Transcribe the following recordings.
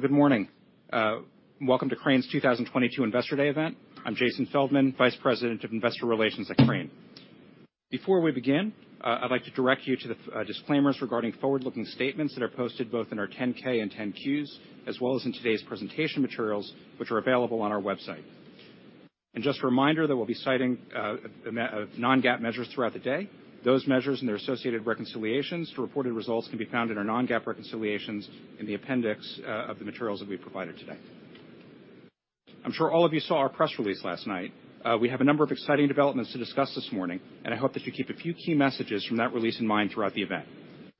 Good morning. Welcome to Crane's 2022 Investor Day event. I'm Jason Feldman, Vice President of Investor Relations at Crane. Before we begin, I'd like to direct you to the disclaimers regarding forward-looking statements that are posted both in our 10-K and 10-Qs, as well as in today's presentation materials, which are available on our website. Just a reminder that we'll be citing non-GAAP measures throughout the day. Those measures and their associated reconciliations to reported results can be found in our non-GAAP reconciliations in the appendix of the materials that we provided today. I'm sure all of you saw our press release last night. We have a number of exciting developments to discuss this morning, and I hope that you keep a few key messages from that release in mind throughout the event.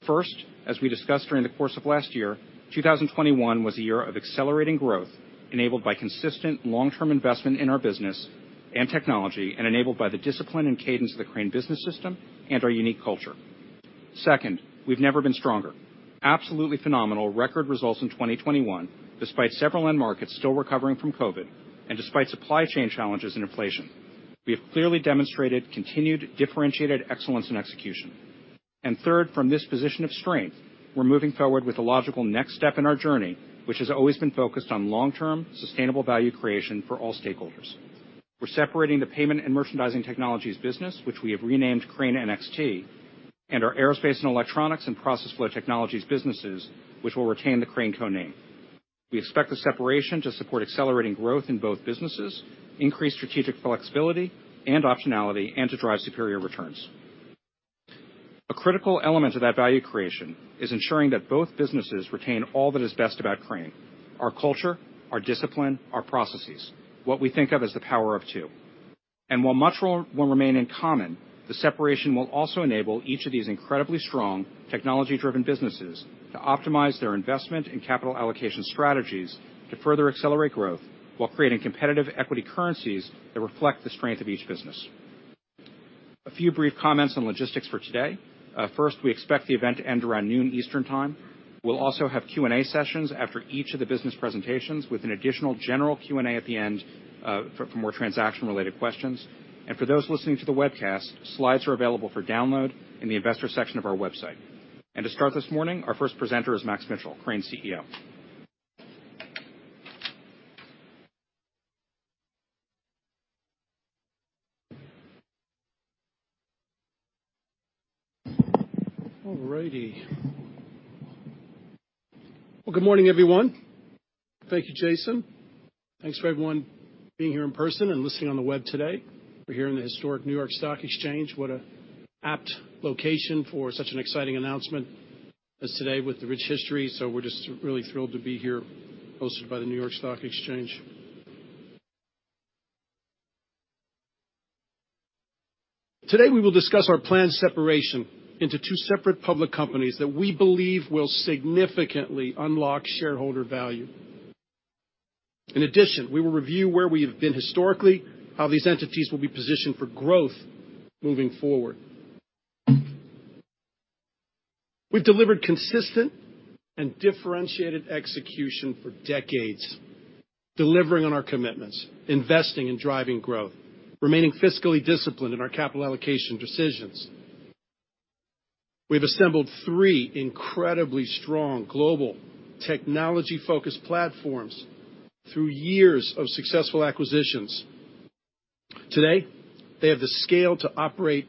First, as we discussed during the course of last year, 2021 was a year of accelerating growth enabled by consistent long-term investment in our business and technology and enabled by the discipline and cadence of the Crane Business System and our unique culture. Second, we've never been stronger. Absolutely phenomenal record results in 2021, despite several end markets still recovering from COVID and despite supply chain challenges and inflation. We have clearly demonstrated continued differentiated excellence in execution. Third, from this position of strength, we're moving forward with the logical next step in our journey, which has always been focused on long-term sustainable value creation for all stakeholders. We're separating the Payment & Merchandising Technologies business, which we have renamed Crane NXT, and our Aerospace & Electronics and Process Flow Technologies businesses, which will retain the Crane Co name. We expect the separation to support accelerating growth in both businesses, increase strategic flexibility and optionality, and to drive superior returns. A critical element of that value creation is ensuring that both businesses retain all that is best about Crane: our culture, our discipline, our processes, what we think of as the Power of Two. While much will remain in common, the separation will also enable each of these incredibly strong technology-driven businesses to optimize their investment in capital allocation strategies to further accelerate growth while creating competitive equity currencies that reflect the strength of each business. A few brief comments on logistics for today. First, we expect the event to end around noon Eastern Time. We'll also have Q&A sessions after each of the business presentations with an additional general Q&A at the end, for more transaction-related questions. For those listening to the webcast, slides are available for download in the investor section of our website. To start this morning, our first presenter is Max Mitchell, Crane CEO. All righty. Well, good morning, everyone. Thank you, Jason. Thanks for everyone being here in person and listening on the web today. We're here in the historic New York Stock Exchange. What an apt location for such an exciting announcement as today, with the rich history. We're just really thrilled to be here hosted by the New York Stock Exchange. Today, we will discuss our planned separation into two separate public companies that we believe will significantly unlock shareholder value. In addition, we will review where we have been historically, how these entities will be positioned for growth moving forward. We've delivered consistent and differentiated execution for decades, delivering on our commitments, investing and driving growth, remaining fiscally disciplined in our capital allocation decisions. We've assembled three incredibly strong global technology-focused platforms through years of successful acquisitions. Today, they have the scale to operate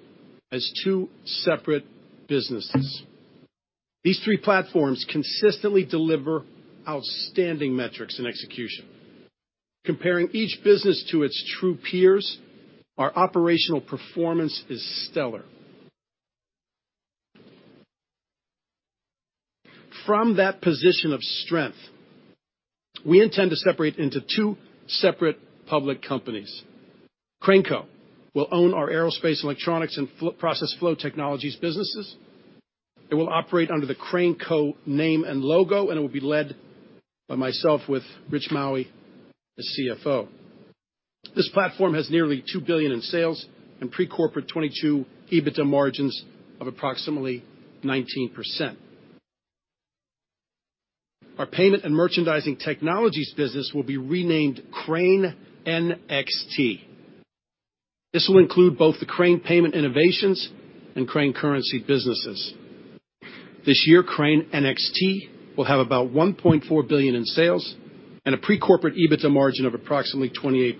as two separate businesses. These three platforms consistently deliver outstanding metrics and execution. Comparing each business to its true peers, our operational performance is stellar. From that position of strength, we intend to separate into two separate public companies. Crane Co. will own our Aerospace, Electronics, and Process Flow Technologies businesses. It will operate under the Crane Co. name and logo, and it will be led by myself with Rich Maue as CFO. This platform has nearly $2 billion in sales and pre-corporate 2022 EBITDA margins of approximately 19%. Our Payment and Merchandising Technologies business will be renamed Crane NXT. This will include both the Crane Payment Innovations and Crane Currency businesses. This year, Crane NXT will have about $1.4 billion in sales and a pre-corporate EBITDA margin of approximately 28%.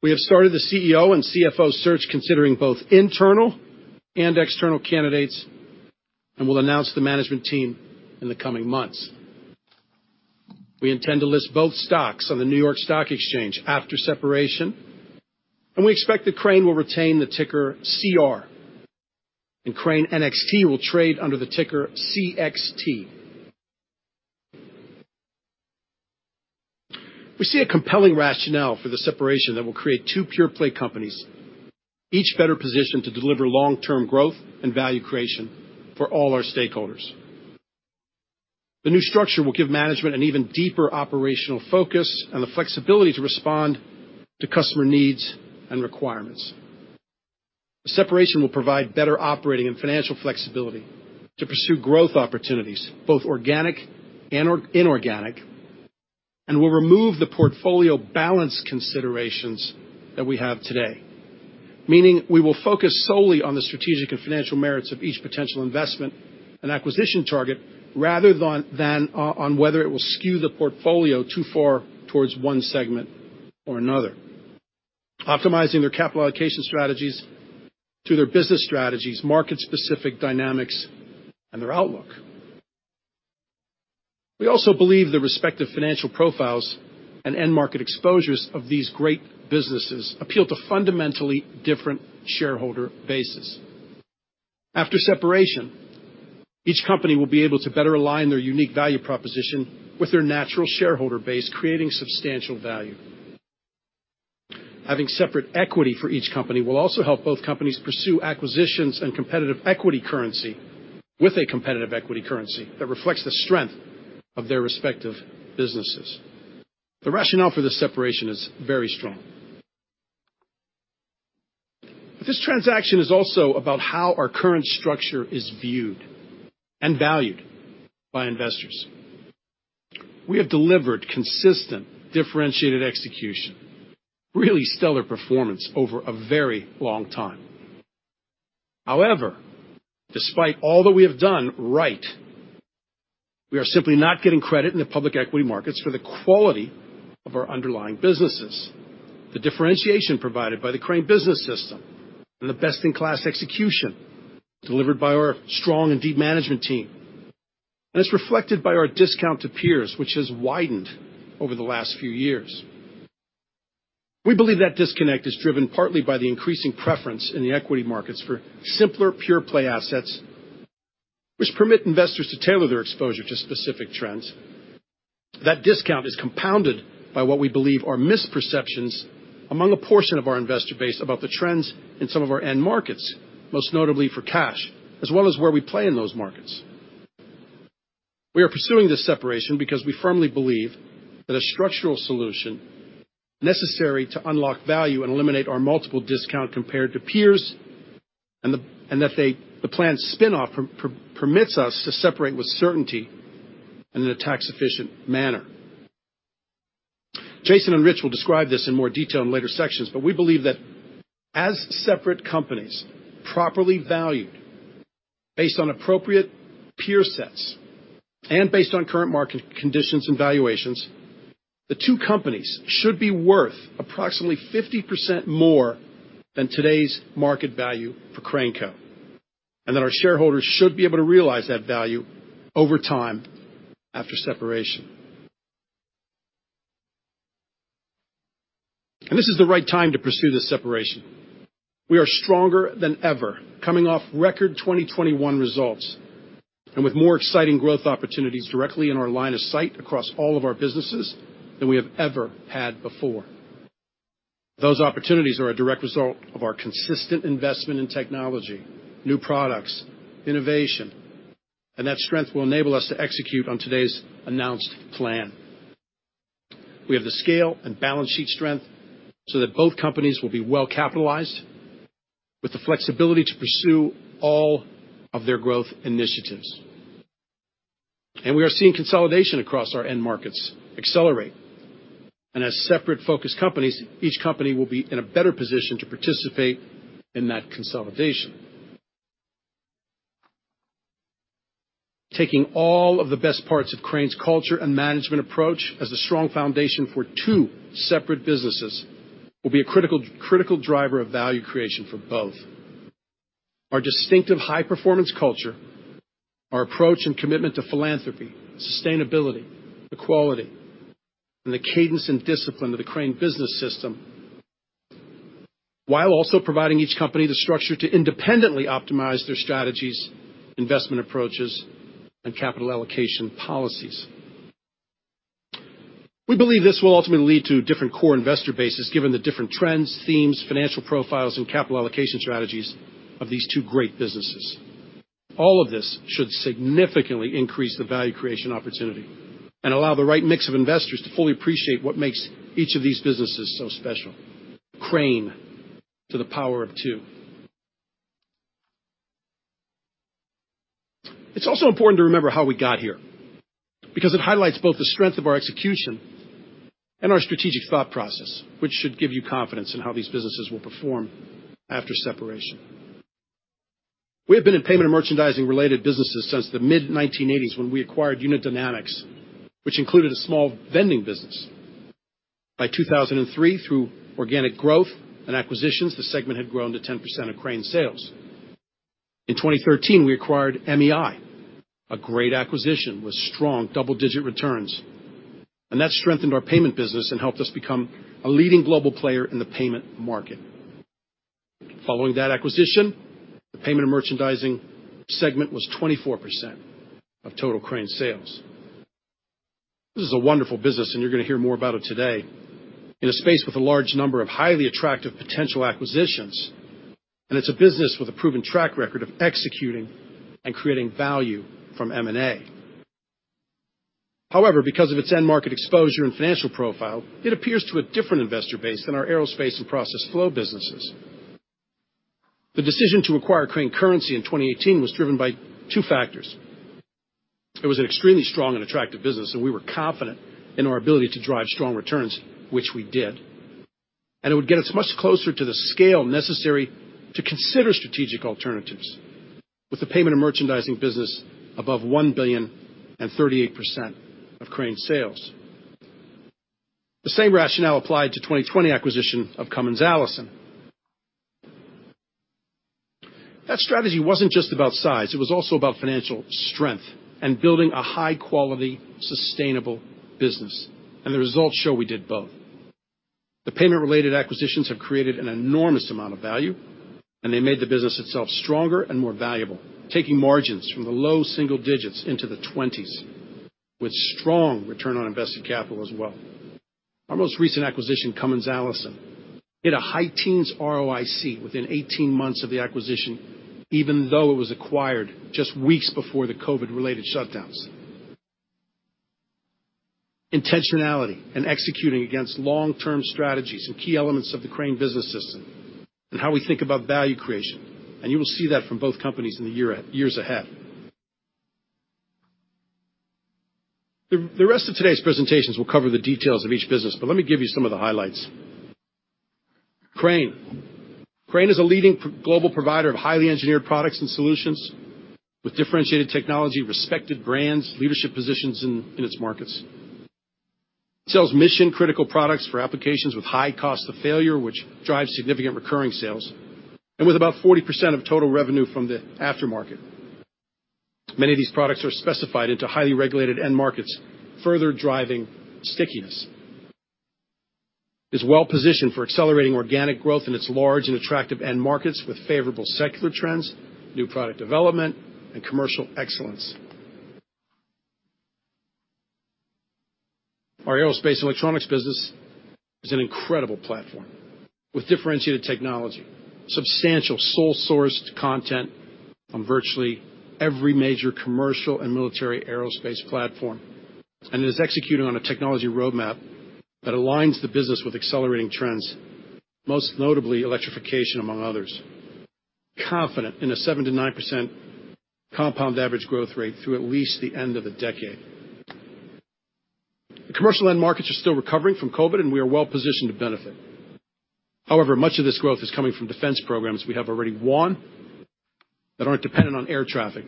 We have started the CEO and CFO search considering both internal and external candidates and will announce the management team in the coming months. We intend to list both stocks on the New York Stock Exchange after separation, and we expect the Crane will retain the ticker CR and Crane NXT will trade under the ticker CXT. We see a compelling rationale for the separation that will create two pure-play companies, each better positioned to deliver long-term growth and value creation for all our stakeholders. The new structure will give management an even deeper operational focus and the flexibility to respond to customer needs and requirements. The separation will provide better operating and financial flexibility to pursue growth opportunities, both organic and inorganic. We'll remove the portfolio balance considerations that we have today, meaning we will focus solely on the strategic and financial merits of each potential investment and acquisition target rather than on whether it will skew the portfolio too far towards one segment or another, optimizing their capital allocation strategies to their business strategies, market-specific dynamics, and their outlook. We also believe the respective financial profiles and end market exposures of these great businesses appeal to fundamentally different shareholder bases. After separation, each company will be able to better align their unique value proposition with their natural shareholder base, creating substantial value. Having separate equity for each company will also help both companies pursue acquisitions and competitive equity currency that reflects the strength of their respective businesses. The rationale for this separation is very strong. This transaction is also about how our current structure is viewed and valued by investors. We have delivered consistent, differentiated execution, really stellar performance over a very long time. However, despite all that we have done right, we are simply not getting credit in the public equity markets for the quality of our underlying businesses, the differentiation provided by the Crane Business System, and the best-in-class execution delivered by our strong and deep management team. It's reflected by our discount to peers, which has widened over the last few years. We believe that disconnect is driven partly by the increasing preference in the equity markets for simpler pure-play assets, which permit investors to tailor their exposure to specific trends. That discount is compounded by what we believe are misperceptions among a portion of our investor base about the trends in some of our end markets, most notably for cash, as well as where we play in those markets. We are pursuing this separation because we firmly believe that a structural solution necessary to unlock value and eliminate our multiple discounts compared to peers, and that the planned spinoff permits us to separate with certainty in a tax-efficient manner. Jason and Rich will describe this in more detail in later sections, but we believe that as separate companies properly valued based on appropriate peer sets and based on current market conditions and valuations, the two companies should be worth approximately 50% more than today's market value for Crane Co. That our shareholders should be able to realize that value over time after separation. This is the right time to pursue this separation. We are stronger than ever coming off record 2021 results, and with more exciting growth opportunities directly in our line of sight across all of our businesses than we have ever had before. Those opportunities are a direct result of our consistent investment in technology, new products, innovation, and that strength will enable us to execute on today's announced plan. We have the scale and balance sheet strength so that both companies will be well-capitalized with the flexibility to pursue all of their growth initiatives. We are seeing consolidation across our end markets accelerate. As separate focused companies, each company will be in a better position to participate in that consolidation. Taking all of the best parts of Crane's culture and management approach as a strong foundation for two separate businesses will be a critical driver of value creation for both. Our distinctive high-performance culture, our approach and commitment to philanthropy, sustainability, equality, and the cadence and discipline of the Crane Business System while also providing each company the structure to independently optimize their strategies, investment approaches, and capital allocation policies. We believe this will ultimately lead to different core investor bases, given the different trends, themes, financial profiles, and capital allocation strategies of these two great businesses. All of this should significantly increase the value creation opportunity and allow the right mix of investors to fully appreciate what makes each of these businesses so special. Crane to the power of two. It's also important to remember how we got here, because it highlights both the strength of our execution and our strategic thought process, which should give you confidence in how these businesses will perform after separation. We have been in payment and merchandising-related businesses since the mid-1980s when we acquired UniDynamics, which included a small vending business. By 2003, through organic growth and acquisitions, the segment had grown to 10% of Crane sales. In 2013, we acquired MEI, a great acquisition with strong double-digit returns. That strengthened our payment business and helped us become a leading global player in the payment market. Following that acquisition, the payment and merchandising segment was 24% of total Crane sales. This is a wonderful business, and you're going to hear more about it today, in a space with a large number of highly attractive potential acquisitions. It's a business with a proven track record of executing and creating value from M&A. However, because of its end market exposure and financial profile, it appears to a different investor base than our aerospace and process flow businesses. The decision to acquire Crane Currency in 2018 was driven by two factors. It was an extremely strong and attractive business, and we were confident in our ability to drive strong returns, which we did. It would get us much closer to the scale necessary to consider strategic alternatives, with the payment and merchandising business above $1 billion and 38% of Crane sales. The same rationale applied to 2020 acquisition of Cummins Allison. That strategy wasn't just about size, it was also about financial strength and building a high-quality, sustainable business, and the results show we did both. The payment-related acquisitions have created an enormous amount of value, and they made the business itself stronger and more valuable, taking margins from the low single digits into the 20s, with strong return on invested capital as well. Our most recent acquisition, Cummins Allison, hit a high teens ROIC within 18 months of the acquisition, even though it was acquired just weeks before the COVID-related shutdowns. Intentionality and executing against long-term strategies are key elements of the Crane Business System and how we think about value creation, and you will see that from both companies in the years ahead. The rest of today's presentations will cover the details of each business, but let me give you some of the highlights. Crane is a leading global provider of highly engineered products and solutions with differentiated technology, respected brands, leadership positions in its markets. Sells mission-critical products for applications with high cost of failure, which drives significant recurring sales, and with about 40% of total revenue from the aftermarket. Many of these products are specified into highly regulated end markets, further driving stickiness. Is well-positioned for accelerating organic growth in its large and attractive end markets with favorable secular trends, new product development, and commercial excellence. Our Aerospace & Electronics business is an incredible platform with differentiated technology, substantial sole-sourced content on virtually every major commercial and military aerospace platform, and is executing on a technology roadmap that aligns the business with accelerating trends, most notably electrification, among others. Confident in a 7%-9% compound average growth rate through at least the end of the decade. The commercial end markets are still recovering from COVID, and we are well positioned to benefit. However, much of this growth is coming from defense programs we have already won that aren't dependent on-air traffic,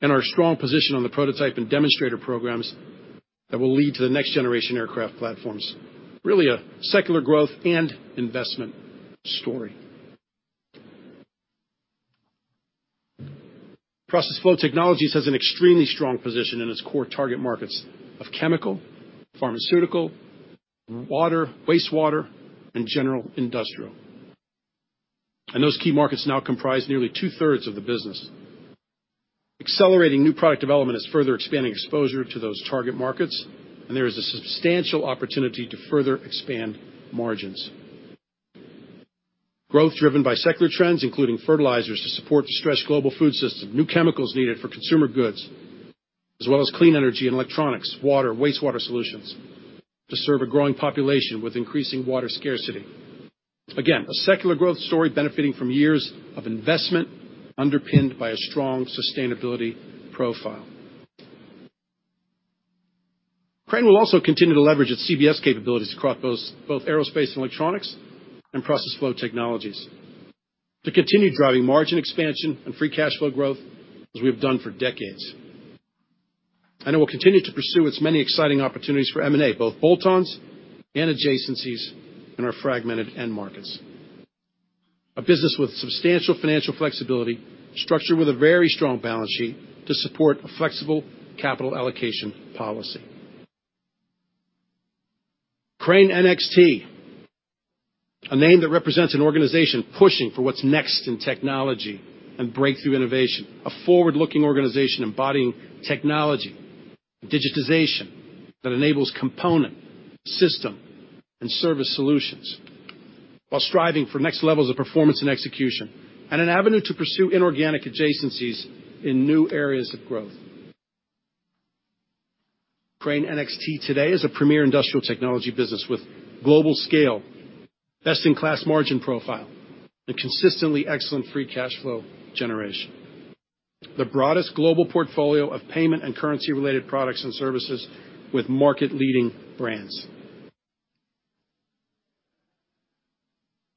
and our strong position on the prototype and demonstrator programs that will lead to the next-generation aircraft platforms. Really a secular growth and investment story. Process Flow Technologies has an extremely strong position in its core target markets of chemical, pharmaceutical, water, wastewater, and general industrial. Those key markets now comprise nearly 2/3 of the business. Accelerating new product development is further expanding exposure to those target markets, and there is a substantial opportunity to further expand margins. Growth driven by secular trends, including fertilizers to support distressed global food systems, new chemicals needed for consumer goods, as well as clean energy and electronics, water, wastewater solutions to serve a growing population with increasing water scarcity. Again, a secular growth story benefiting from years of investment underpinned by a strong sustainability profile. Crane will also continue to leverage its CBS capabilities across both Aerospace & Electronics and Process Flow Technologies to continue driving margin expansion and Free Cash Flow growth as we have done for decades. It will continue to pursue its many exciting opportunities for M&A, both bolt-ons and adjacencies in our fragmented end markets. A business with substantial financial flexibility, structured with a very strong balance sheet to support a flexible capital allocation policy. Crane NXT, a name that represents an organization pushing for what's next in technology and breakthrough innovation. A forward-looking organization embodying technology, digitization that enables component, system, and service solutions while striving for next levels of performance and execution, and an avenue to pursue inorganic adjacencies in new areas of growth. Crane NXT today is a premier industrial technology business with global scale, best-in-class margin profile, and consistently excellent Free Cash Flow generation. The broadest global portfolio of payment and currency-related products and services with market-leading brands.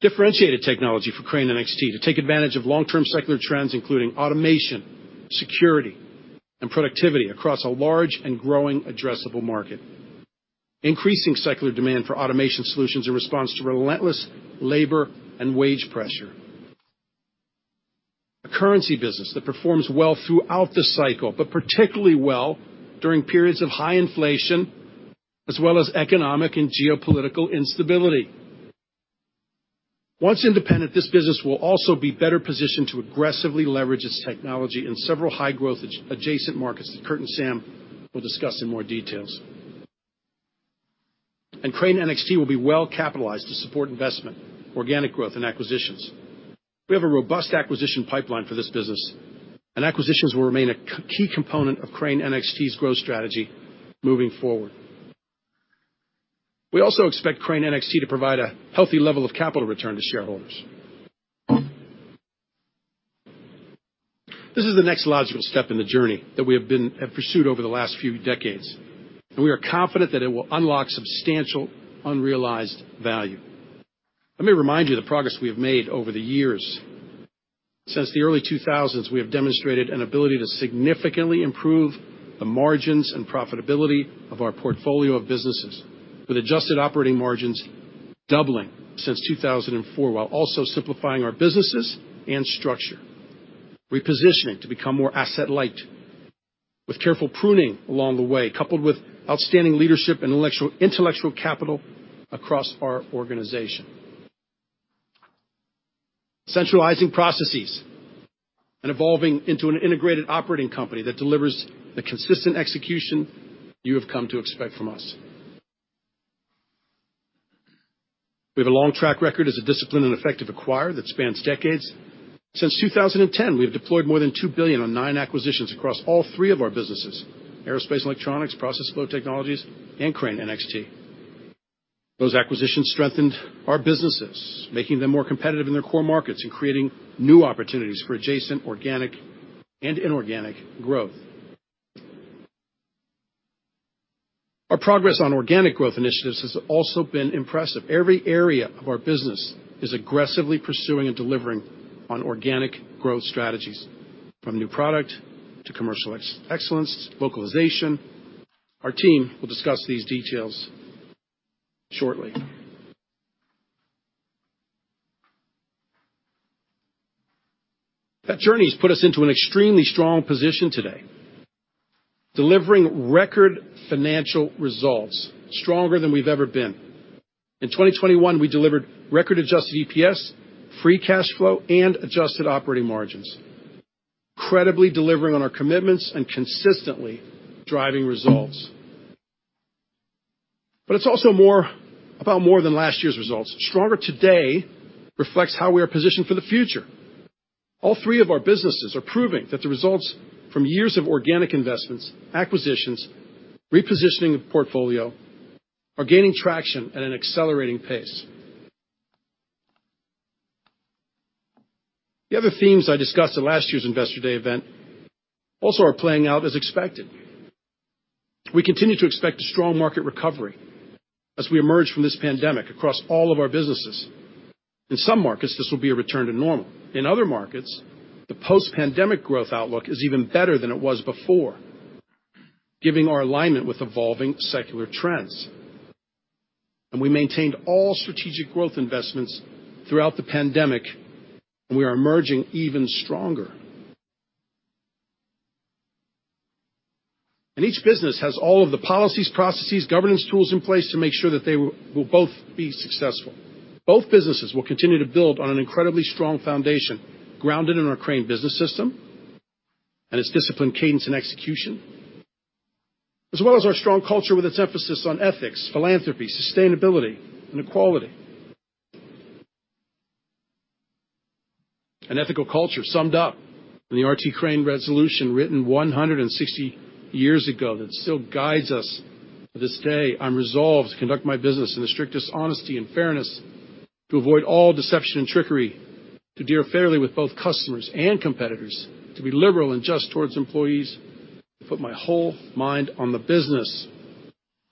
Differentiated technology for Crane NXT to take advantage of long-term secular trends, including automation, security, and productivity across a large and growing addressable market. Increasing secular demand for automation solutions in response to relentless labor and wage pressure. A currency business that performs well throughout the cycle, but particularly well during periods of high inflation as well as economic and geopolitical instability. Once independent, this business will also be better positioned to aggressively leverage its technology in several high-growth adjacent markets that Kurt and Sam will discuss in more details. Crane NXT will be well-capitalized to support investment, organic growth, and acquisitions. We have a robust acquisition pipeline for this business, and acquisitions will remain a key component of Crane NXT's growth strategy moving forward. We also expect Crane NXT to provide a healthy level of capital return to shareholders. This is the next logical step in the journey that we have pursued over the last few decades, and we are confident that it will unlock substantial unrealized value. Let me remind you the progress we have made over the years. Since the early 2000s, we have demonstrated an ability to significantly improve the margins and profitability of our portfolio of businesses, with adjusted operating margins doubling since 2004, while also simplifying our businesses and structure, repositioning to become more asset light. With careful pruning along the way, coupled with outstanding leadership and intellectual capital across our organization. Centralizing processes and evolving into an integrated operating company that delivers the consistent execution you have come to expect from us. We have a long track record as a disciplined and effective acquirer that spans decades. Since 2010, we have deployed more than $2 billion on nine acquisitions across all three of our businesses, Aerospace & Electronics, Process Flow Technologies, and Crane NXT. Those acquisitions strengthened our businesses, making them more competitive in their core markets and creating new opportunities for adjacent, organic, and inorganic growth. Our progress on organic growth initiatives has also been impressive. Every area of our business is aggressively pursuing and delivering on organic growth strategies, from new product to commercial excellence, localization. Our team will discuss these details shortly. That journey has put us into an extremely strong position today, delivering record financial results, stronger than we've ever been. In 2021, we delivered record adjusted EPS, Free Cash Flow, and adjusted operating margins, credibly delivering on our commitments and consistently driving results. It's also more about more than last year's results. Stronger today reflects how we are positioned for the future. All three of our businesses are proving that the results from years of organic investments, acquisitions, repositioning of portfolio are gaining traction at an accelerating pace. The other themes I discussed at last year's Investor Day event also are playing out as expected. We continue to expect a strong market recovery as we emerge from this pandemic across all of our businesses. In some markets, this will be a return to normal. In other markets, the post-pandemic growth outlook is even better than it was before, giving our alignment with evolving secular trends. We maintained all strategic growth investments throughout the pandemic, and we are emerging even stronger. Each business has all of the policies, processes, governance tools in place to make sure that they will both be successful. Both businesses will continue to build on an incredibly strong foundation grounded in our Crane Business System and its disciplined cadence and execution, as well as our strong culture with its emphasis on ethics, philanthropy, sustainability, and equality. An ethical culture summed up in the R.T. Crane resolution written 160 years ago that still guides us to this day. I'm resolved to conduct my business in the strictest honesty and fairness, to avoid all deception and trickery, to deal fairly with both customers and competitors, to be liberal and just towards employees, to put my whole mind on the business."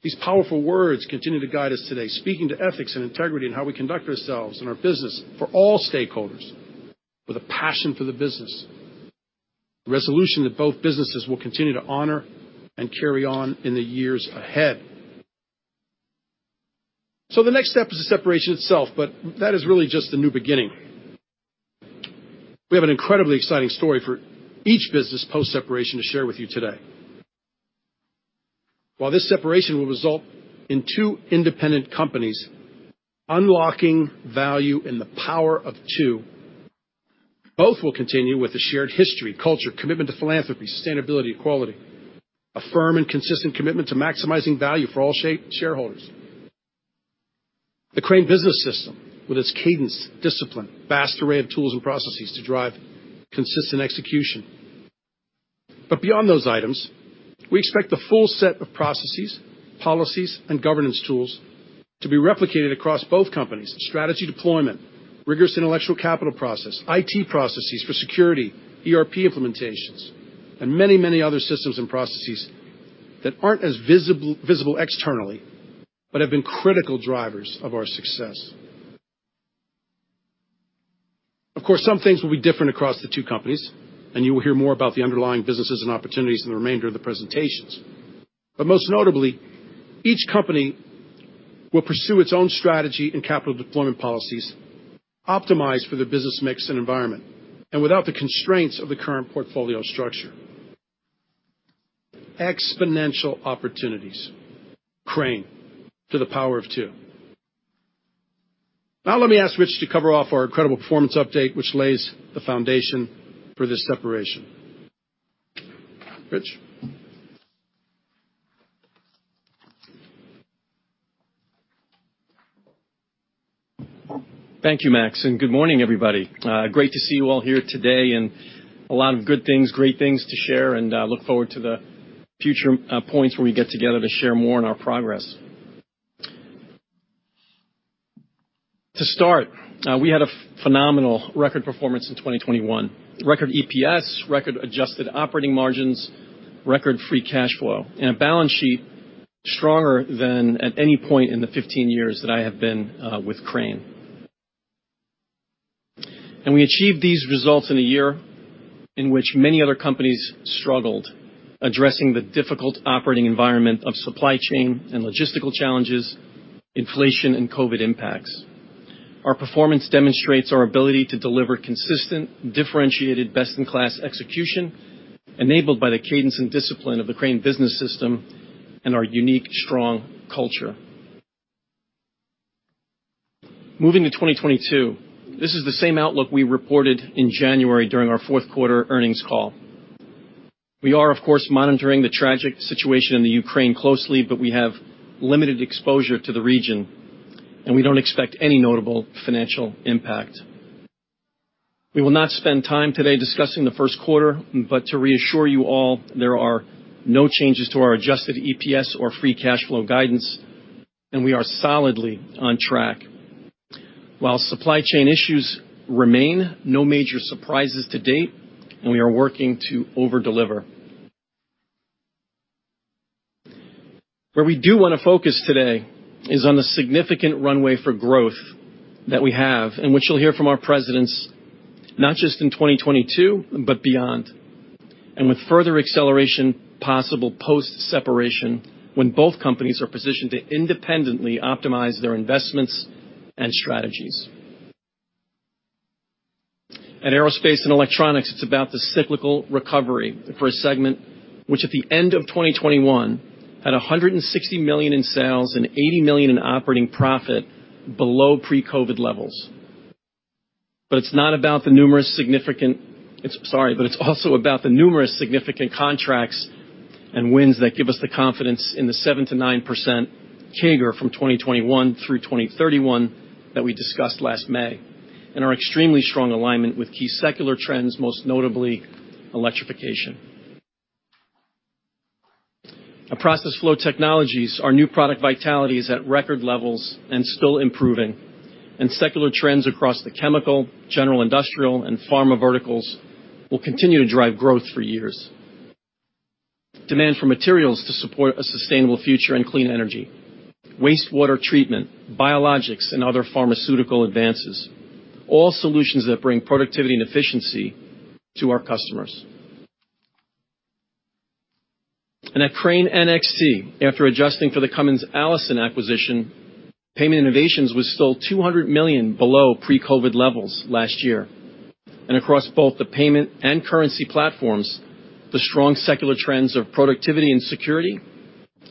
These powerful words continue to guide us today, speaking to ethics and integrity and how we conduct ourselves and our business for all stakeholders with a passion for the business. The resolution that both businesses will continue to honor and carry on in the years ahead. The next step is the separation itself, but that is really just the new beginning. We have an incredibly exciting story for each business post-separation to share with you today. While this separation will result in two independent companies unlocking value in the power of two, both will continue with a shared history, culture, commitment to philanthropy, sustainability, equality, a firm and consistent commitment to maximizing value for all shareholders. The Crane Business System with its cadence, discipline, vast array of tools and processes to drive consistent execution. Beyond those items, we expect the full set of processes, policies, and governance tools to be replicated across both companies. Strategy deployment, rigorous intellectual capital process, IT processes for security, ERP implementations, and many, many other systems and processes that aren't as visible externally, but have been critical drivers of our success. Of course, some things will be different across the two companies, and you will hear more about the underlying businesses and opportunities in the remainder of the presentations. Most notably, each company will pursue its own strategy and capital deployment policies optimized for their business mix and environment, and without the constraints of the current portfolio structure. Exponential opportunities, Crane to the power of two. Now let me ask Rich to cover off our incredible performance update, which lays the foundation for this separation. Rich? Thank you, Max, and good morning, everybody. Great to see you all here today, and a lot of good things, great things to share, and look forward to the future points where we get together to share more on our progress. To start, we had a phenomenal record performance in 2021. Record EPS, record adjusted operating margins, record Free Cash Flow, and a balance sheet stronger than at any point in the 15 years that I have been with Crane. We achieved these results in a year in which many other companies struggled addressing the difficult operating environment of supply chain and logistical challenges, inflation and COVID impacts. Our performance demonstrates our ability to deliver consistent, differentiated, best-in-class execution enabled by the cadence and discipline of the Crane Business System and our unique, strong culture. Moving to 2022, this is the same outlook we reported in January during our fourth quarter earnings call. We are, of course, monitoring the tragic situation in the Ukraine closely, but we have limited exposure to the region, and we don't expect any notable financial impact. We will not spend time today discussing the first quarter, but to reassure you all, there are no changes to our adjusted EPS or Free Cash Flow guidance, and we are solidly on track. While supply chain issues remain, no major surprises to date, and we are working to over-deliver. Where we do wanna focus today is on the significant runway for growth that we have, and which you'll hear from our presidents, not just in 2022, but beyond. With further acceleration possible post-separation, when both companies are positioned to independently optimize their investments and strategies. At Aerospace and Electronics, it's about the cyclical recovery for a segment which at the end of 2021 had $160 million in sales and $80 million in operating profit below pre-COVID levels. It's also about the numerous significant contracts and wins that give us the confidence in the 7%-9% CAGR from 2021 through 2031 that we discussed last May, and our extremely strong alignment with key secular trends, most notably electrification. At Process Flow Technologies, our new product vitality is at record levels and still improving. Secular trends across the chemical, general industrial, and pharma verticals will continue to drive growth for years. Demand for materials to support a sustainable future and clean energy, wastewater treatment, biologics, and other pharmaceutical advances, all solutions that bring productivity and efficiency to our customers. At Crane NXT, after adjusting for the Cummins Allison acquisition, Payment Innovations was still $200 million below pre-COVID levels last year. Across both the payment and currency platforms, the strong secular trends of productivity and security,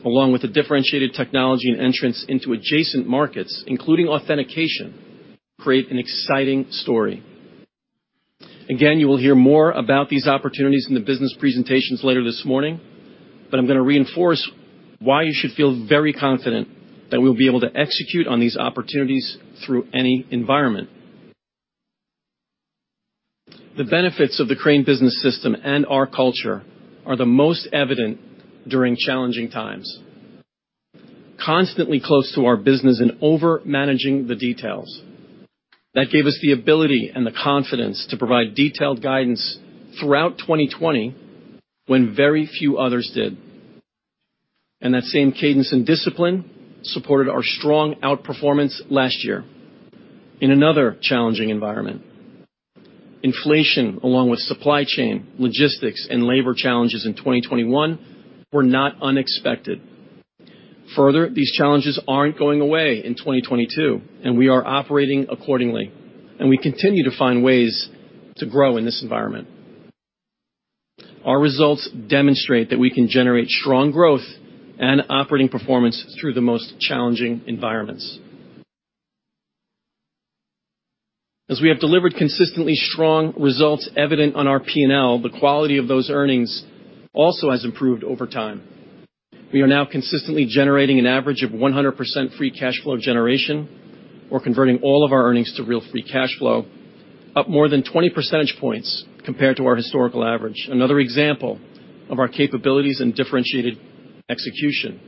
along with the differentiated technology and entrance into adjacent markets, including authentication, create an exciting story. Again, you will hear more about these opportunities in the business presentations later this morning, but I'm gonna reinforce why you should feel very confident that we'll be able to execute on these opportunities through any environment. The benefits of the Crane Business System and our culture are the most evident during challenging times. Constantly close to our business and over-managing the details. That gave us the ability and the confidence to provide detailed guidance throughout 2020 when very few others did. That same cadence and discipline supported our strong outperformance last year in another challenging environment. Inflation, along with supply chain, logistics, and labor challenges in 2021 were not unexpected. Further, these challenges aren't going away in 2022, and we are operating accordingly, and we continue to find ways to grow in this environment. Our results demonstrate that we can generate strong growth and operating performance through the most challenging environments. As we have delivered consistently strong results evident on our P&L, the quality of those earnings also has improved over time. We are now consistently generating an average of 100% Free Cash Flow generation or converting all of our earnings to real free cash flow, up more than 20 percentage points compared to our historical average. Another example of our capabilities and differentiated execution.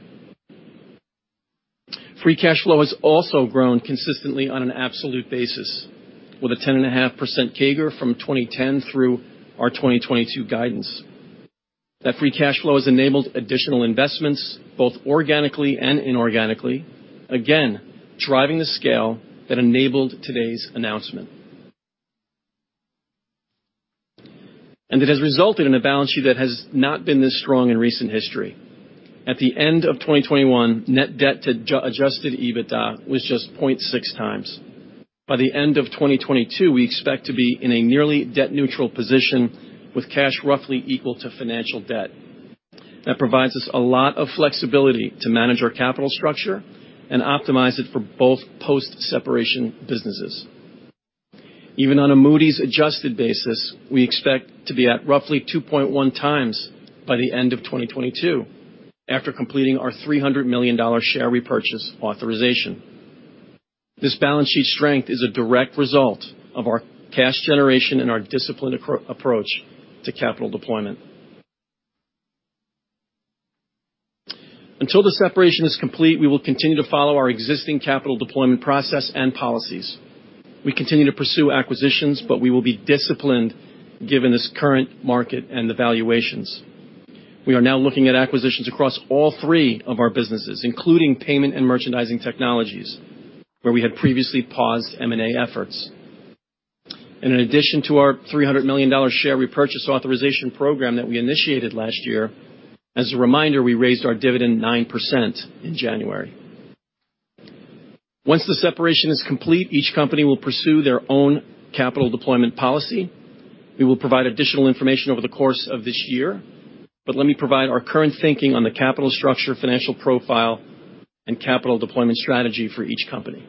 Free Cash Flow has also grown consistently on an absolute basis with a 10.5% CAGR from 2010 through our 2022 guidance. That Free Cash Flow has enabled additional investments, both organically and inorganically, again, driving the scale that enabled today's announcement. It has resulted in a balance sheet that has not been this strong in recent history. At the end of 2021, net debt to Adjusted EBITDA was just 0.6x. By the end of 2022, we expect to be in a nearly debt-neutral position with cash roughly equal to financial debt. That provides us a lot of flexibility to manage our capital structure and optimize it for both post-separation businesses. Even on a Moody's adjusted basis, we expect to be at roughly 2.1x by the end of 2022 after completing our $300 million share repurchase authorization. This balance sheet strength is a direct result of our cash generation and our disciplined approach to capital deployment. Until the separation is complete, we will continue to follow our existing capital deployment process and policies. We continue to pursue acquisitions, but we will be disciplined given this current market and the valuations. We are now looking at acquisitions across all three of our businesses, including Payment & Merchandising Technologies, where we had previously paused M&A efforts. In addition to our $300 million share repurchase authorization program that we initiated last year, as a reminder, we raised our dividend 9% in January. Once the separation is complete, each company will pursue their own capital deployment policy. We will provide additional information over the course of this year, but let me provide our current thinking on the capital structure, financial profile, and capital deployment strategy for each company.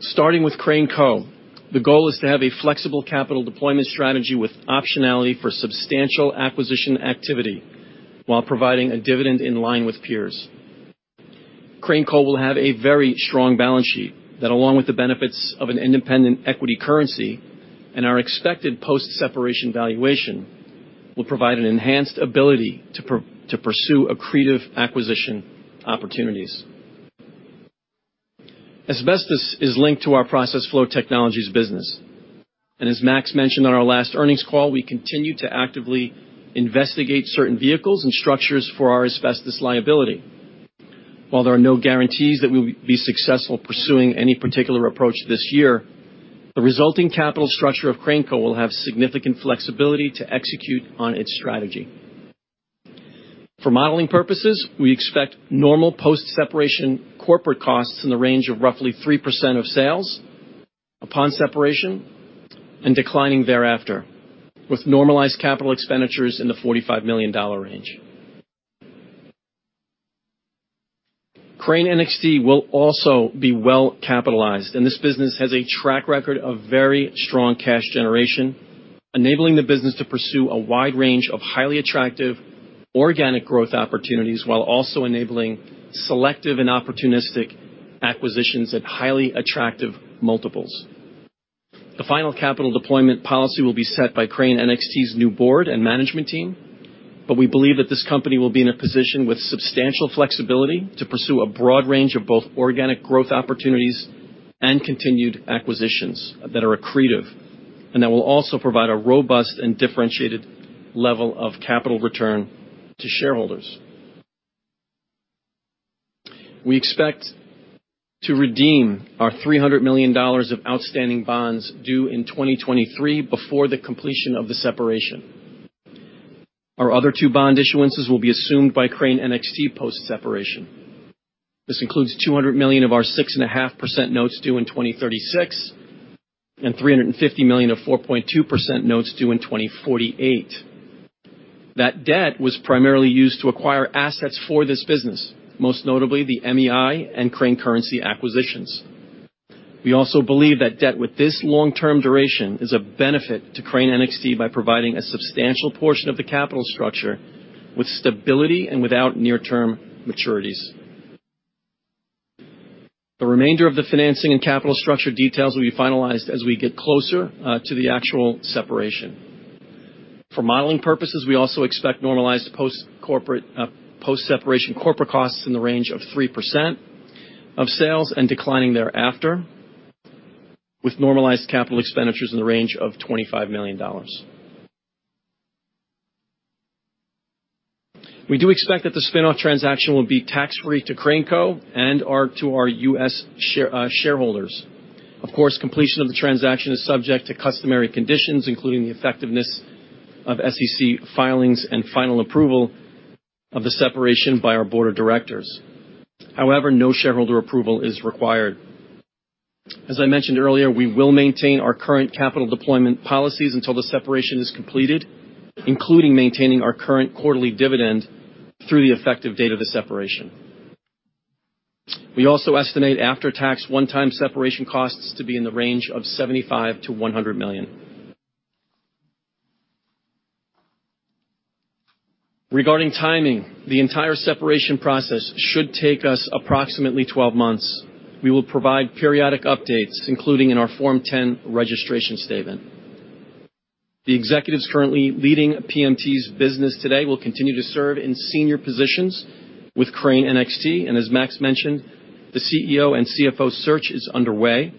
Starting with Crane Co., the goal is to have a flexible capital deployment strategy with optionality for substantial acquisition activity while providing a dividend in line with peers. Crane Co. will have a very strong balance sheet that, along with the benefits of an independent equity currency and our expected post-separation valuation, will provide an enhanced ability to pursue accretive acquisition opportunities. Asbestos is linked to our Process Flow Technologies business. As Max mentioned on our last earnings call, we continue to actively investigate certain vehicles and structures for our asbestos liability. While there are no guarantees that we'll be successful pursuing any particular approach this year, the resulting capital structure of Crane Co., will have significant flexibility to execute on its strategy. For modeling purposes, we expect normal post-separation corporate costs in the range of roughly 3% of sales upon separation and declining thereafter, with normalized capital expenditures in the $45 million range. Crane NXT will also be well capitalized, and this business has a track record of very strong cash generation, enabling the business to pursue a wide range of highly attractive organic growth opportunities while also enabling selective and opportunistic acquisitions at highly attractive multiples. The final capital deployment policy will be set by Crane NXT's new board and management team, but we believe that this company will be in a position with substantial flexibility to pursue a broad range of both organic growth opportunities and continued acquisitions that are accretive, and that will also provide a robust and differentiated level of capital return to shareholders. We expect to redeem our $300 million of outstanding bonds due in 2023 before the completion of the separation. Our other two bond issuances will be assumed by Crane NXT post-separation. This includes $200 million of our 6.5% notes due in 2036, and $350 million of 4.2% notes due in 2048. That debt was primarily used to acquire assets for this business, most notably the MEI and Crane Currency acquisitions. We also believe that debt with this long-term duration is a benefit to Crane NXT by providing a substantial portion of the capital structure with stability and without near-term maturities. The remainder of the financing and capital structure details will be finalized as we get closer to the actual separation. For modeling purposes, we also expect normalized post-corporate, post-separation corporate costs in the range of 3% of sales and declining thereafter, with normalized capital expenditures in the range of $25 million. We do expect that the spin-off transaction will be tax-free to Crane Co., and our U.S. shareholders. Of course, completion of the transaction is subject to customary conditions, including the effectiveness of SEC filings and final approval of the separation by our board of directors. However, no shareholder approval is required. As I mentioned earlier, we will maintain our current capital deployment policies until the separation is completed, including maintaining our current quarterly dividend through the effective date of the separation. We also estimate after-tax one-time separation costs to be in the range of $75 million-$100 million. Regarding timing, the entire separation process should take us approximately 12 months. We will provide periodic updates, including in our Form 10 registration statement. The executives currently leading PMT's business today will continue to serve in senior positions with Crane NXT, and as Max mentioned, the CEO and CFO search is underway.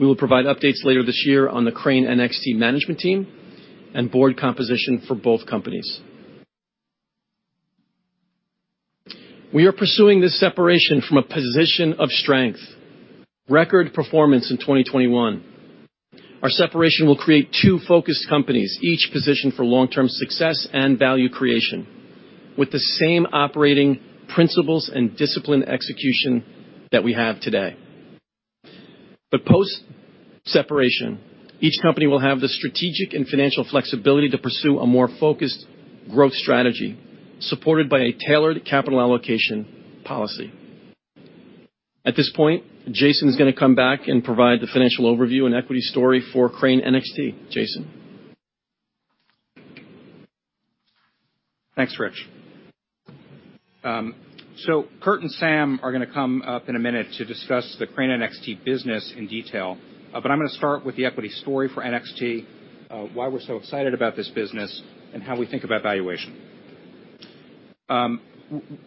We will provide updates later this year on the Crane NXT management team and board composition for both companies. We are pursuing this separation from a position of strength, record performance in 2021. Our separation will create two focused companies, each positioned for long-term success and value creation with the same operating principles and disciplined execution that we have today. Post-separation, each company will have the strategic and financial flexibility to pursue a more focused growth strategy, supported by a tailored capital allocation policy. At this point, Jason is gonna come back and provide the financial overview and equity story for Crane NXT. Jason. Thanks, Rich. So, Kurt and Sam are gonna come up in a minute to discuss the Crane NXT business in detail, but I'm gonna start with the equity story for NXT, why we're so excited about this business, and how we think about valuation.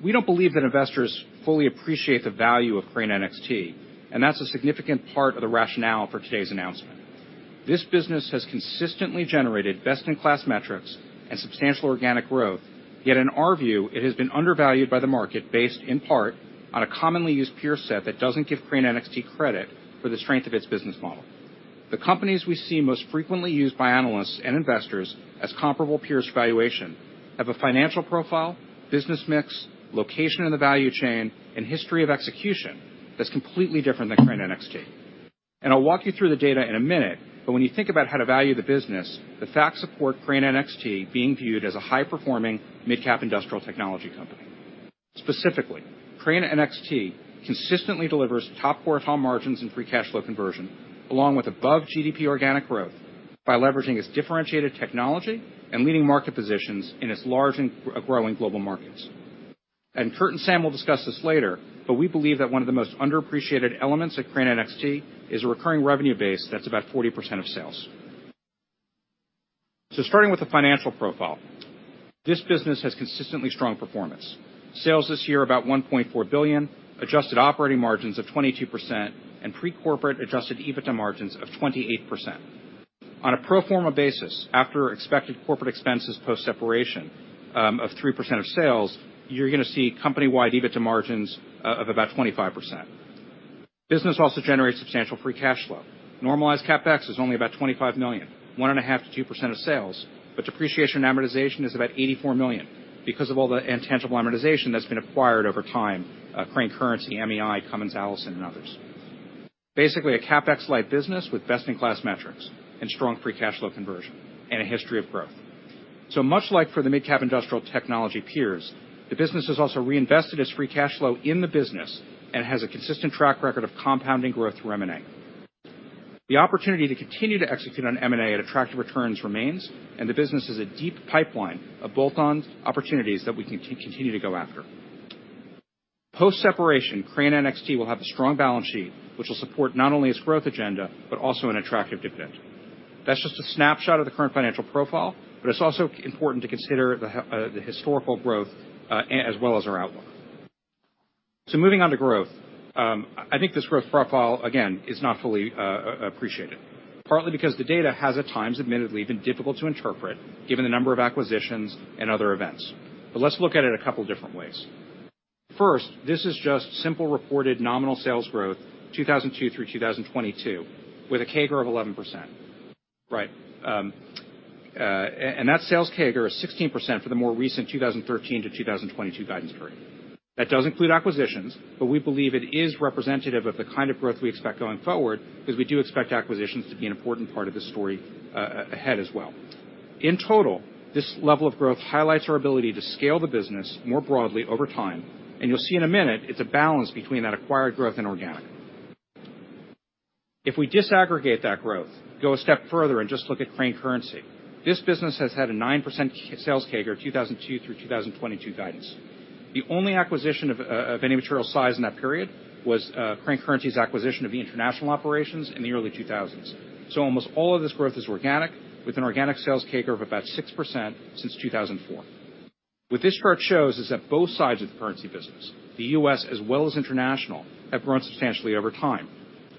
We don't believe that investors fully appreciate the value of Crane NXT, and that's a significant part of the rationale for today's announcement. This business has consistently generated best-in-class metrics and substantial organic growth. Yet, in our view, it has been undervalued by the market based in part on a commonly used peer set that doesn't give Crane NXT credit for the strength of its business model. The companies we see most frequently used by analysts and investors as comparable peers for valuation have a financial profile, business mix, location in the value chain, and history of execution that's completely different than Crane NXT. I'll walk you through the data in a minute, but when you think about how to value the business, the facts support Crane NXT being viewed as a high-performing midcap industrial technology company. Specifically, Crane NXT consistently delivers top quartile margins and Free Cash Flow conversion, along with above GDP organic growth by leveraging its differentiated technology and leading market positions in its large and growing global markets. Kurt and Sam will discuss this later, but we believe that one of the most underappreciated elements at Crane NXT is a recurring revenue base that's about 40% of sales. Starting with the financial profile, this business has consistently strong performance. Sales this year, about $1.4 billion, adjusted operating margins of 22%, and pre-corporate adjusted EBITDA margins of 28%. On a pro forma basis, after expected corporate expenses post-separation, of 3% of sales, you're gonna see company-wide EBITDA margins of about 25%. Business also generates substantial Free Cash Flow. Normalized CapEx is only about $25 million, 1.5%-2% of sales, but depreciation amortization is about $84 million because of all the intangible amortization that's been acquired over time, Crane Currency, MEI, Cummins Allison, and others. Basically, a CapEx-light business with best-in-class metrics and strong Free Cash Flow conversion and a history of growth. Much like for the midcap industrial technology peers, the business has also reinvested its Free Cash Flow in the business and has a consistent track record of compounding growth through M&A. The opportunity to continue to execute on M&A at attractive returns remains, and the business has a deep pipeline of bolt-on opportunities that we can continue to go after. Post-separation, Crane NXT will have a strong balance sheet, which will support not only its growth agenda, but also an attractive dividend. That's just a snapshot of the current financial profile, but it's also important to consider the historical growth, as well as our outlook. Moving on to growth, I think this growth profile, again, is not fully appreciated, partly because the data has at times, admittedly, been difficult to interpret given the number of acquisitions and other events. Let's look at it a couple different ways. First, this is just simple reported nominal sales growth, 2002-2022, with a CAGR of 11%. Right? That sales CAGR is 16% for the more recent 2013-2022 guidance period. That does include acquisitions, but we believe it is representative of the kind of growth we expect going forward because we do expect acquisitions to be an important part of this story ahead as well. In total, this level of growth highlights our ability to scale the business more broadly over time, and you'll see in a minute it's a balance between that acquired growth and organic. If we disaggregate that growth, go a step further and just look at Crane Currency, this business has had a 9% sales CAGR, 2002-2022 guidance. The only acquisition of any material size in that period was Crane Currency's acquisition of the international operations in the early 2000s. Almost all of this growth is organic, with an organic sales CAGR of about 6% since 2004. What this chart shows is that both sides of the currency business, the U.S. as well as international, have grown substantially over time.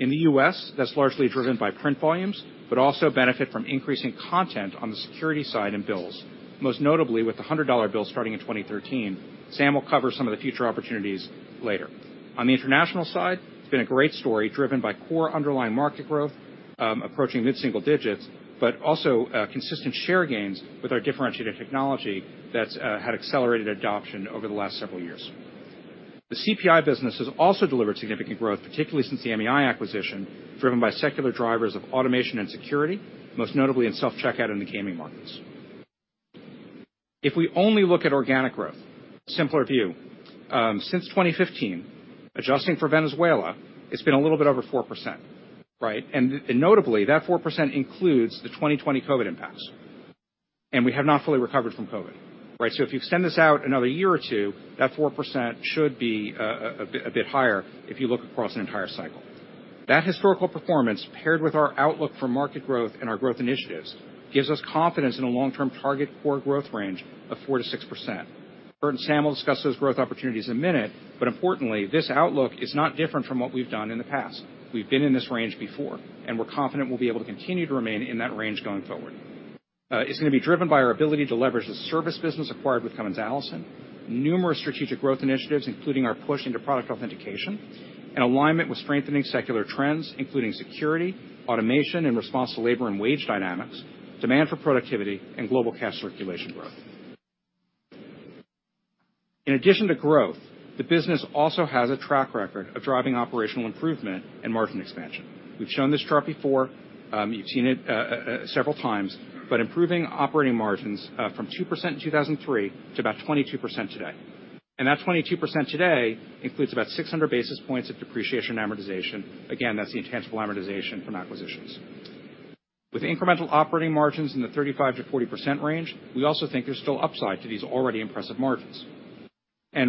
In the U.S., that's largely driven by print volumes, but also benefit from increasing content on the security side and bills, most notably with the $100 bill starting in 2013. Sam will cover some of the future opportunities later. On the international side, it's been a great story driven by core underlying market growth, approaching mid-single digits, but also consistent share gains with our differentiated technology that's had accelerated adoption over the last several years. The CPI business has also delivered significant growth, particularly since the MEI acquisition, driven by secular drivers of automation and security, most notably in self-checkout in the gaming markets. If we only look at organic growth, simpler view, since 2015, adjusting for Venezuela, it's been a little bit over 4%, right? Notably, that 4% includes the 2020 COVID impacts, and we have not fully recovered from COVID, right? If you extend this out another year or two, that 4% should be a bit higher if you look across an entire cycle. That historical performance, paired with our outlook for market growth and our growth initiatives, gives us confidence in a long-term target core growth range of 4%-6%. Kurt and Sam will discuss those growth opportunities in a minute, but importantly, this outlook is not different from what we've done in the past. We've been in this range before, and we're confident we'll be able to continue to remain in that range going forward. It's gonna be driven by our ability to leverage the service business acquired with Cummins Allison, numerous strategic growth initiatives, including our push into product authentication, and alignment with strengthening secular trends, including security, automation, and responsive labor and wage dynamics, demand for productivity, and global cash circulation growth. In addition to growth, the business also has a track record of driving operational improvement and margin expansion. We've shown this chart before, you've seen it, several times, but improving operating margins from 2% in 2003 to about 22% today. That 22% today includes about 600 basis points of depreciation and amortization. Again, that's the intangible amortization from acquisitions. With incremental operating margins in the 35%-40% range, we also think there's still upside to these already impressive margins.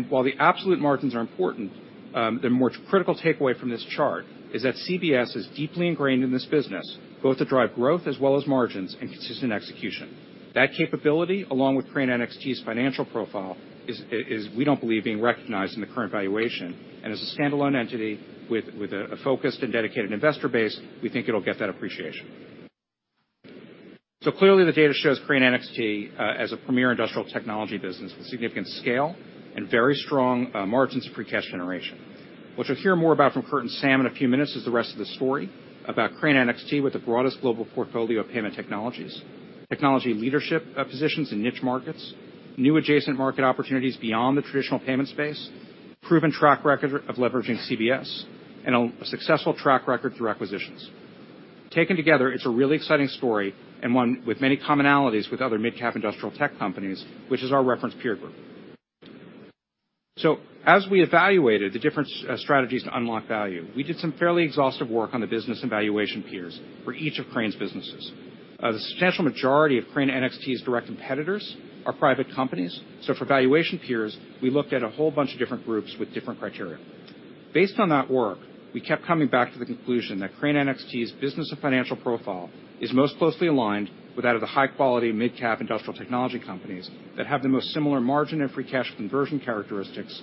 While the absolute margins are important, the more critical takeaway from this chart is that CBS is deeply ingrained in this business, both to drive growth as well as margins and consistent execution. That capability, along with Crane NXT's financial profile, is we don't believe being recognized in the current valuation. As a standalone entity with a focused and dedicated investor base, we think it'll get that appreciation. Clearly, the data shows Crane NXT as a premier industrial technology business with significant scale and very strong margins of free cash generation. What you'll hear more about from Kurt and Sam in a few minutes is the rest of the story about Crane NXT with the broadest global portfolio of payment technologies, technology leadership positions in niche markets, new adjacent market opportunities beyond the traditional payment space, proven track record of leveraging CBS, and a successful track record through acquisitions. Taken together, it's a really exciting story and one with many commonalities with other midcap industrial tech companies, which is our reference peer group. As we evaluated the different strategies to unlock value, we did some fairly exhaustive work on the business and valuation peers for each of Crane's businesses. The substantial majority of Crane NXT's direct competitors are private companies, so for valuation peers, we looked at a whole bunch of different groups with different criteria. Based on that work, we kept coming back to the conclusion that Crane NXT's business and financial profile is most closely aligned with that of the high-quality midcap industrial technology companies that have the most similar margin and free cash conversion characteristics,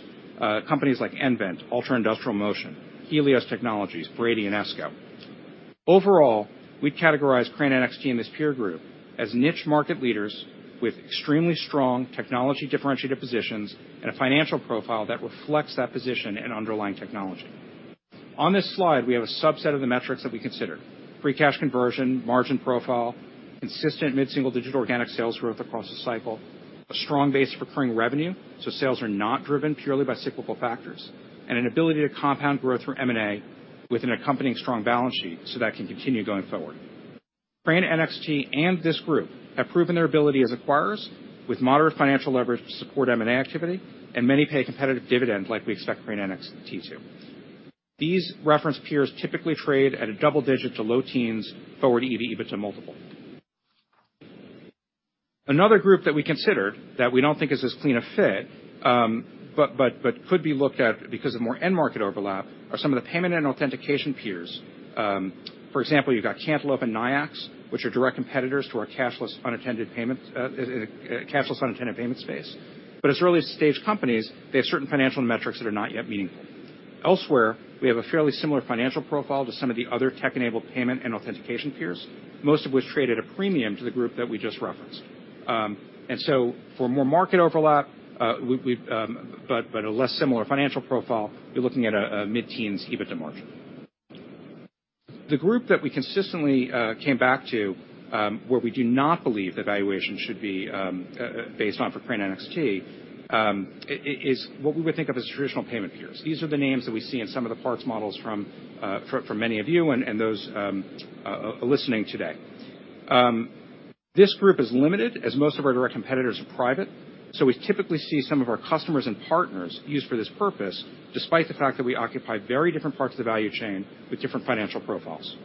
companies like nVent, Altra Industrial Motion, Helios Technologies, Brady, and ESCO Technologies. Overall, we'd categorize Crane NXT in this peer group as niche market leaders with extremely strong technology differentiated positions and a financial profile that reflects that position in underlying technology. On this slide, we have a subset of the metrics that we consider, free cash conversion, margin profile, consistent mid-single-digit organic sales growth across the cycle, a strong base for recurring revenue, so sales are not driven purely by cyclical factors, and an ability to compound growth through M&A with an accompanying strong balance sheet so that can continue going forward. Crane NXT and this group have proven their ability as acquirers with moderate financial leverage to support M&A activity, and many pay a competitive dividend like we expect Crane NXT to. These reference peers typically trade at a double digit to low teens forward EV/EBITDA multiple. Another group that we considered that we don't think is as clean a fit, but could be looked at because of more end market overlap are some of the payment and authentication peers. For example, you've got Cantaloupe and Nayax, which are direct competitors to our cashless unattended payment space. As early-stage companies, they have certain financial metrics that are not yet meaningful. Elsewhere, we have a fairly similar financial profile to some of the other tech-enabled payment and authentication peers, most of which trade at a premium to the group that we just referenced. For more market overlap but a less similar financial profile, you're looking at a mid-teens EBITDA margin. The group that we consistently came back to, where we do not believe the valuation should be based on for Crane NXT, is what we would think of as traditional payment peers. These are the names that we see in some of the comps models for many of you and those listening today. This group is limited, as most of our direct competitors are private, so we typically see some of our customers and partners used for this purpose, despite the fact that we occupy very different parts of the value chain with different financial profiles.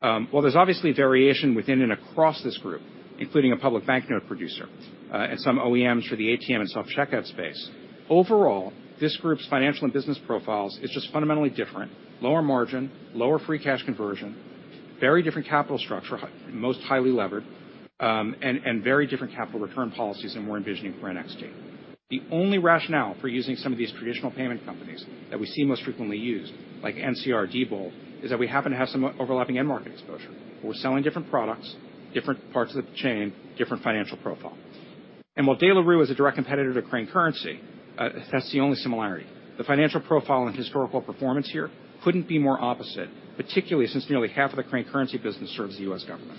While there's obviously variation within and across this group, including a public banknote producer and some OEMs for the ATM and self-checkout space, overall, this group's financial and business profiles is just fundamentally different. Lower margin, lower free cash conversion, very different capital structure, most highly levered, and very different capital return policies than we're envisioning for NXT. The only rationale for using some of these traditional payment companies that we see most frequently used, like NCR and Diebold, is that we happen to have some overlapping end market exposure. We're selling different products, different parts of the chain, different financial profile. While De La Rue is a direct competitor to Crane Currency, that's the only similarity. The financial profile and historical performance here couldn't be more opposite, particularly since nearly half of the Crane Currency business serves the U.S. government.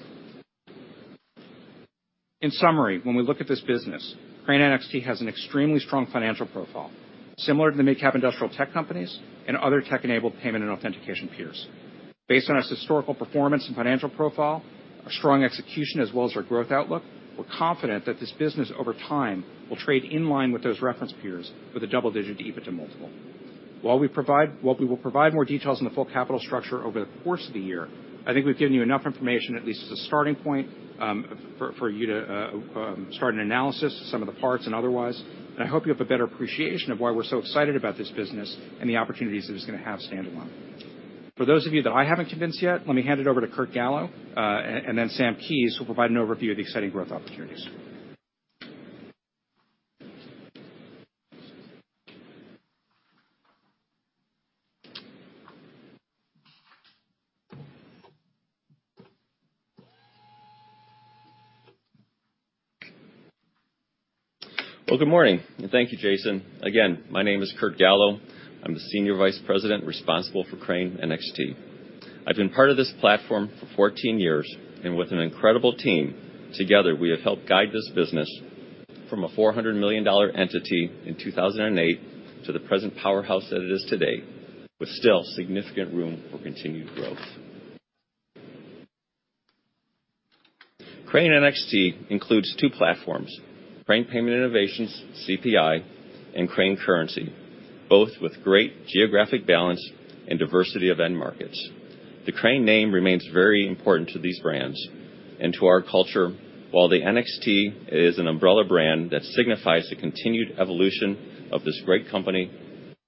In summary, when we look at this business, Crane NXT has an extremely strong financial profile, similar to the midcap industrial tech companies and other tech-enabled payment and authentication peers. Based on its historical performance and financial profile, our strong execution as well as our growth outlook, we're confident that this business over time will trade in line with those reference peers with a double-digit EBITDA multiple. While we will provide more details on the full capital structure over the course of the year, I think we've given you enough information, at least as a starting point, for you to start an analysis, some of the parts and otherwise. I hope you have a better appreciation of why we're so excited about this business and the opportunities that it's gonna have standalone. For those of you that I haven't convinced yet, let me hand it over to Kurt Gallo and then Sam Keayes, who'll provide an overview of the exciting growth opportunities. Good morning, and thank you, Jason. Again, my name is Kurt Gallo. I'm the Senior Vice President responsible for Crane NXT. I've been part of this platform for 14 years, and with an incredible team, together, we have helped guide this business from a $400 million entity in 2008 to the present powerhouse that it is today, with still significant room for continued growth. Crane NXT includes two platforms, Crane Payment Innovations, CPI, and Crane Currency, both with great geographic balance and diversity of end markets. The Crane name remains very important to these brands and to our culture. While the NXT is an umbrella brand that signifies the continued evolution of this great company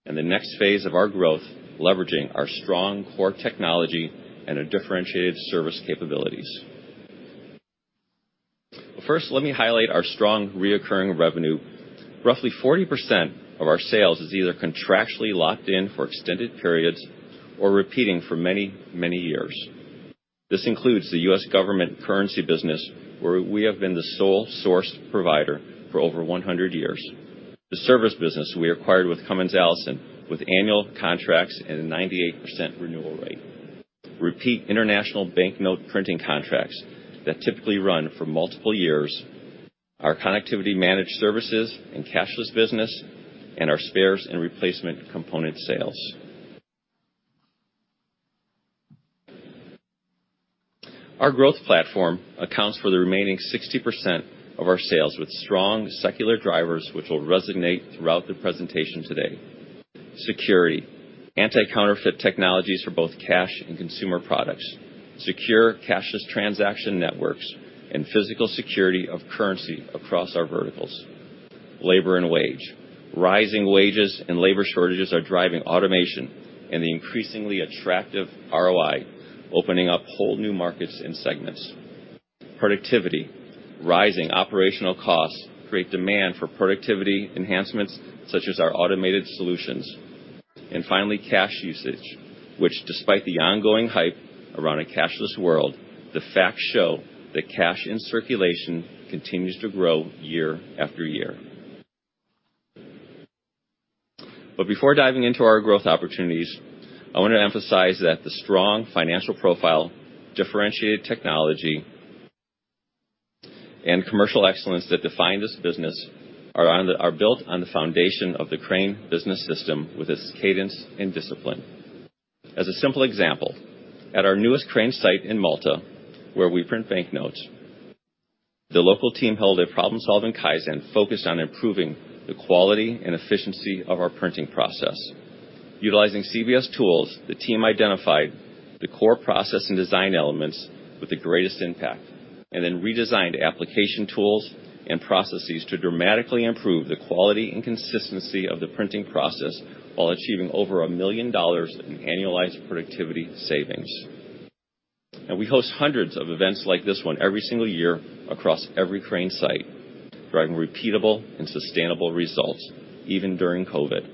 and the next phase of our growth, leveraging our strong core technology and a differentiated service capability. First, let me highlight our strong recurring revenue. Roughly 40% of our sales is either contractually locked in for extended periods or repeating for many, many years. This includes the U.S. government currency business, where we have been the sole source provider for over 100 years. The service business we acquired with Cummins Allison, with annual contracts and a 98% renewal rate. Repeat international banknote printing contracts that typically run for multiple years. Our connectivity managed services and cashless business, and our spares and replacement component sales. Our growth platform accounts for the remaining 60% of our sales with strong secular drivers, which will resonate throughout the presentation today. Security, anti-counterfeit technologies for both cash and consumer products, secure cashless transaction networks and physical security of currency across our verticals. Labor and wage. Rising wages and labor shortages are driving automation and the increasingly attractive ROI, opening up whole new markets and segments. Productivity, rising operational costs create demand for productivity enhancements such as our automated solutions. Finally, cash usage, which despite the ongoing hype around a cashless world, the facts show that cash in circulation continues to grow year after year. Before diving into our growth opportunities, I want to emphasize that the strong financial profile, differentiated technology, and commercial excellence that define this business are built on the foundation of the Crane Business System with its cadence and discipline. As a simple example, at our newest Crane site in Malta, where we print banknotes, the local team held a problem-solving Kaizen focused on improving the quality and efficiency of our printing process. Utilizing CBS tools, the team identified the core process and design elements with the greatest impact, and then redesigned application tools and processes to dramatically improve the quality and consistency of the printing process while achieving over $1 million in annualized productivity savings. We host hundreds of events like this one every single year across every Crane site, driving repeatable and sustainable results even during COVID.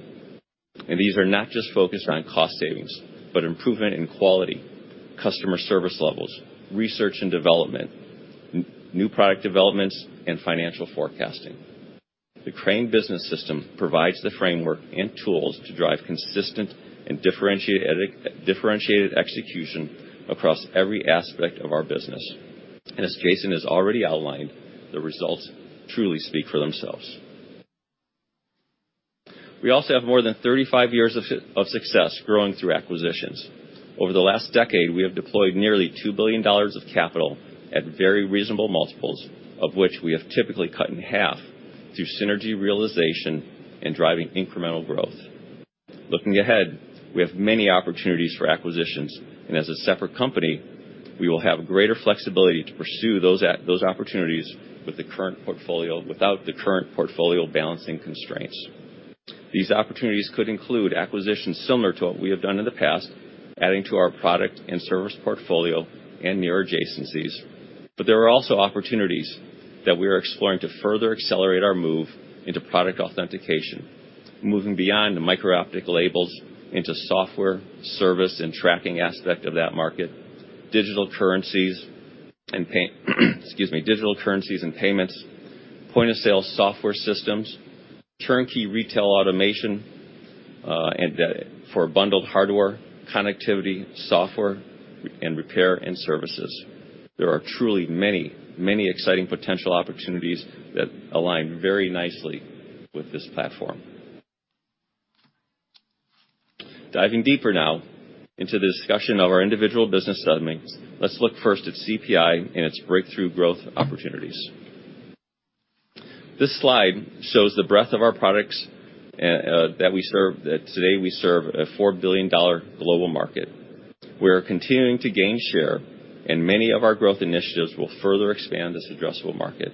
These are not just focused on cost savings, but improvement in quality, customer service levels, research and development, new product developments, and financial forecasting. The Crane Business System provides the framework and tools to drive consistent and differentiated execution across every aspect of our business. As Jason has already outlined, the results truly speak for themselves. We also have more than 35 years of success growing through acquisitions. Over the last decade, we have deployed nearly $2 billion of capital at very reasonable multiples, of which we have typically cut in half through synergy realization and driving incremental growth. Looking ahead, we have many opportunities for acquisitions. As a separate company, we will have greater flexibility to pursue those opportunities with the current portfolio without the current portfolio balancing constraints. These opportunities could include acquisitions similar to what we have done in the past, adding to our product and service portfolio and near adjacencies. There are also opportunities that we are exploring to further accelerate our move into product authentication, moving beyond the micro-optics labels into software, service, and tracking aspect of that market, digital currencies and pay. Excuse me, digital currencies and payments, point of sale software systems, turnkey retail automation, and for bundled hardware, connectivity, software, and repair and services. There are truly many, many exciting potential opportunities that align very nicely with this platform. Diving deeper now into the discussion of our individual business segments, let's look first at CPI and its breakthrough growth opportunities. This slide shows the breadth of our products that we serve that today we serve a $4 billion global market. We are continuing to gain share, and many of our growth initiatives will further expand this addressable market.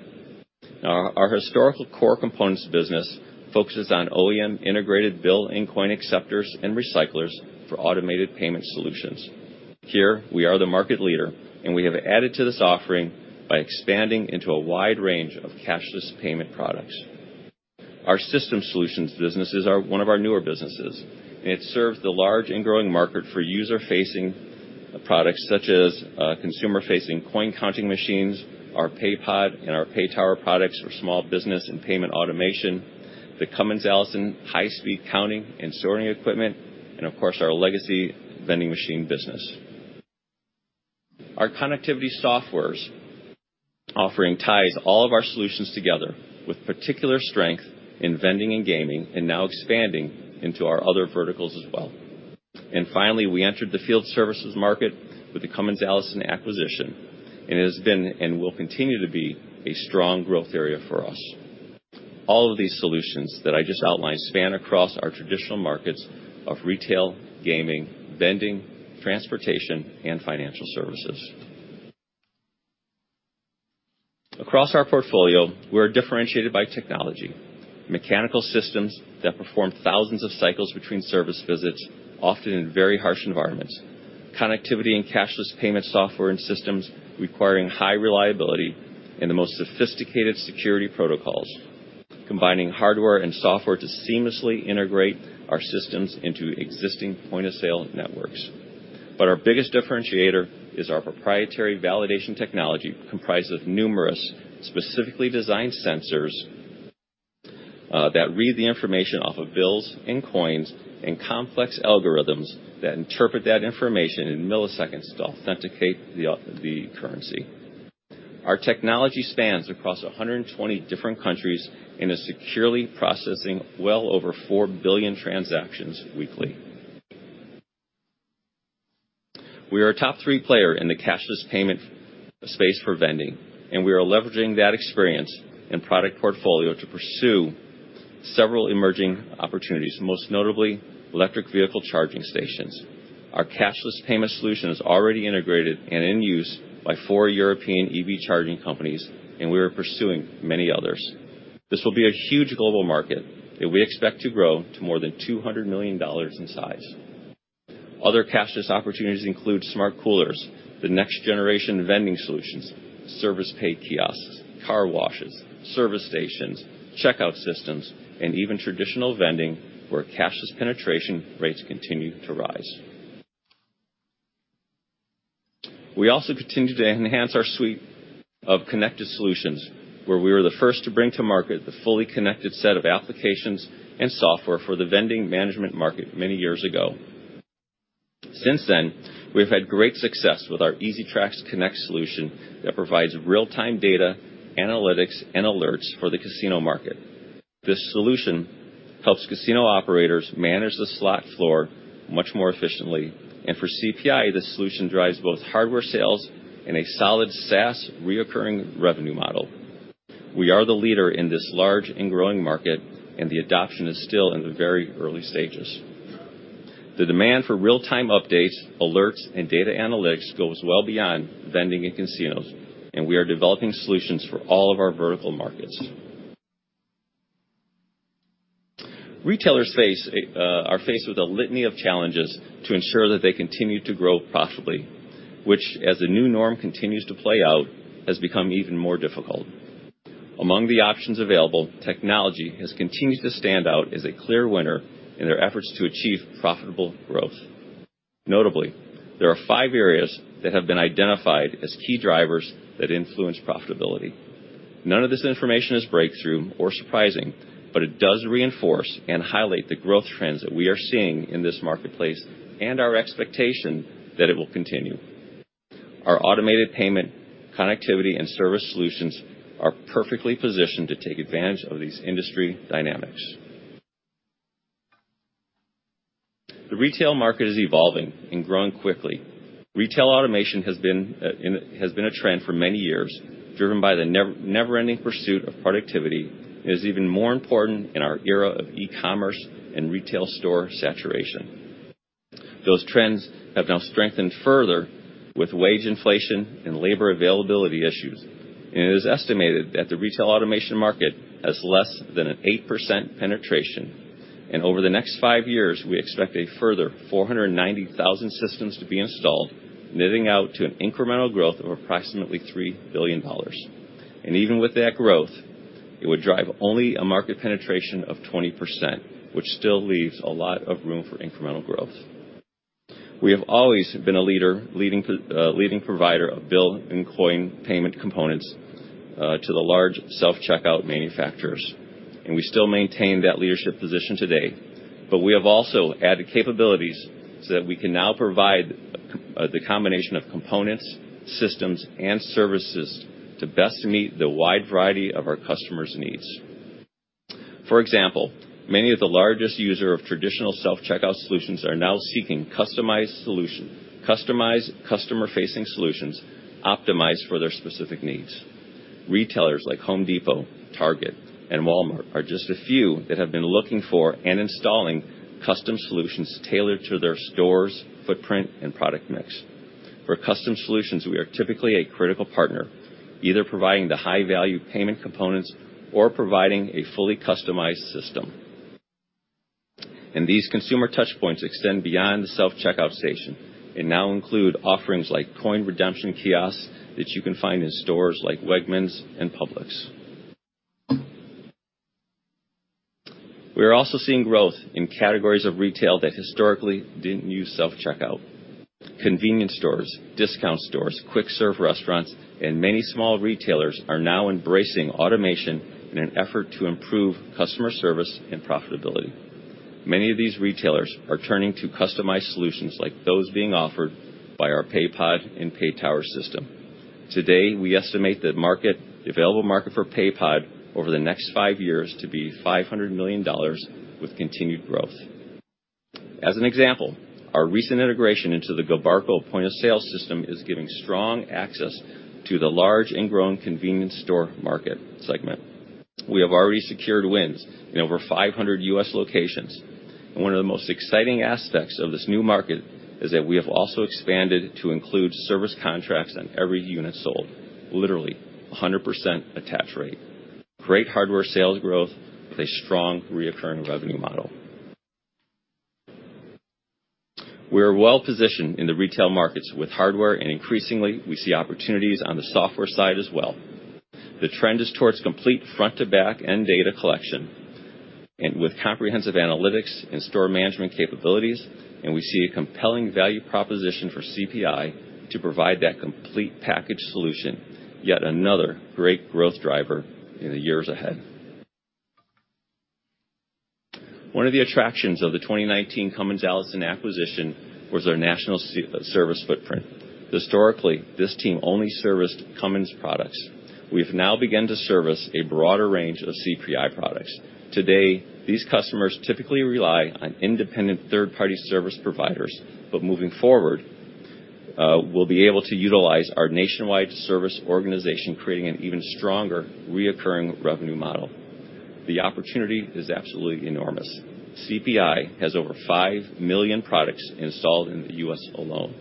Now our historical core components business focuses on OEM-integrated bill and coin acceptors and recyclers for automated payment solutions. Here we are the market leader, and we have added to this offering by expanding into a wide range of cashless payment products. Our system solutions businesses are one of our newer businesses. It serves the large and growing market for user-facing products such as consumer-facing coin counting machines, our PayPod and our PayTower products for small business and payment automation, the Cummins Allison high-speed counting and sorting equipment, and of course, our legacy vending machine business. Our connectivity software's offering ties all of our solutions together with particular strength in vending and gaming and now expanding into our other verticals as well. Finally, we entered the field services market with the Cummins Allison acquisition, and it has been and will continue to be a strong growth area for us. All of these solutions that I just outlined span across our traditional markets of retail, gaming, vending, transportation, and financial services. Across our portfolio, we are differentiated by technology, mechanical systems that perform thousands of cycles between service visits, often in very harsh environments, connectivity and cashless payment software and systems requiring high reliability in the most sophisticated security protocols, combining hardware and software to seamlessly integrate our systems into existing point-of-sale networks. Our biggest differentiator is our proprietary validation technology comprised of numerous specifically designed sensors that read the information off of bills and coins and complex algorithms that interpret that information in milliseconds to authenticate the currency. Our technology spans across 120 different countries and is securely processing well over 4 billion transactions weekly. We are a top three player in the cashless payment space for vending, and we are leveraging that experience and product portfolio to pursue several emerging opportunities, most notably electric vehicle charging stations. Our cashless payment solution is already integrated and in use by four European EV charging companies, and we are pursuing many others. This will be a huge global market that we expect to grow to more than $200 million in size. Other cashless opportunities include smart coolers, the next generation vending solutions, service pay kiosks, car washes, service stations, checkout systems, and even traditional vending, where cashless penetration rates continue to rise. We also continue to enhance our suite of connected solutions, where we were the first to bring to market the fully connected set of applications and software for the vending management market many years ago. Since then, we've had great success with our Easitrax Connect solution that provides real-time data, analytics, and alerts for the casino market. This solution helps casino operators manage the slot floor much more efficiently, and for CPI, this solution drives both hardware sales and a solid SaaS recurring revenue model. We are the leader in this large and growing market, and the adoption is still in the very early stages. The demand for real-time updates, alerts, and data analytics goes well beyond vending in casinos, and we are developing solutions for all of our vertical markets. Retailers are faced with a litany of challenges to ensure that they continue to grow profitably, which, as the new norm continues to play out, has become even more difficult. Among the options available, technology has continued to stand out as a clear winner in their efforts to achieve profitable growth. Notably, there are five areas that have been identified as key drivers that influence profitability. None of this information is breakthrough or surprising, but it does reinforce and highlight the growth trends that we are seeing in this marketplace and our expectation that it will continue. Our automated payment, connectivity, and service solutions are perfectly positioned to take advantage of these industry dynamics. The retail market is evolving and growing quickly. Retail automation has been a trend for many years, driven by the never-ending pursuit of productivity, and is even more important in our era of e-commerce and retail store saturation. Those trends have now strengthened further with wage inflation and labor availability issues, and it is estimated that the retail automation market has less than an 8% penetration. Over the next five years, we expect a further 490,000 systems to be installed, netting out to an incremental growth of approximately $3 billion. Even with that growth, it would drive only a market penetration of 20%, which still leaves a lot of room for incremental growth. We have always been a leader, leading provider of bill and coin payment components to the large self-checkout manufacturers, and we still maintain that leadership position today. We have also added capabilities so that we can now provide the combination of components, systems, and services to best meet the wide variety of our customers' needs. For example, many of the largest users of traditional self-checkout solutions are now seeking customized customer-facing solutions optimized for their specific needs. Retailers like Home Depot, Target, and Walmart are just a few that have been looking for and installing custom solutions tailored to their stores' footprint and product mix. For custom solutions, we are typically a critical partner, either providing the high-value payment components or providing a fully customized system. These consumer touchpoints extend beyond the self-checkout station and now include offerings like coin redemption kiosks that you can find in stores like Wegmans and Publix. We are also seeing growth in categories of retail that historically didn't use self-checkout. Convenience stores, discount stores, quick-serve restaurants, and many small retailers are now embracing automation in an effort to improve customer service and profitability. Many of these retailers are turning to customized solutions like those being offered by our Paypod and Paytower system. Today, we estimate the addressable market for Paypod over the next five years to be $500 million with continued growth. As an example, our recent integration into the Gilbarco point-of-sale system is giving strong access to the large and growing convenience store market segment. We have already secured wins in over 500 U.S. locations. One of the most exciting aspects of this new market is that we have also expanded to include service contracts on every unit sold, literally a 100% attach rate. Great hardware sales growth with a strong recurring revenue model. We are well-positioned in the retail markets with hardware, and increasingly, we see opportunities on the software side as well. The trend is towards complete front to back and data collection and with comprehensive analytics and store management capabilities, and we see a compelling value proposition for CPI to provide that complete package solution, yet another great growth driver in the years ahead. One of the attractions of the 2019 Cummins Allison acquisition was their national service footprint. Historically, this team only serviced Cummins products. We've now begun to service a broader range of CPI products. Today, these customers typically rely on independent third-party service providers, but moving forward, we'll be able to utilize our nationwide service organization, creating an even stronger recurring revenue model. The opportunity is absolutely enormous. CPI has over 5 million products installed in the U.S. alone.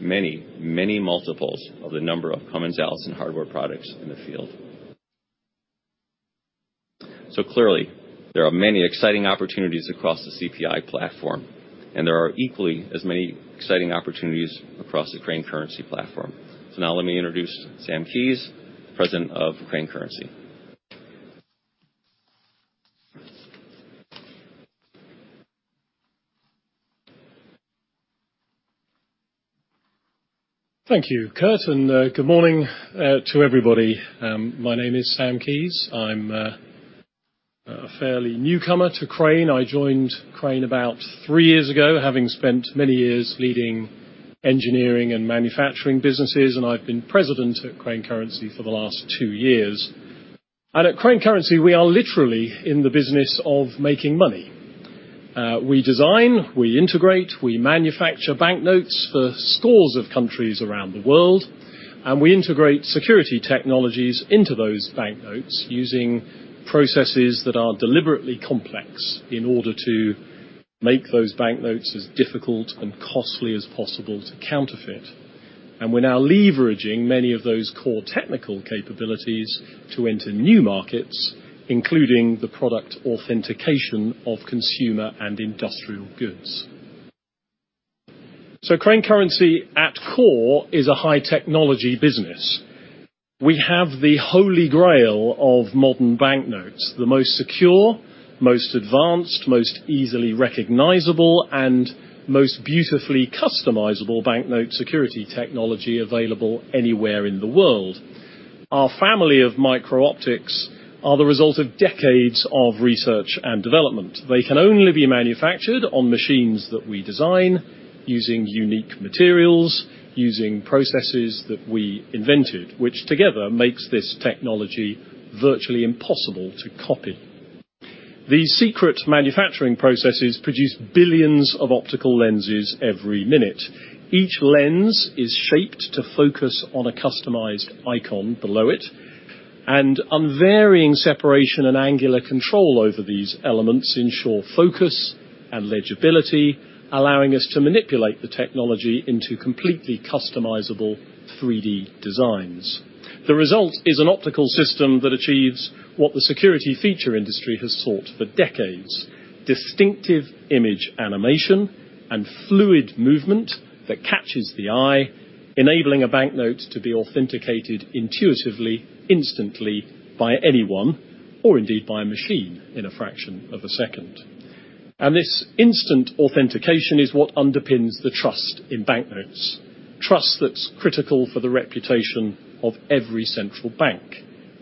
Many, many multiples of the number of Cummins Allison hardware products in the field. Clearly, there are many exciting opportunities across the CPI platform, and there are equally as many exciting opportunities across the Crane Currency platform. Now let me introduce Sam Keayes, President of Crane Currency. Thank you, Kurt, and good morning to everybody. My name is Sam Keayes. I'm a fairly newcomer to Crane. I joined Crane about three years ago, having spent many years leading engineering and manufacturing businesses, and I've been President at Crane Currency for the last two years. At Crane Currency, we are literally in the business of making money. We design, we integrate, we manufacture banknotes for scores of countries around the world, and we integrate security technologies into those banknotes using processes that are deliberately complex in order to make those banknotes as difficult and costly as possible to counterfeit. We're now leveraging many of those core technical capabilities to enter new markets, including the product authentication of consumer and industrial goods. Crane Currency, at core, is a high-technology business. We have the holy grail of modern banknotes, the most secure, most advanced, most easily recognizable, and most beautifully customizable banknote security technology available anywhere in the world. Our family of micro-optics are the result of decades of research and development. They can only be manufactured on machines that we design using unique materials, using processes that we invented, which together makes this technology virtually impossible to copy. These secret manufacturing processes produce billions of optical lenses every minute. Each lens is shaped to focus on a customized icon below it, and unvarying separation and angular control over these elements ensure focus and legibility, allowing us to manipulate the technology into completely customizable 3D designs. The result is an optical system that achieves what the security feature industry has sought for decades, distinctive image animation and fluid movement that catches the eye, enabling a banknote to be authenticated intuitively, instantly by anyone, or indeed by a machine in a fraction of a second. This instant authentication is what underpins the trust in banknotes, trust that's critical for the reputation of every central bank,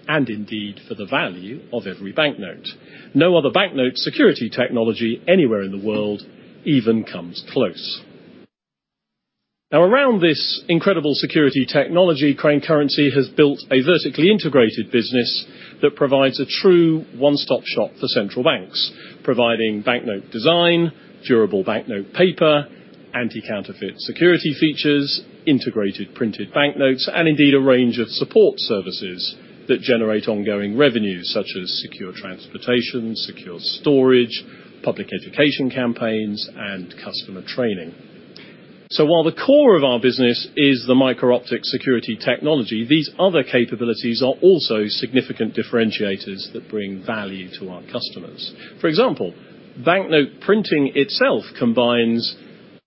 and indeed for the value of every banknote. No other banknote security technology anywhere in the world even comes close. Now around this incredible security technology, Crane Currency has built a vertically integrated business that provides a true one-stop shop for central banks, providing banknote design, durable banknote paper, anti-counterfeit security features, integrated printed banknotes, and indeed a range of support services that generate ongoing revenues such as secure transportation, secure storage, public education campaigns, and customer training. While the core of our business is the micro-optic security technology, these other capabilities are also significant differentiators that bring value to our customers. For example, banknote printing itself combines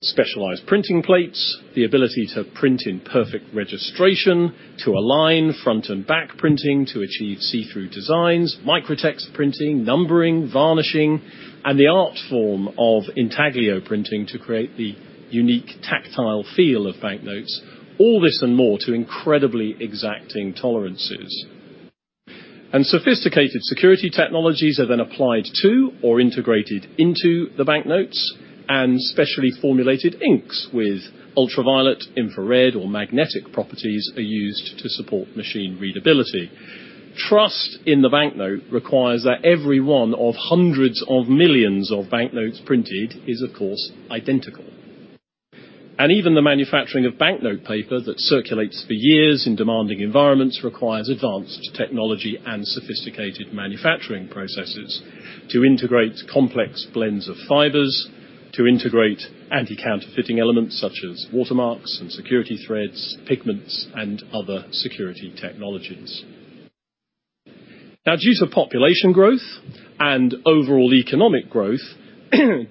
specialized printing plates, the ability to print in perfect registration, to align front and back printing to achieve see-through designs, microtext printing, numbering, varnishing, and the art form of intaglio printing to create the unique tactile feel of banknotes, all this and more to incredibly exacting tolerances. Sophisticated security technologies are then applied to or integrated into the banknotes and specially formulated inks with ultraviolet, infrared, or magnetic properties are used to support machine readability. Trust in the banknote requires that every one of hundreds of millions of banknotes printed is, of course, identical. Even the manufacturing of banknote paper that circulates for years in demanding environments requires advanced technology and sophisticated manufacturing processes to integrate complex blends of fibers, to integrate anti-counterfeiting elements such as watermarks and security threads, pigments, and other security technologies. Now, due to population growth and overall economic growth,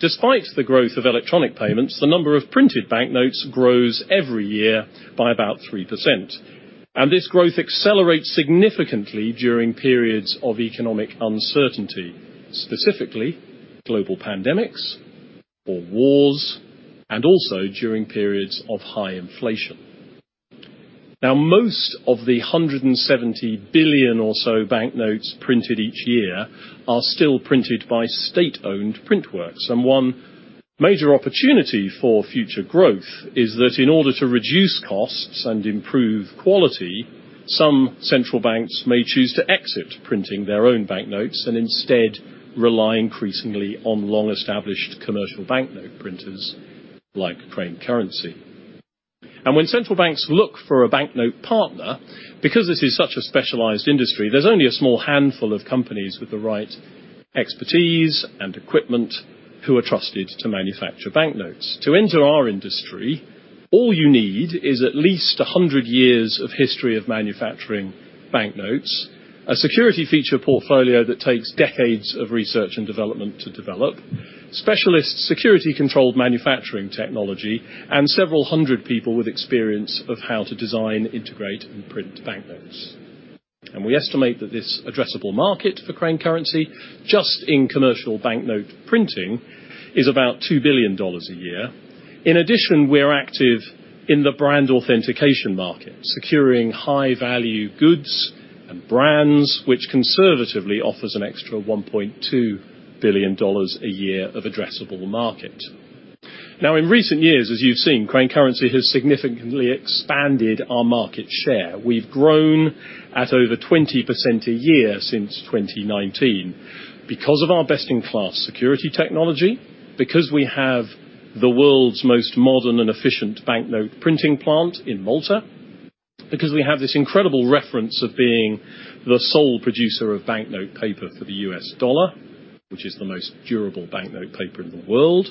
despite the growth of electronic payments, the number of printed banknotes grows every year by about 3%. This growth accelerates significantly during periods of economic uncertainty, specifically global pandemics or wars, and also during periods of high inflation. Now, most of the 170 billion or so banknotes printed each year are still printed by state-owned printworks. One major opportunity for future growth is that in order to reduce costs and improve quality, some central banks may choose to exit printing their own banknotes and instead rely increasingly on long-established commercial banknote printers like Crane Currency. When central banks look for a banknote partner, because this is such a specialized industry, there's only a small handful of companies with the right expertise and equipment who are trusted to manufacture banknotes. To enter our industry, all you need is at least 100 years of history of manufacturing banknotes, a security feature portfolio that takes decades of research and development to develop, specialist security-controlled manufacturing technology, and several hundred people with experience of how to design, integrate, and print banknotes. We estimate that this addressable market for Crane Currency, just in commercial banknote printing, is about $2 billion a year. In addition, we are active in the brand authentication market, securing high-value goods and brands, which conservatively offers an extra $1.2 billion a year of addressable market. Now, in recent years, as you've seen, Crane Currency has significantly expanded our market share. We've grown at over 20% a year since 2019 because of our best-in-class security technology, because we have the world's most modern and efficient banknote printing plant in Malta, because we have this incredible reference of being the sole producer of banknote paper for the U.S. dollar, which is the most durable banknote paper in the world,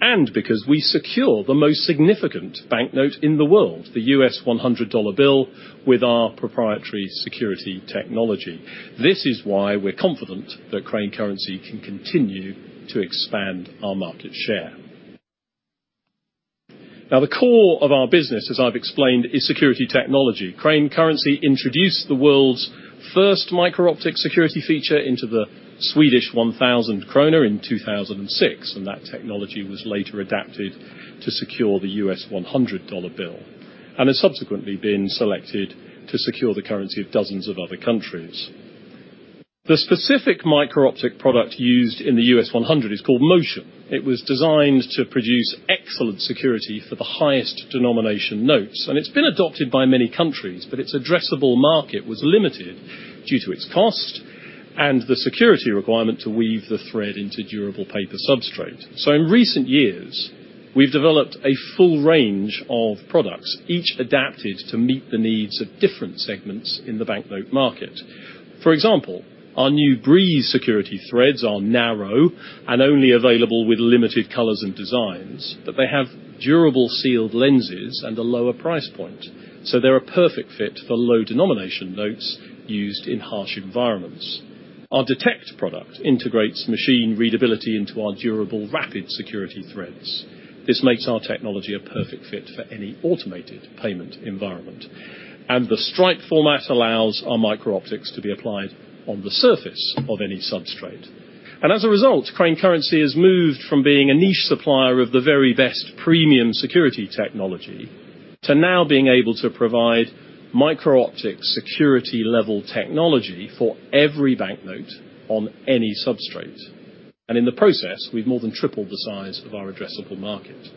and because we secure the most significant banknote in the world, the U.S. $100 bill, with our proprietary security technology. This is why we're confident that Crane Currency can continue to expand our market share. Now, the core of our business, as I've explained, is security technology. Crane Currency introduced the world's first micro-optic security feature into the Swedish 1,000 kronor in 2006, and that technology was later adapted to secure the U.S. $100 bill and has subsequently been selected to secure the currency of dozens of other countries. The specific micro-optic product used in the U.S. $100 is called MOTION. It was designed to produce excellent security for the highest denomination notes, and it's been adopted by many countries, but its addressable market was limited due to its cost and the security requirement to weave the thread into durable paper substrate. In recent years, we've developed a full range of products, each adapted to meet the needs of different segments in the banknote market. For example, our new BREEZE security threads are narrow and only available with limited colors and designs, but they have durable sealed lenses and a lower price point, so they're a perfect fit for low-denomination notes used in harsh environments. Our DETECT product integrates machine readability into our durable, rapid security threads. This makes our technology a perfect fit for any automated payment environment. The Stripe format allows our micro-optics to be applied on the surface of any substrate. As a result, Crane Currency has moved from being a niche supplier of the very best premium security technology to now being able to provide micro-optic security-level technology for every banknote on any substrate. In the process, we've more than tripled the size of our addressable market.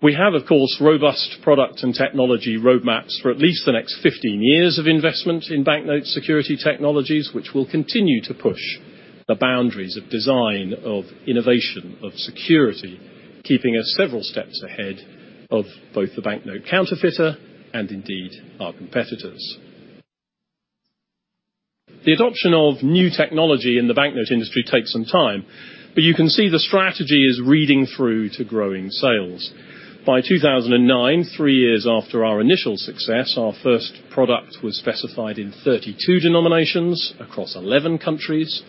We have, of course, robust product and technology roadmaps for at least the next 15 years of investment in banknote security technologies, which will continue to push the boundaries of design, of innovation, of security, keeping us several steps ahead of both the banknote counterfeiter and indeed our competitors. The adoption of new technology in the banknote industry takes some time, but you can see the strategy is reading through to growing sales. By 2009, three years after our initial success, our first product was specified in 32 denominations across 11 countries.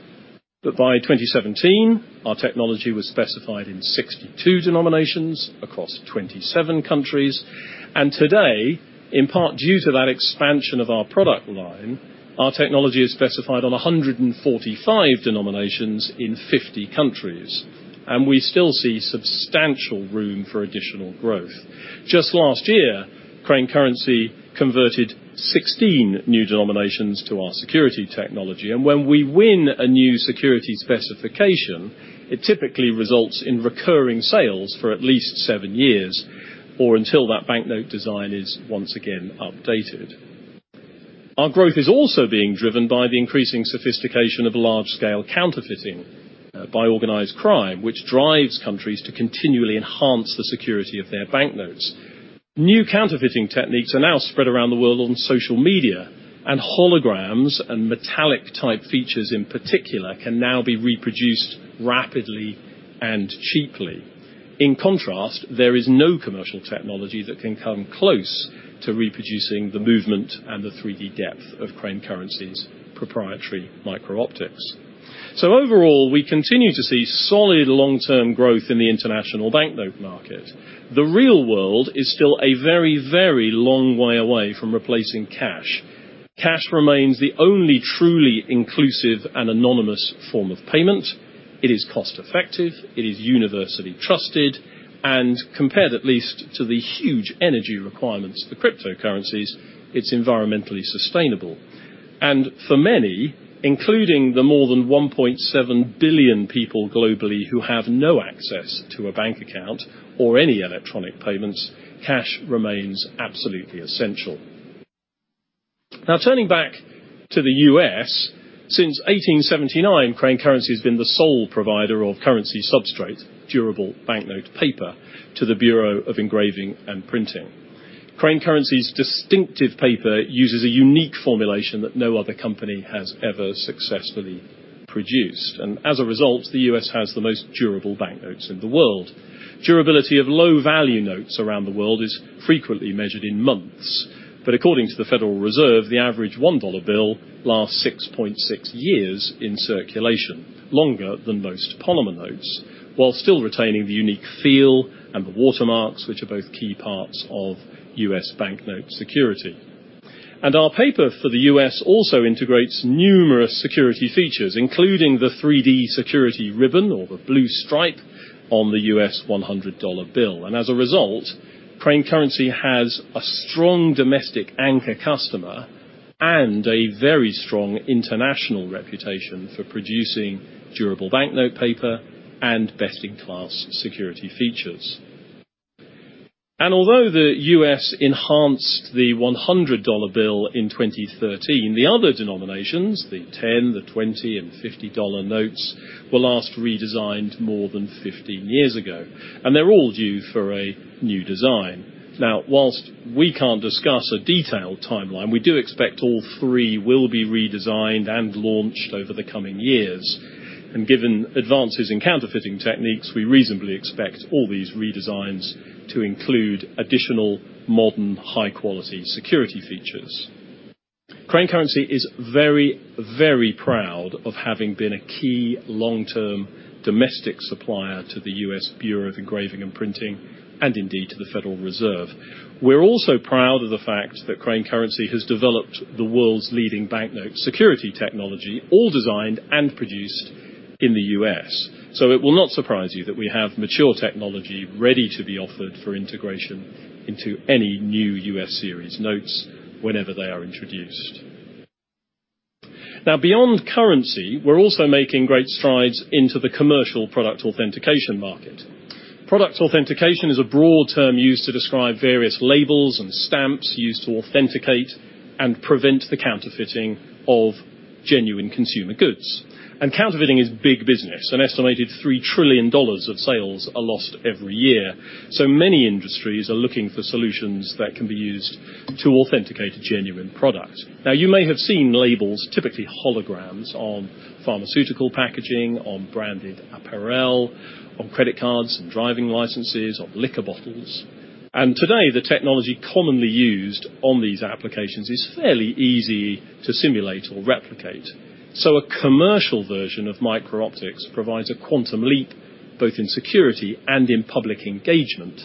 By 2017, our technology was specified in 62 denominations across 27 countries. Today, in part due to that expansion of our product line, our technology is specified on 145 denominations in 50 countries, and we still see substantial room for additional growth. Just last year, Crane Currency converted 16 new denominations to our security technology. When we win a new security specification, it typically results in recurring sales for at least seven years or until that banknote design is once again updated. Our growth is also being driven by the increasing sophistication of large-scale counterfeiting by organized crime, which drives countries to continually enhance the security of their banknotes. New counterfeiting techniques are now spread around the world on social media, and holograms and metallic type features in particular can now be reproduced rapidly and cheaply. In contrast, there is no commercial technology that can come close to reproducing the movement and the 3D depth of Crane Currency's proprietary micro-optics. Overall, we continue to see solid long-term growth in the international banknote market. The real world is still a very, very long way away from replacing cash. Cash remains the only truly inclusive and anonymous form of payment. It is cost-effective, it is universally trusted and compared at least to the huge energy requirements for cryptocurrencies, it's environmentally sustainable. For many, including the more than 1.7 billion people globally who have no access to a bank account or any electronic payments, cash remains absolutely essential. Now turning back to the U.S., since 1879, Crane Currency has been the sole provider of currency substrate, durable banknote paper to the Bureau of Engraving and Printing. Crane Currency's distinctive paper uses a unique formulation that no other company has ever successfully produced, and as a result, the U.S. has the most durable banknotes in the world. Durability of low-value notes around the world is frequently measured in months. According to the Federal Reserve, the average $1 bill lasts 6.6 years in circulation, longer than most polymer notes, while still retaining the unique feel and the watermarks, which are both key parts of U.S. banknote security. Our paper for the U.S. also integrates numerous security features, including the 3D security ribbon or the blue stripe on the U.S. $100 bill. As a result, Crane Currency has a strong domestic anchor customer and a very strong international reputation for producing durable banknote paper and best-in-class security features. Although the U.S. enhanced the $100 bill in 2013, the other denominations, the $10, the $20, and $50 notes, were last redesigned more than 15 years ago, and they're all due for a new design. Now, while we can't discuss a detailed timeline, we do expect all three will be redesigned and launched over the coming years. Given advances in counterfeiting techniques, we reasonably expect all these redesigns to include additional modern, high-quality security features. Crane Currency is very, very proud of having been a key long-term domestic supplier to the U.S. Bureau of Engraving and Printing, and indeed to the Federal Reserve. We're also proud of the fact that Crane Currency has developed the world's leading banknote security technology, all designed and produced in the U.S. It will not surprise you that we have mature technology ready to be offered for integration into any new U.S. series notes whenever they are introduced. Now beyond currency, we're also making great strides into the commercial product authentication market. Product authentication is a broad term used to describe various labels and stamps used to authenticate and prevent the counterfeiting of genuine consumer goods. Counterfeiting is big business. An estimated $3 trillion of sales are lost every year. Many industries are looking for solutions that can be used to authenticate a genuine product. Now, you may have seen labels, typically holograms, on pharmaceutical packaging, on branded apparel, on credit cards and driving licenses, on liquor bottles. Today, the technology commonly used on these applications is fairly easy to simulate or replicate. A commercial version of micro-optics provides a quantum leap, both in security and in public engagement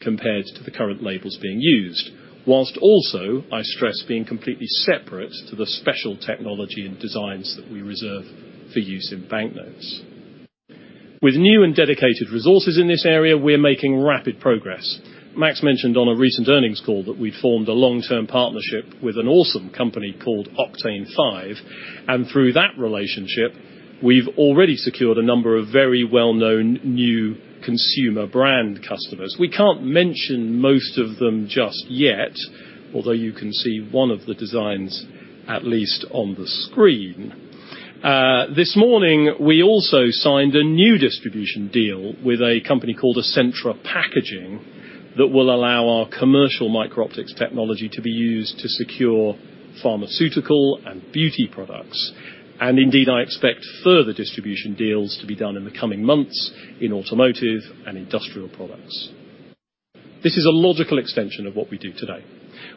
compared to the current labels being used. While also, I stress, being completely separate to the special technology and designs that we reserve for use in banknotes. With new and dedicated resources in this area, we're making rapid progress. Max mentioned on a recent earnings call that we formed a long-term partnership with an awesome company called Octane5, and through that relationship, we've already secured a number of very well-known new consumer brand customers. We can't mention most of them just yet, although you can see one of the designs, at least on the screen. This morning, we also signed a new distribution deal with a company called Essentra Packaging that will allow our commercial micro-optics technology to be used to secure pharmaceutical and beauty products. Indeed, I expect further distribution deals to be done in the coming months in automotive and industrial products. This is a logical extension of what we do today.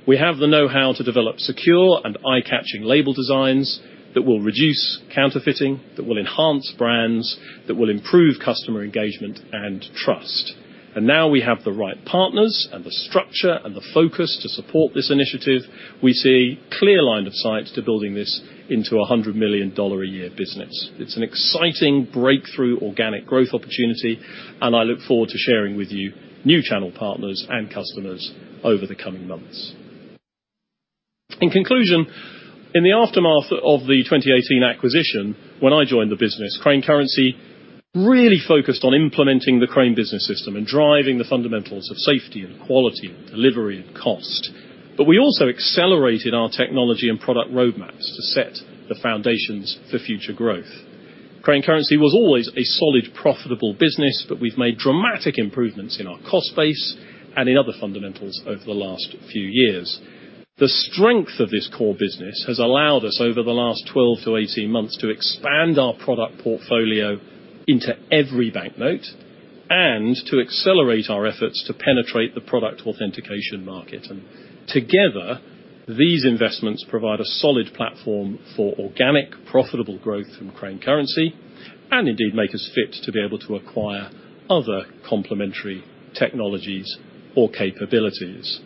We have the know-how to develop secure and eye-catching label designs that will reduce counterfeiting, that will enhance brands, that will improve customer engagement and trust. Now we have the right partners and the structure and the focus to support this initiative. We see clear line of sight to building this into a $100 million a year business. It's an exciting breakthrough, organic growth opportunity, and I look forward to sharing with you new channel partners and customers over the coming months. In conclusion, in the aftermath of the 2018 acquisition, when I joined the business, Crane Currency really focused on implementing the Crane Business System and driving the fundamentals of safety and quality and delivery and cost. We also accelerated our technology and product roadmaps to set the foundations for future growth. Crane Currency was always a solid, profitable business, but we've made dramatic improvements in our cost base and in other fundamentals over the last few years. The strength of this core business has allowed us over the last 12-18 months to expand our product portfolio into every banknote and to accelerate our efforts to penetrate the product authentication market. Together, these investments provide a solid platform for organic, profitable growth from Crane Currency and indeed make us fit to be able to acquire other complementary technologies or capabilities.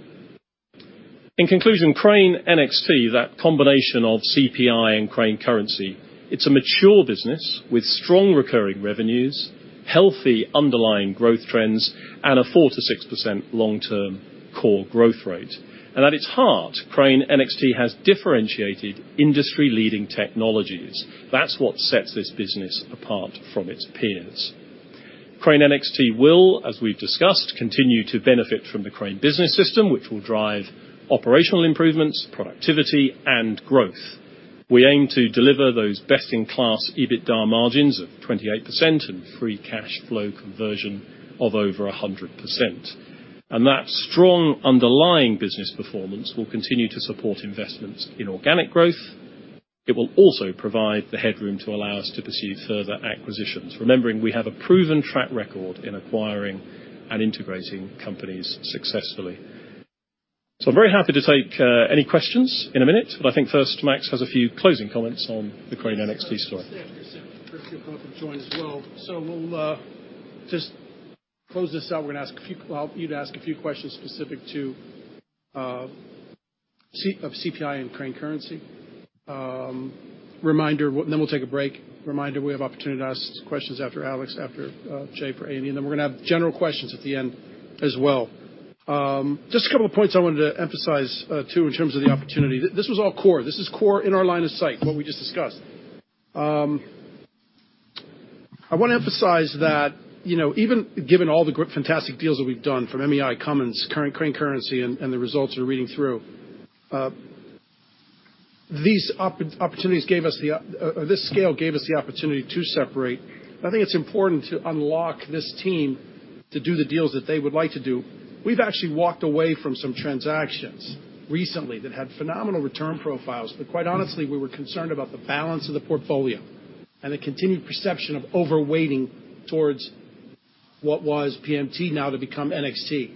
In conclusion, Crane NXT, that combination of CPI and Crane Currency, it's a mature business with strong recurring revenues, healthy underlying growth trends, and a 4%-6% long-term core growth rate. At its heart, Crane NXT has differentiated industry-leading technologies. That's what sets this business apart from its peers. Crane NXT will, as we've discussed, continue to benefit from the Crane Business System, which will drive operational improvements, productivity, and growth. We aim to deliver those best-in-class EBITDA margins of 28% and Free Cash Flow conversion of over 100%. That strong underlying business performance will continue to support investments in organic growth. It will also provide the headroom to allow us to pursue further acquisitions. Remembering we have a proven track record in acquiring and integrating companies successfully. I'm very happy to take any questions in a minute, but I think first Max has a few closing comments on the Crane NXT story. Join as well. We'll just close this out. I'll ask you to ask a few questions specific to C-of CPI and Crane Currency. Reminder, then we'll take a break. Reminder, we have opportunity to ask questions after Alex, after Jay for Amy, and then we're gonna have general questions at the end as well. Just a couple of points I wanted to emphasize, too, in terms of the opportunity. This was all cores. This is core in our line of sight, what we just discussed. I wanna emphasize that, you know, even given all the fantastic deals that we've done from MEI, Cummins, Crane Currency, and the results you're reading through, these opportunities gave us the, or this scale gave us the opportunity to separate. I think it's important to unlock this team to do the deals that they would like to do. We've actually walked away from some transactions recently that had phenomenal return profiles, but quite honestly, we were concerned about the balance of the portfolio and the continued perception of overweighting towards what was PMT now to become NXT.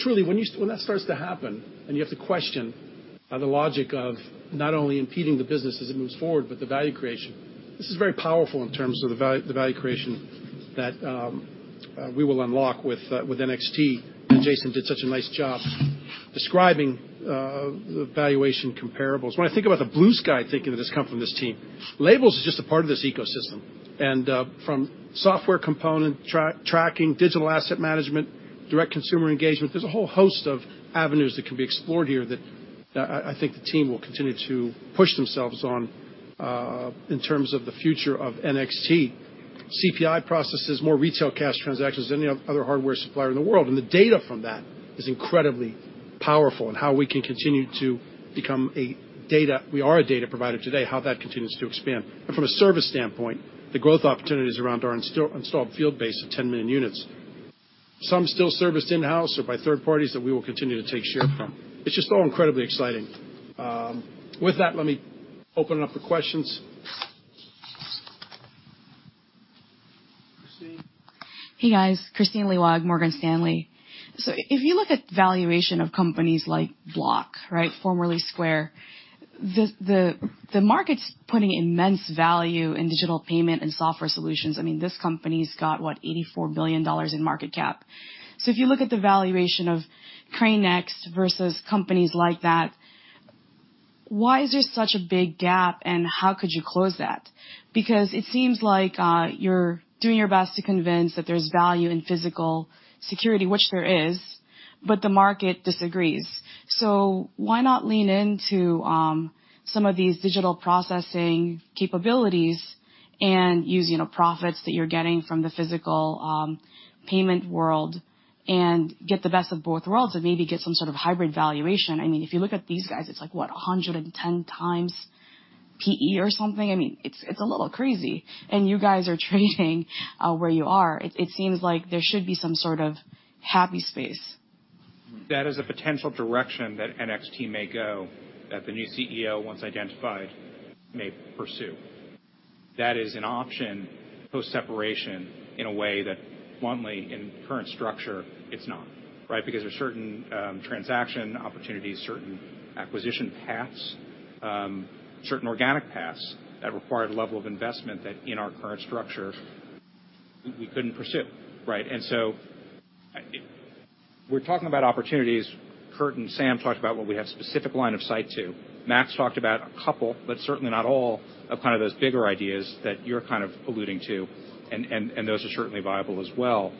Truly, when that starts to happen, and you have to question the logic of not only impeding the business as it moves forward, but the value creation, this is very powerful in terms of the value creation that we will unlock with NXT. Jason did such a nice job describing the valuation comparables. When I think about the blue sky thinking that has come from this team, labels is just a part of this ecosystem. From software component, tracking, digital asset management, direct consumer engagement, there's a whole host of avenues that can be explored here that I think the team will continue to push themselves on in terms of the future of NXT. CPI processes more retail cash transactions than any other hardware supplier in the world, and the data from that is incredibly powerful in how we can continue to become a data provider today, how that continues to expand. From a service standpoint, the growth opportunities around our installed field base of 10 million units. Some still serviced in-house or by third parties that we will continue to take share from. It's just all incredibly exciting. With that, let me open up for questions. Kristine. Hey, guys. Kristine Liwag, Morgan Stanley. If you look at valuation of companies like Block, right? Formerly Square, the market's putting immense value in digital payment and software solutions. I mean, this company's got, what, $84 billion in market cap. If you look at the valuation of Crane NXT versus companies like that, why is there such a big gap, and how could you close that? Because it seems like you're doing your best to convince that there's value in physical security, which there is, but the market disagrees. Why not lean into some of these digital processing capabilities and use, you know, profits that you're getting from the physical payment world and get the best of both worlds and maybe get some sort of hybrid valuation? I mean, if you look at these guys, it's like, what, 110x PE or something. I mean, it's a little crazy. You guys are trading where you are. It seems like there should be some sort of happy space. That is a potential direction that NXT may go, that the new CEO, once identified, may pursue. That is an option post-separation in a way that, one, in current structure, it's not, right? Because there's certain transaction opportunities, certain acquisition paths, certain organic paths that require the level of investment that in our current structure we couldn't pursue, right? We're talking about opportunities. Kurt and Sam talked about what we have specific line of sight to. Max talked about a couple, but certainly not all of kind of those bigger ideas that your kind of alluding to, and those are certainly viable as well.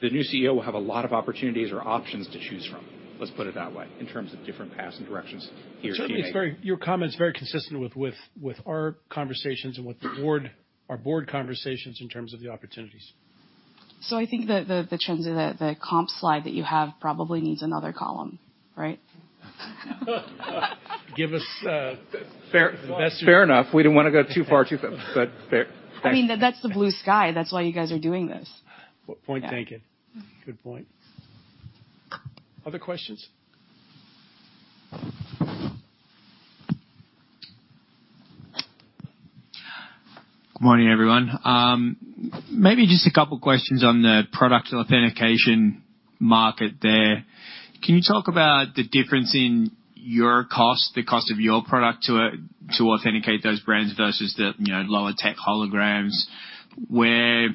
The new CEO will have a lot of opportunities or options to choose from, let's put it that way, in terms of different paths and directions here at NXT. Your comment's very consistent with our conversations and what our board conversations in terms of the opportunities. I think the trends in the comp slide that you have probably needs another column, right? Give us best- Fair enough. We didn't wanna go too far. Fair. Thanks. I mean, that's the blue sky. That's why you guys are doing this. Point taken. Yeah. Mm-hmm. Good point. Other questions? Good morning, everyone. Maybe just a couple questions on the product authentication market there. Can you talk about the difference in your cost, the cost of your product to authenticate those brands versus the, you know, lower tech holograms? Where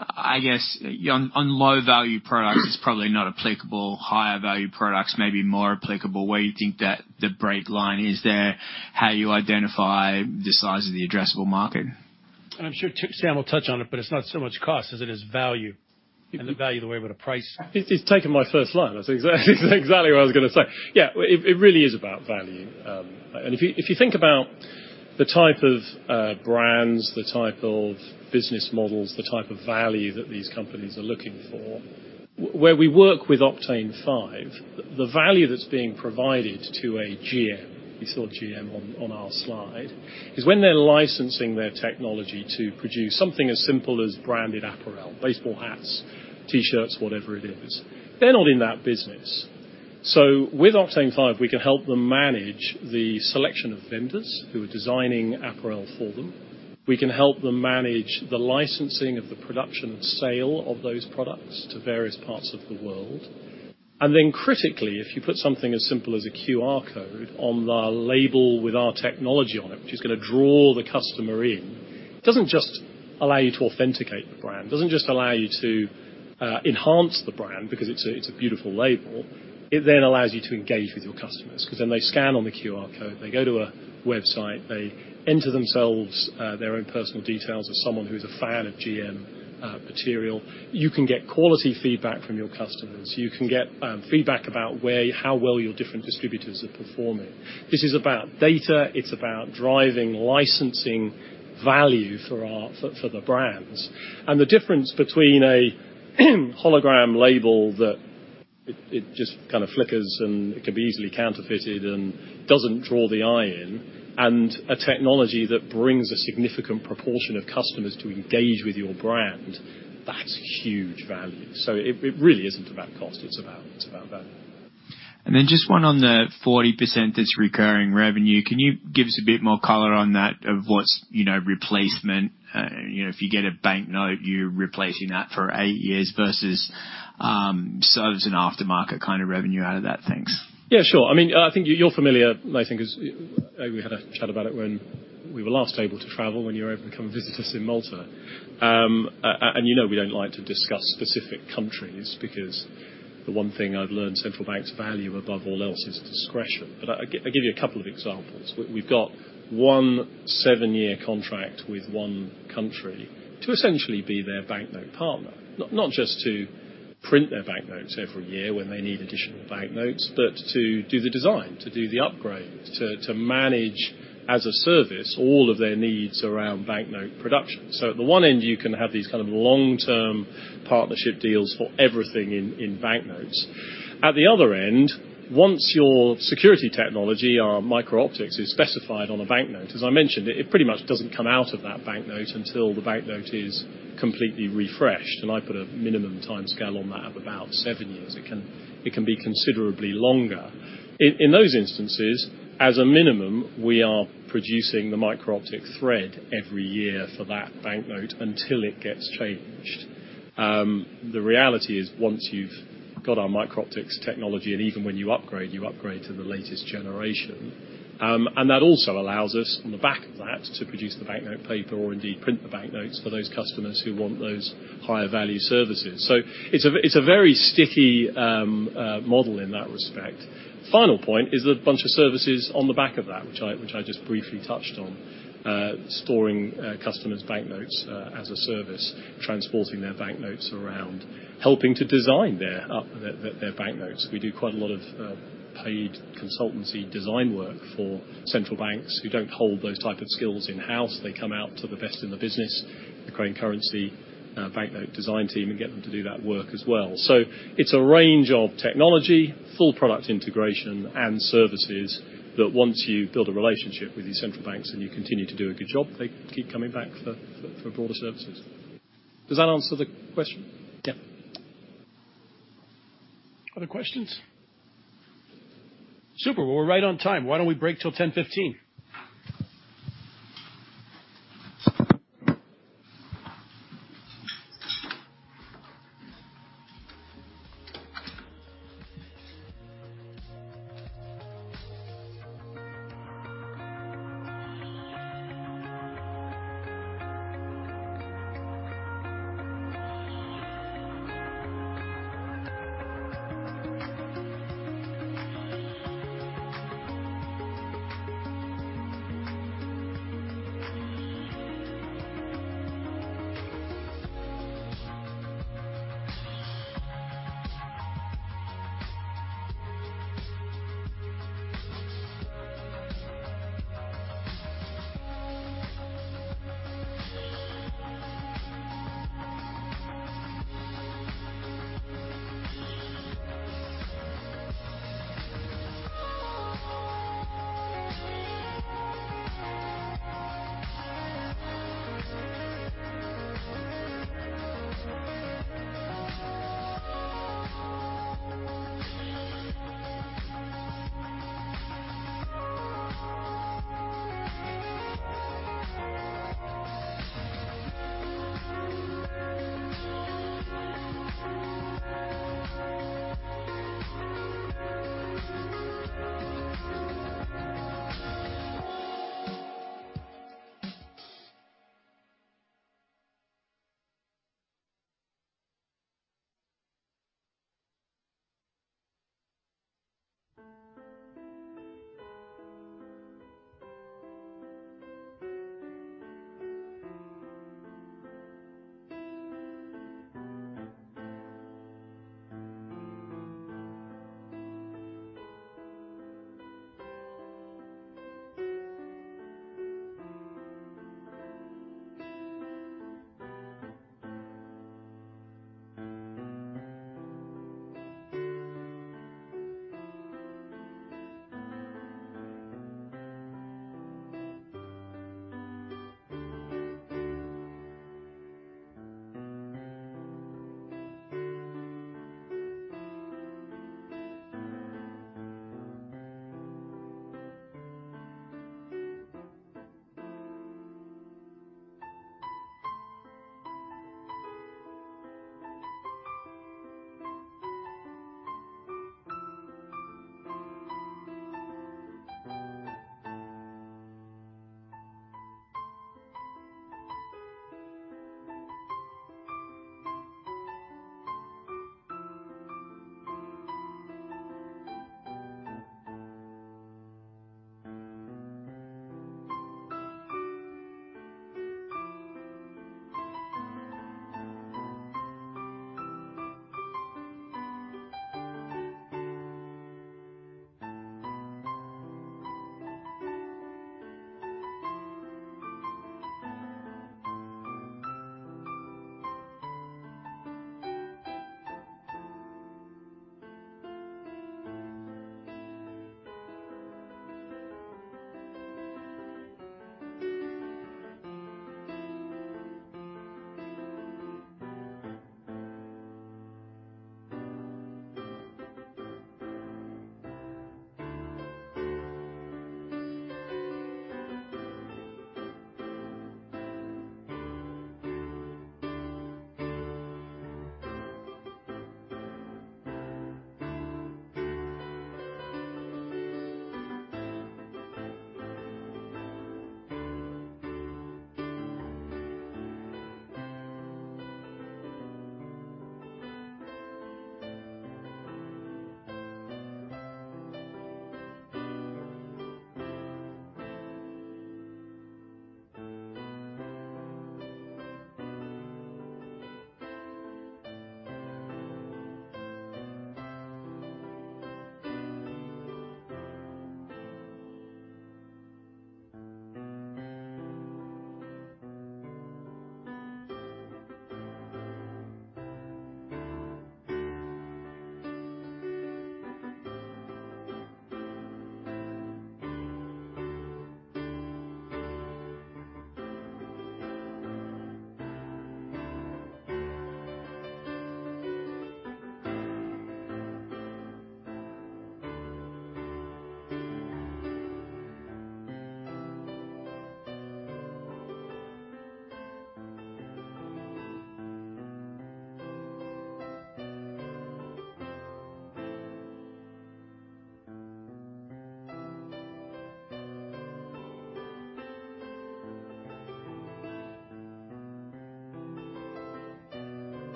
I guess on low value products it's probably not applicable. Higher value products, maybe more applicable. Where you think that the break line is there? How you identify the size of the addressable market? I'm sure Sam will touch on it, but it's not so much cost as it is value. The value, the way we're gonna price. He's taken my first line. That's exactly what I was gonna say. Yeah, it really is about value. If you think about the type of brands, the type of business models, the type of value that these companies are looking for, where we work with Octane5, the value that's being provided to a GM, you saw GM on our slide, is when they're licensing their technology to produce something as simple as branded apparel, baseball hats, T-shirts, whatever it is. They're not in that business. So, with Octane5, we can help them manage the selection of vendors who are designing apparel for them. We can help them manage the licensing of the production and sale of those products to various parts of the world. Critically, if you put something as simple as a QR code on the label with our technology on it, which is gonna draw the customer in, it doesn't just allow you to authenticate the brand, doesn't just allow you to enhance the brand because it's a beautiful label, it then allows you to engage with your customers. Cause then they scan the QR code, they go to a website, they enter their own personal details of someone who's a fan of GM material. You can get quality feedback from your customers. You can get feedback about how well your different distributors are performing. This is about data. It's about driving licensing value for the brands. The difference between a hologram label that just kind of flickers and it can be easily counterfeited and doesn't draw the eye in, and a technology that brings a significant proportion of customers to engage with your brand, that's huge value. It really isn't about cost, it's about value. Just one on the 40% that's recurring revenue. Can you give us a bit more color on that of what's, you know, replacement? You know, if you get a banknote, you're replacing that for eight years versus service and aftermarket kind of revenue out of that. Thanks. Yeah, sure. I mean, I think you're familiar cause we had a chat about it when we were last able to travel, when you were able to come visit us in Malta. You know, we don't like to discuss specific countries because the one thing I've learned, central banks value above all else is discretion. I'll give you a couple of examples. We've got one seven-year contract with one country to essentially be their banknote partner. Not just to print their banknotes every year when they need additional banknotes, but to do the design, to do the upgrades, to manage as a service all of their needs around banknote production. At the one end, you can have these kinds of long-term partnership deals for everything in banknotes. At the other end, once your security technology, our micro-optics, is specified on a banknote, as I mentioned, it pretty much doesn't come out of that banknote until the banknote is completely refreshed. I put a minimum timescale on that of about seven years. It can be considerably longer. In those instances, as a minimum, we are producing the micro-optic thread every year for that banknote until it gets changed. The reality is, once you've got our micro-optics technology, and even when you upgrade, you upgrade to the latest generation. And that also allows us, on the back of that, to produce the banknote paper or indeed print the banknotes for those customers who want those higher value services. It's a very sticky model in that respect. Final point is a bunch of services on the back of that which I just briefly touched on. Storing customers' banknotes as a service, transporting their banknotes around, helping to design their banknotes. We do quite a lot of paid consultancy design work for central banks who don't hold those types of skills in-house. They come out to the best in the business, the Crane Currency banknote design team, and get them to do that work as well. It's a range of technology, full product integration, and services that once you build a relationship with these central banks and you continue to do a good job, they keep coming back for broader services. Does that answer the question? Yeah. Other questions? Super. We're right on time. Why don't we break till 10:15?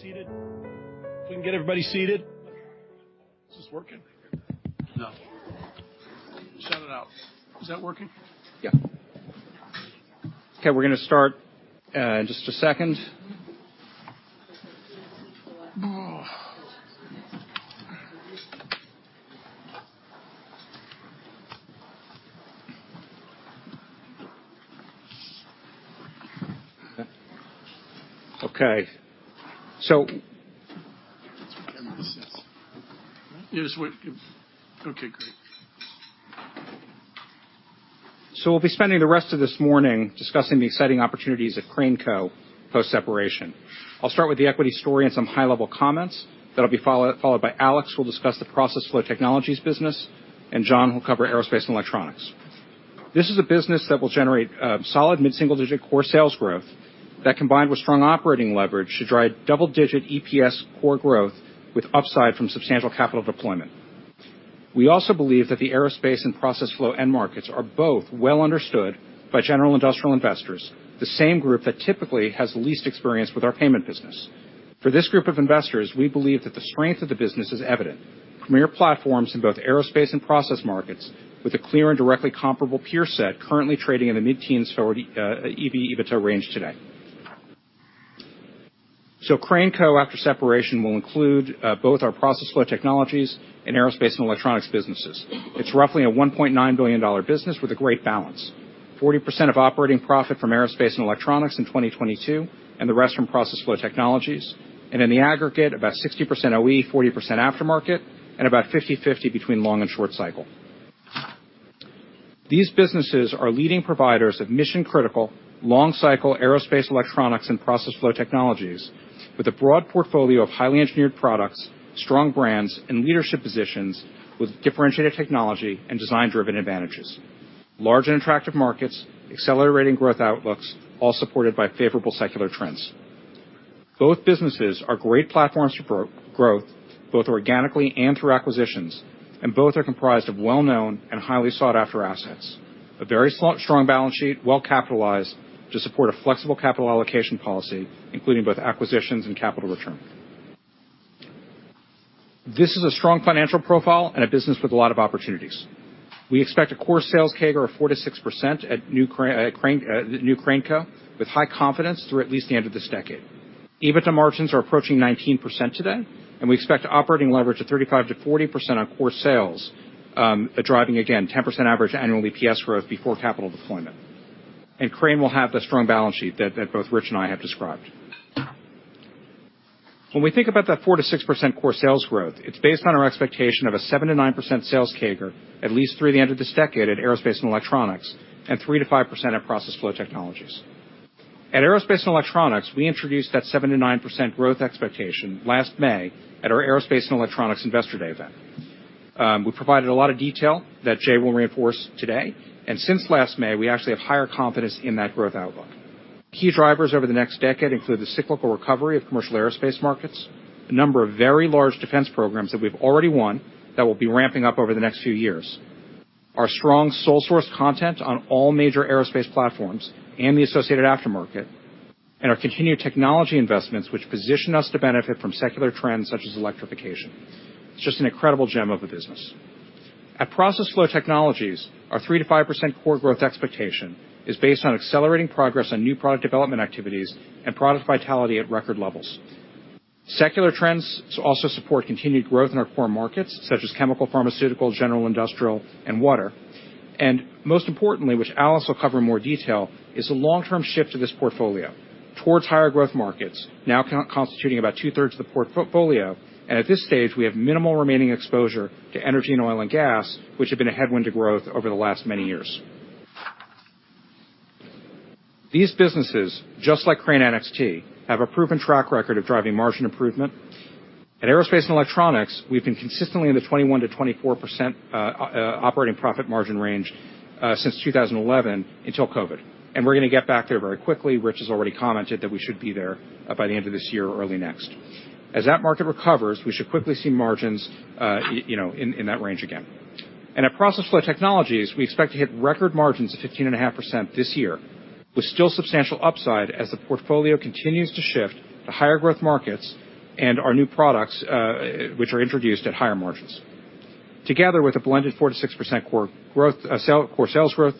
Everybody seated? If we can get everybody seated. Is this working? No. Shut it out. Is that working? Yeah. Okay, we're gonna start in just a second. Oh. Okay. Let's get this set. Yes. Okay, great. We'll be spending the rest of this morning discussing the exciting opportunities at Crane Co. post-separation. I'll start with the equity story and some high-level comments. That'll be followed by Alex Alcalà, who will discuss the Process Flow Technologies business, and John Higgs will cover Aerospace & Electronics. This is a business that will generate solid mid-single-digit core sales growth that, combined with strong operating leverage, should drive double-digit EPS core growth with upside from substantial capital deployment. We also believe that the aerospace and process flow end markets are both well understood by general industrial investors, the same group that typically has the least experience with our payment business. For this group of investors, we believe that the strength of the business is evident. Premier platforms in both aerospace and process markets, with a clear and directly comparable peer set currently trading in the mid-teens for EV/EBITDA range today. Crane Co., after separation, will include both our Process Flow Technologies and Aerospace & Electronics businesses. It's roughly a $1.9 billion business with a great balance. 40% of operating profit from Aerospace & Electronics in 2022, and the rest from Process Flow Technologies. In the aggregate, about 60% OE, 40% aftermarket, and about 50/50 between long and short cycle. These businesses are leading providers of mission-critical, long-cycle Aerospace, Electronics, and Process Flow Technologies with a broad portfolio of highly engineered products, strong brands, and leadership positions with differentiated technology and design-driven advantages. Large and attractive markets, accelerating growth outlooks, all supported by favorable secular trends. Both businesses are great platforms for growth, both organically and through acquisitions, and both are comprised of well-known and highly sought-after assets. A very strong balance sheet, well-capitalized to support a flexible capital allocation policy, including both acquisitions and capital return. This is a strong financial profile and a business with a lot of opportunities. We expect a core sales CAGR of 4%-6% at new Crane Co., with high confidence through at least the end of this decade. EBITDA margins are approaching 19% today, and we expect operating leverage of 35%-40% on core sales, driving, again, 10% average annual EPS growth before capital deployment. Crane will have the strong balance sheet that both Rich and I have described. When we think about that 4%-6% core sales growth, it's based on our expectation of a 7%-9% sales CAGR at least through the end of this decade at Aerospace & Electronics and 3%-5% at Process Flow Technologies. At Aerospace & Electronics, we introduced that 7%-9% growth expectation last May at our Aerospace & Electronics Investor Day event. We provided a lot of detail that Jay will reinforce today. Since last May, we actually have higher confidence in that growth outlook. Key drivers over the next decade include the cyclical recovery of commercial aerospace markets, a number of very large defense programs that we've already won that will be ramping up over the next few years. Our strong sole source content on all major aerospace platforms and the associated aftermarket, and our continued technology investments, which position us to benefit from secular trends such as electrification. It's just an incredible gem of a business. At Process Flow Technologies, our 3%-5% core growth expectation is based on accelerating progress on new product development activities and product vitality at record levels. Secular trends also support continued growth in our core markets, such as chemical, pharmaceutical, general, industrial, and water. Most importantly, which Alex will cover in more detail, is the long-term shift to this portfolio towards higher growth markets, now constituting about 2/3 of the portfolio. At this stage, we have minimal remaining exposure to energy and oil and gas, which have been a headwind to growth over the last many years. These businesses, just like Crane NXT, have a proven track record of driving margin improvement. At Aerospace & Electronics, we've been consistently in the 21%-24% operating profit margin range since 2011 until COVID. We're gonna get back there very quickly, which is already commented that we should be there by the end of this year or early next. As that market recovers, we should quickly see margins you know in that range again. At Process Flow Technologies, we expect to hit record margins of 15.5% this year, with still substantial upside as the portfolio continues to shift to higher growth markets and our new products which are introduced at higher margins. Together with a blended 4%-6% core growth, core sales growth,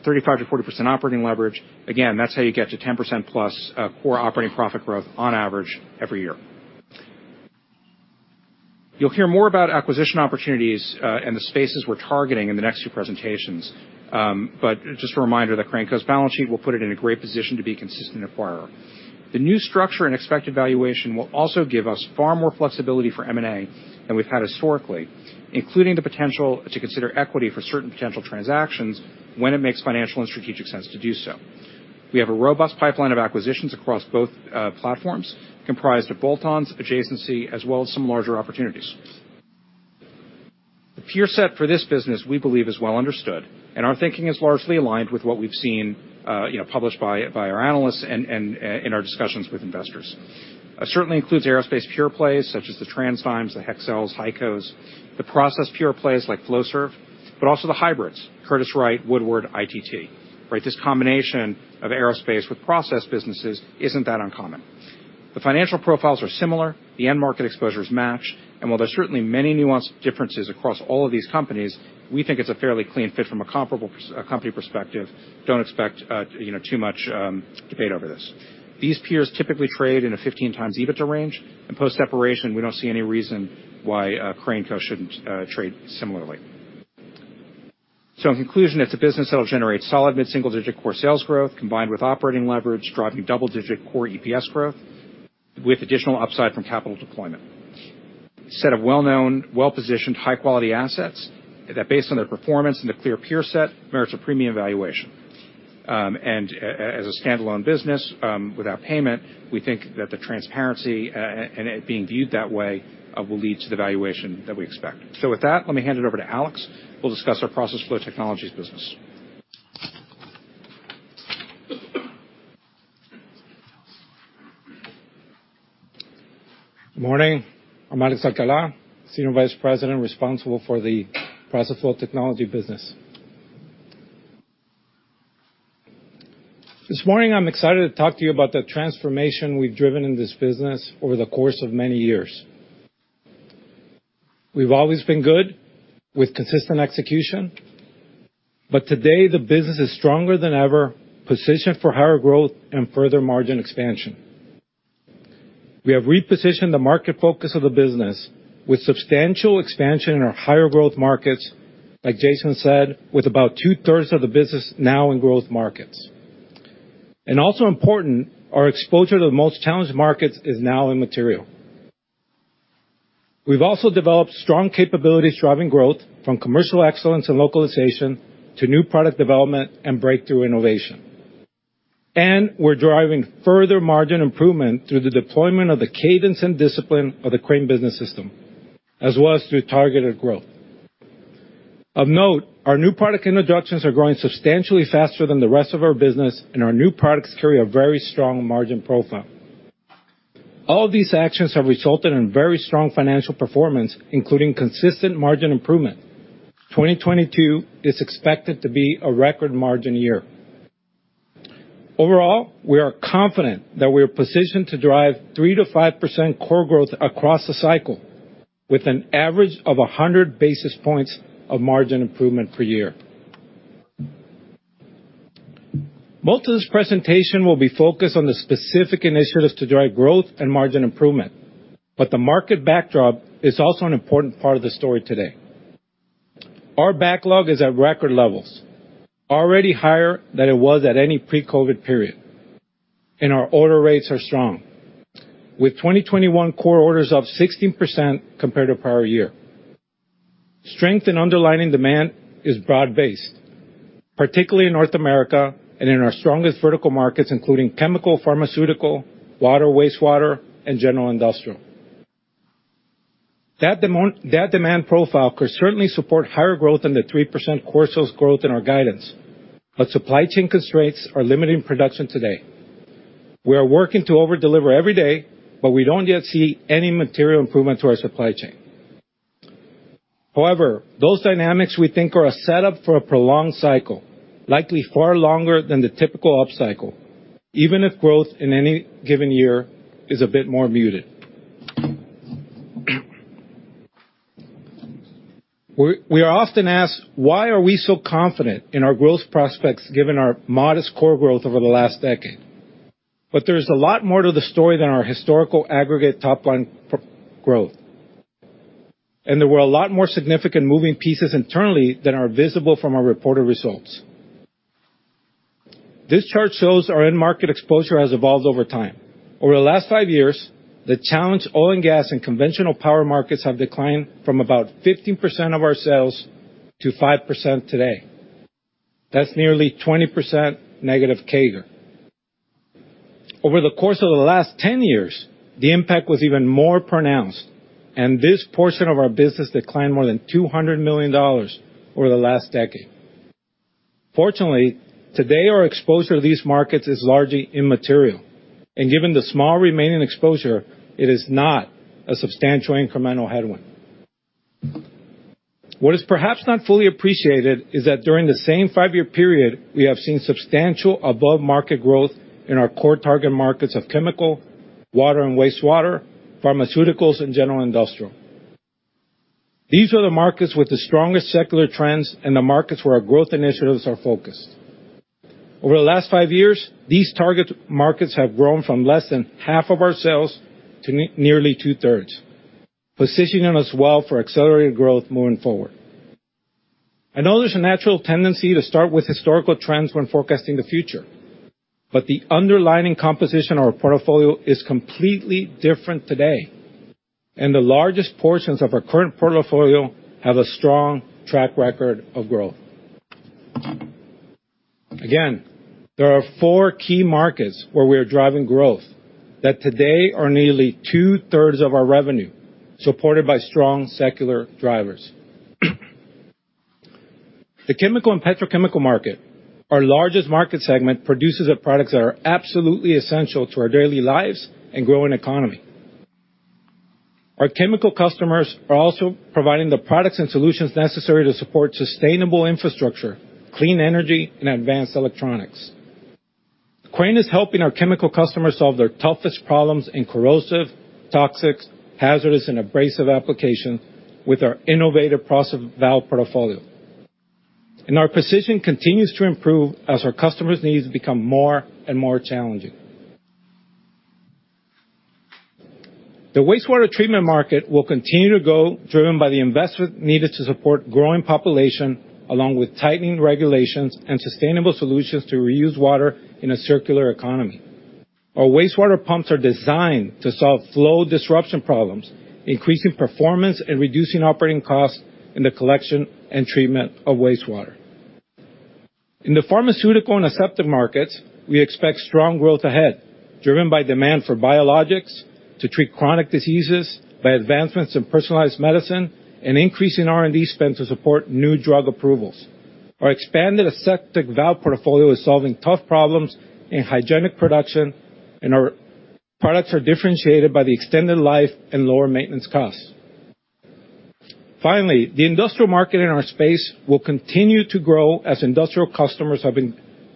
35%-40% operating leverage, again, that's how you get to 10%+ core operating profit growth on average every year. You'll hear more about acquisition opportunities, and the spaces we're targeting in the next few presentations. Just a reminder that Crane Co's balance sheet will put it in a great position to be a consistent acquirer. The new structure and expected valuation will also give us far more flexibility for M&A than we've had historically, including the potential to consider equity for certain potential transactions when it makes financial and strategic sense to do so. We have a robust pipeline of acquisitions across both platforms, comprised of bolt-ons, adjacency, as well as some larger opportunities. The peer set for this business we believe is well understood, and our thinking is largely aligned with what we've seen, you know, published by our analysts and in our discussions with investors. It certainly includes aerospace pure-plays such as the TransDigm, the Hexcel, HEICO, the process pure-plays like Flowserve, but also the hybrids, Curtiss-Wright, Woodward, ITT, right? This combination of aerospace with process businesses isn't that uncommon. The financial profiles are similar, the end market exposures match, and while there's certainly many nuanced differences across all of these companies, we think it's a fairly clean fit from a comparable company perspective. Don't expect you know, too much debate over this. These peers typically trade in a 15x EBITDA range, and post-separation, we don't see any reason why Crane Co. shouldn't trade similarly. In conclusion, it's a business that'll generate solid mid-single digit core sales growth, combined with operating leverage, driving double-digit core EPS growth, with additional upside from capital deployment. A set of well-known, well-positioned, high-quality assets that, based on their performance in the clear peer set, merits a premium valuation. As a standalone business without payment, we think that the transparency and it being viewed that way will lead to the valuation that we expect. With that, let me hand it over to Alex, who will discuss our Process Flow Technologies business. Good morning. I'm Alex Alcalà, Senior Vice President responsible for the Process Flow Technologies business. This morning, I'm excited to talk to you about the transformation we've driven in this business over the course of many years. We've always been good with consistent execution, but today the business is stronger than ever, positioned for higher growth and further margin expansion. We have repositioned the market focus of the business with substantial expansion in our higher growth markets, like Jason said, with about 2/3 of the business now in growth markets. Our exposure to the most challenged markets is now minimal. We've also developed strong capabilities driving growth from commercial excellence and localization to new product development and breakthrough innovation. We're driving further margin improvement through the deployment of the cadence and discipline of the Crane Business System, as well as through targeted growth. Of note, our new product introductions are growing substantially faster than the rest of our business, and our new products carry a very strong margin profile. All these actions have resulted in very strong financial performance, including consistent margin improvement. 2022 is expected to be a record margin year. Overall, we are confident that we are positioned to drive 3%-5% core growth across the cycle, with an average of 100 basis points of margin improvement per year. Most of this presentation will be focused on the specific initiatives to drive growth and margin improvement, but the market backdrop is also an important part of the story today. Our backlog is at record levels, already higher than it was at any pre-COVID period, and our order rates are strong, with 2021 core orders up 16% compared to prior year. Strength in underlying demand is broad-based, particularly in North America and in our strongest vertical markets, including chemical, pharmaceutical, water, wastewater, and general industrial. That demand profile could certainly support higher growth than the 3% core sales growth in our guidance, but supply chain constraints are limiting production today. We are working to over-deliver every day, but we don't yet see any material improvement to our supply chain. However, those dynamics we think are a setup for a prolonged cycle, likely far longer than the typical upcycle, even if growth in any given year is a bit more muted. We are often asked why we are so confident in our growth prospects given our modest core growth over the last decade. There's a lot more to the story than our historical aggregate top-line growth. There were a lot more significant moving pieces internally than are visible from our reported results. This chart shows our end market exposure has evolved over time. Over the last five years, the challenged oil and gas and conventional power markets have declined from about 15% of our sales to 5% today. That's nearly 20% negative CAGR. Over the course of the last 10 years, the impact was even more pronounced, and this portion of our business declined more than $200 million over the last decade. Fortunately, today our exposure to these markets is largely immaterial, and given the small remaining exposure, it is not a substantial incremental headwind. What is perhaps not fully appreciated is that during the same five-year period, we have seen substantial above market growth in our core target markets of chemical, water and wastewater, pharmaceuticals, and general industrial. These are the markets with the strongest secular trends and the markets where our growth initiatives are focused. Over the last five years, these target markets have grown from less than half of our sales to nearly 2/3, positioning us well for accelerated growth moving forward. I know there's a natural tendency to start with historical trends when forecasting the future, but the underlying composition of our portfolio is completely different today, and the largest portions of our current portfolio have a strong track record of growth. Again, there are four key markets where we are driving growth that today are nearly 2/3 of our revenue, supported by strong secular drivers. The chemical and petrochemical market, our largest market segment, produces the products that are absolutely essential to our daily lives and growing economy. Our chemical customers are also providing the products and solutions necessary to support sustainable infrastructure, clean energy, and advanced electronics. Crane is helping our chemical customers solve their toughest problems in corrosive, toxic, hazardous, and abrasive applications with our innovative process valve portfolio. Our precision continues to improve as our customers' needs become more and more challenging. The wastewater treatment market will continue to grow, driven by the investment needed to support growing population along with tightening regulations and sustainable solutions to reuse water in a circular economy. Our wastewater pumps are designed to solve flow disruption problems, increasing performance and reducing operating costs in the collection and treatment of wastewater. In the pharmaceutical and aseptic markets, we expect strong growth ahead, driven by demand for biologics to treat chronic diseases, by advancements in personalized medicine, and increasing R&D spend to support new drug approvals. Our expanded aseptic valve portfolio is solving tough problems in hygienic production, and our products are differentiated by the extended life and lower maintenance costs. Finally, the industrial market in our space will continue to grow as industrial customers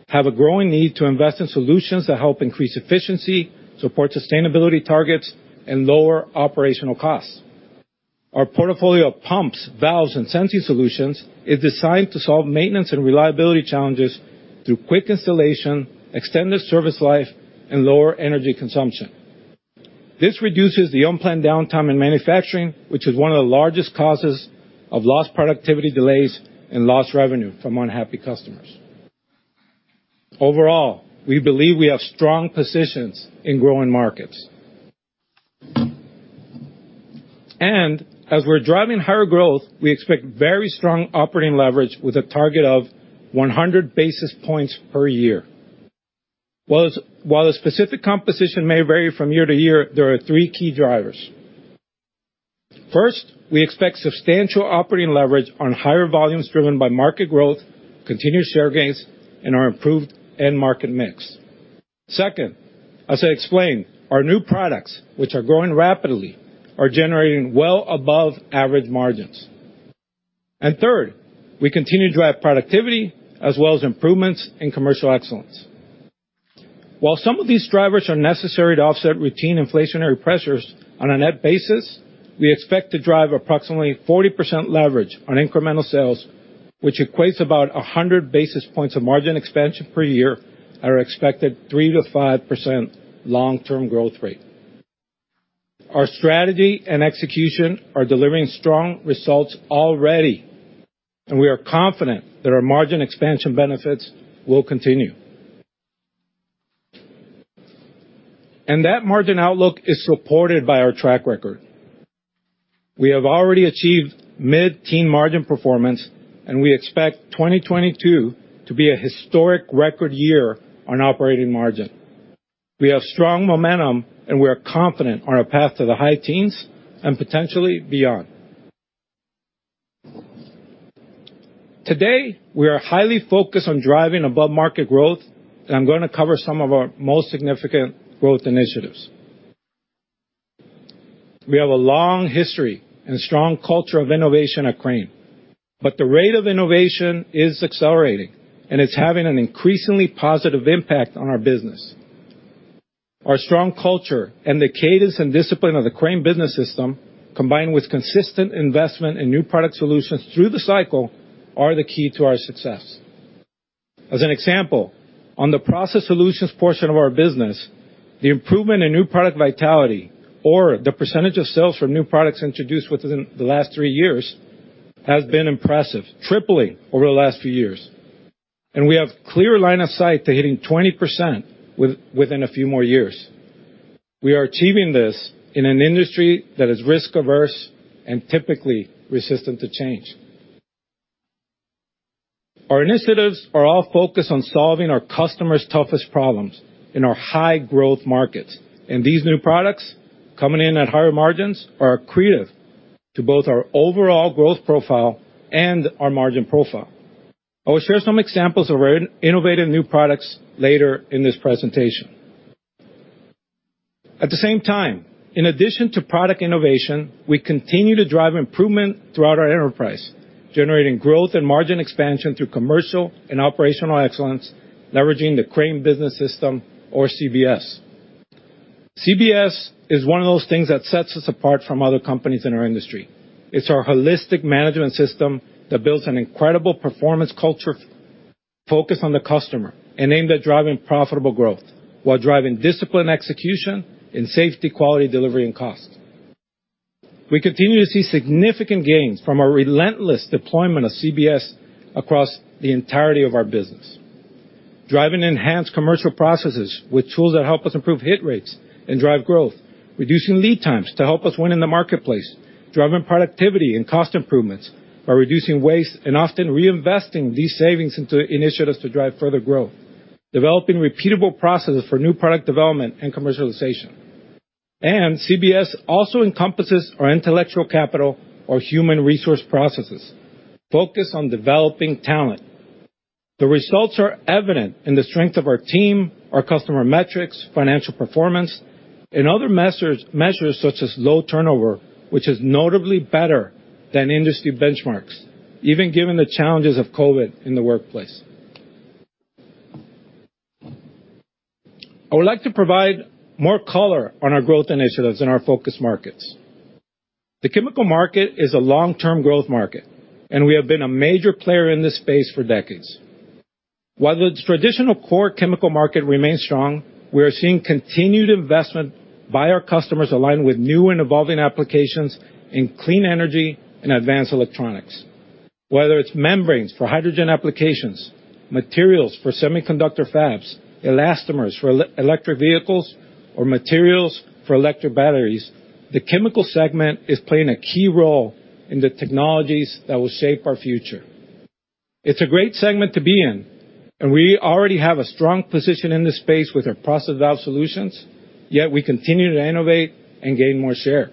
have a growing need to invest in solutions that help increase efficiency, support sustainability targets, and lower operational costs. Our portfolio of pumps, valves, and sensing solutions is designed to solve maintenance and reliability challenges through quick installation, extended service life, and lower energy consumption. This reduces the unplanned downtime in manufacturing, which is one of the largest causes of lost productivity delays and lost revenue from unhappy customers. Overall, we believe we have strong positions in growing markets. As we're driving higher growth, we expect very strong operating leverage with a target of 100 basis points per year. While the specific composition may vary from year to year, there are three key drivers. First, we expect substantial operating leverage on higher volumes driven by market growth, continued share gains, and our improved end market mix. Second, as I explained, our new products, which are growing rapidly, are generating well above average margins. Third, we continue to drive productivity as well as improvements in commercial excellence. While some of these drivers are necessary to offset routine inflationary pressures, on a net basis, we expect to drive approximately 40% leverage on incremental sales, which equates about 100 basis points of margin expansion per year at our expected 3%-5% long-term growth rate. Our strategy and execution are delivering strong results already, and we are confident that our margin expansion benefits will continue. That margin outlook is supported by our track record. We have already achieved mid-teen margin performance, and we expect 2022 to be a historic record year on operating margin. We have strong momentum, and we are confident on a path to the high teens and potentially beyond. Today, we are highly focused on driving above-market growth, and I'm gonna cover some of our most significant growth initiatives. We have a long history and strong culture of innovation at Crane, but the rate of innovation is accelerating, and it's having an increasingly positive impact on our business. Our strong culture and the cadence and discipline of the Crane Business System, combined with consistent investment in new product solutions through the cycle, are the key to our success. As an example, on the process solutions portion of our business, the improvement in new product vitality, or the percentage of sales from new products introduced within the last three years, has been impressive, tripling over the last few years. We have clear line of sight to hitting 20% within a few more years. We are achieving this in an industry that is risk-averse and typically resistant to change. Our initiatives are all focused on solving our customers' toughest problems in our high-growth markets, and these new products, coming in at higher margins, are accretive to both our overall growth profile and our margin profile. I will share some examples of our innovative new products later in this presentation. At the same time, in addition to product innovation, we continue to drive improvement throughout our enterprise, generating growth and margin expansion through commercial and operational excellence, leveraging the Crane Business System, or CBS. CBS is one of those things that sets us apart from other competencies in our industry. It's our holistic management system that builds an incredible performance culture focused on the customer and aimed at driving profitable growth while driving disciplined execution in safety, quality, delivery, and cost. We continue to see significant gains from our relentless deployment of CBS across the entirety of our business. Driving enhanced commercial processes with tools that help us improve hit rates and drive growth, reducing lead times to help us win in the marketplace, driving productivity and cost improvements by reducing waste, and often reinvesting these savings into initiatives to drive further growth, developing repeatable processes for new product development and commercialization. CBS also encompasses our intellectual capital, our human resource processes focused on developing talent. The results are evident in the strength of our team, our customer metrics, financial performance, and other measures such as low turnover, which is notably better than industry benchmarks, even given the challenges of COVID in the workplace. I would like to provide more color on our growth initiatives in our focus markets. The chemical market is a long-term growth market, and we have been a major player in this space for decades. While the traditional core chemical market remains strong, we are seeing continued investment by our customers aligned with new and evolving applications in clean energy and advanced electronics. Whether it's membranes for hydrogen applications, materials for semiconductor fabs, elastomers for electric vehicles or materials for electric batteries, the chemical segment is playing a key role in the technologies that will shape our future. It's a great segment to be in, and we already have a strong position in this space with our process valve solutions, yet we continue to innovate and gain more share.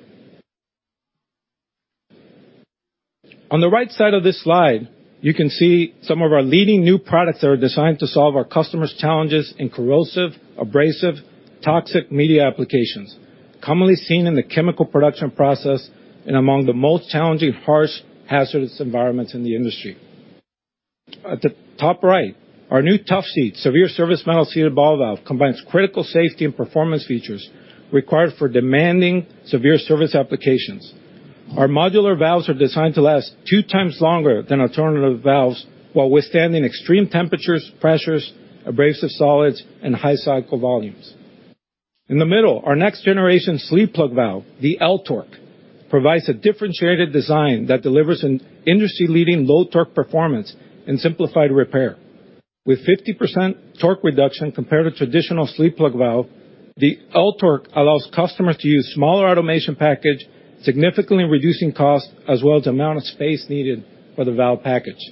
On the right side of this slide, you can see some of our leading new products that are designed to solve our customers' challenges in corrosive, abrasive, toxic media applications, commonly seen in the chemical production process and among the most challenging, harsh, hazardous environments in the industry. At the top right, our new Tough Seat severe service metal seated ball valve combines critical safety and performance features required for demanding severe service applications. Our modular valves are designed to last 2x longer than alternative valves while withstanding extreme temperatures, pressures, abrasive solids, and high cycle volumes. In the middle, our next-generation sleeve plug valve, the L-Torque, provides a differentiated design that delivers an industry-leading low torque performance and simplified repair. With 50% torque reduction compared to traditional sleeve plug valve, the L-Torque allows customers to use smaller automation package, significantly reducing cost as well as amount of space needed for the valve package.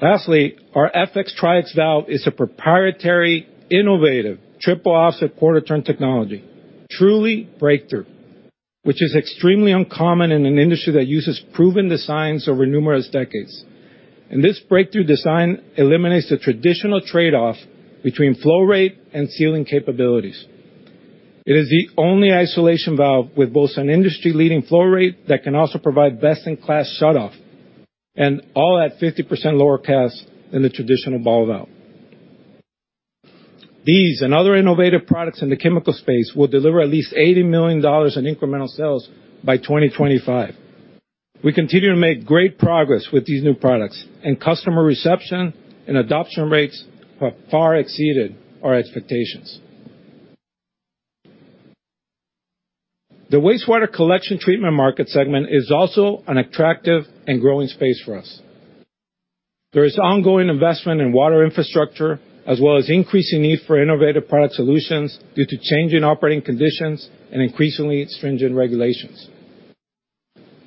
Lastly, our FK-TrieX valve is a proprietary, innovative triple offset quarter-turn technology, truly breakthrough, which is extremely uncommon in an industry that uses proven designs over numerous decades. This breakthrough design eliminates the traditional trade-off between flow rate and sealing capabilities. It is the only isolation valve with both an industry-leading flow rate that can also provide best-in-class shutoff, and all at 50% lower cost than the traditional ball valve. These and other innovative products in the chemical space will deliver at least $80 million in incremental sales by 2025. We continue to make great progress with these new products, and customer reception and adoption rates have far exceeded our expectations. The wastewater collection treatment market segment is also an attractive and growing space for us. There is ongoing investment in water infrastructure, as well as increasing need for innovative product solutions due to changing operating conditions and increasingly stringent regulations.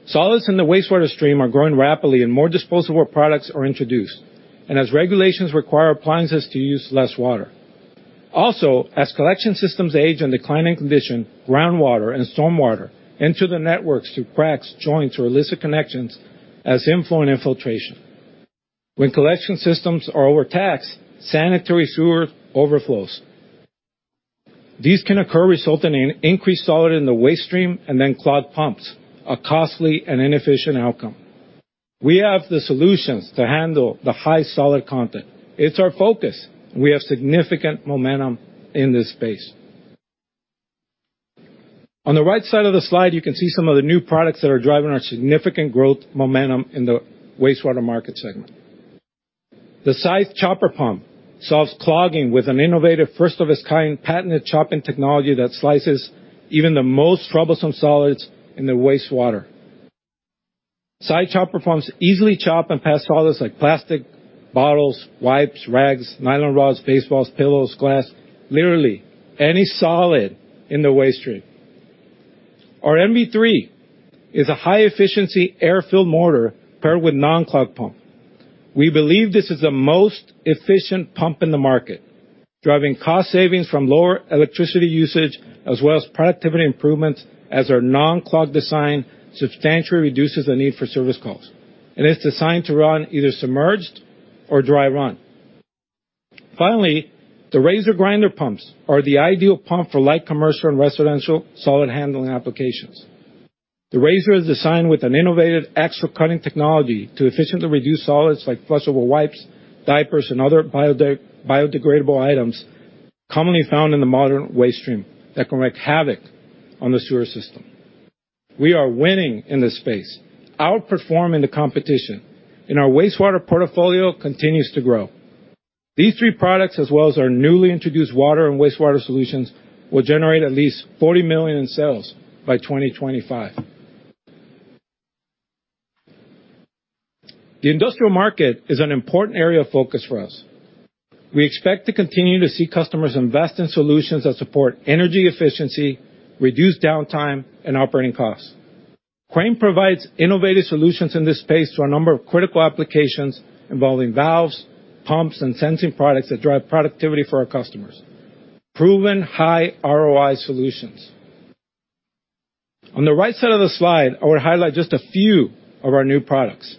Solids in the wastewater stream are growing rapidly, and more disposable products are introduced, and as regulations require appliances to use less water. As collection systems age and decline in condition, groundwater and stormwater enter the networks through cracks, joints, or illicit connections as influent infiltration. When collection systems are overtaxed, sanitary sewer overflows can occur, resulting in increased solid in the waste stream, and then clog pumps, a costly and inefficient outcome. We have the solutions to handle the high solid content. It's our focus. We have significant momentum in this space. On the right side of the slide, you can see some of the new products that are driving our significant growth momentum in the wastewater market segment. The SITHE Chopper pump solves clogging with an innovative, first-of-its-kind patented chopping technology that slices even the most troublesome solids in the wastewater. SITHE Chopper pumps easily chop and pass solids like plastic bottles, wipes, rags, nylon rods, baseballs, pillows, glass, literally any solid in the waste stream. Our Envie3 is a high-efficiency air-filled motor paired with non-clog pump. We believe this is the most efficient pump in the market, driving cost savings from lower electricity usage as well as productivity improvements as our non-clog design substantially reduces the need for service calls. It's designed to run either submerged or dry run. Finally, the RAZOR Grinder pumps are the ideal pump for light commercial and residential solid handling applications. The RAZOR is designed with an innovative extra cutting technology to efficiently reduce solids like flushable wipes, diapers, and other biodegradable items commonly found in the modern waste stream that can wreak havoc on the sewer system. We are winning in this space, outperforming the competition, and our wastewater portfolio continues to grow. These three products, as well as our newly introduced water and wastewater solutions, will generate at least $40 million in sales by 2025. The industrial market is an important area of focus for us. We expect to continue to see customers invest in solutions that support energy efficiency, reduce downtime and operating costs. Crane provides innovative solutions in this space to a number of critical applications involving valves, pumps, and sensing products that drive productivity for our customers. Proven high ROI solutions. On the right side of the slide, I would highlight just a few of our new products.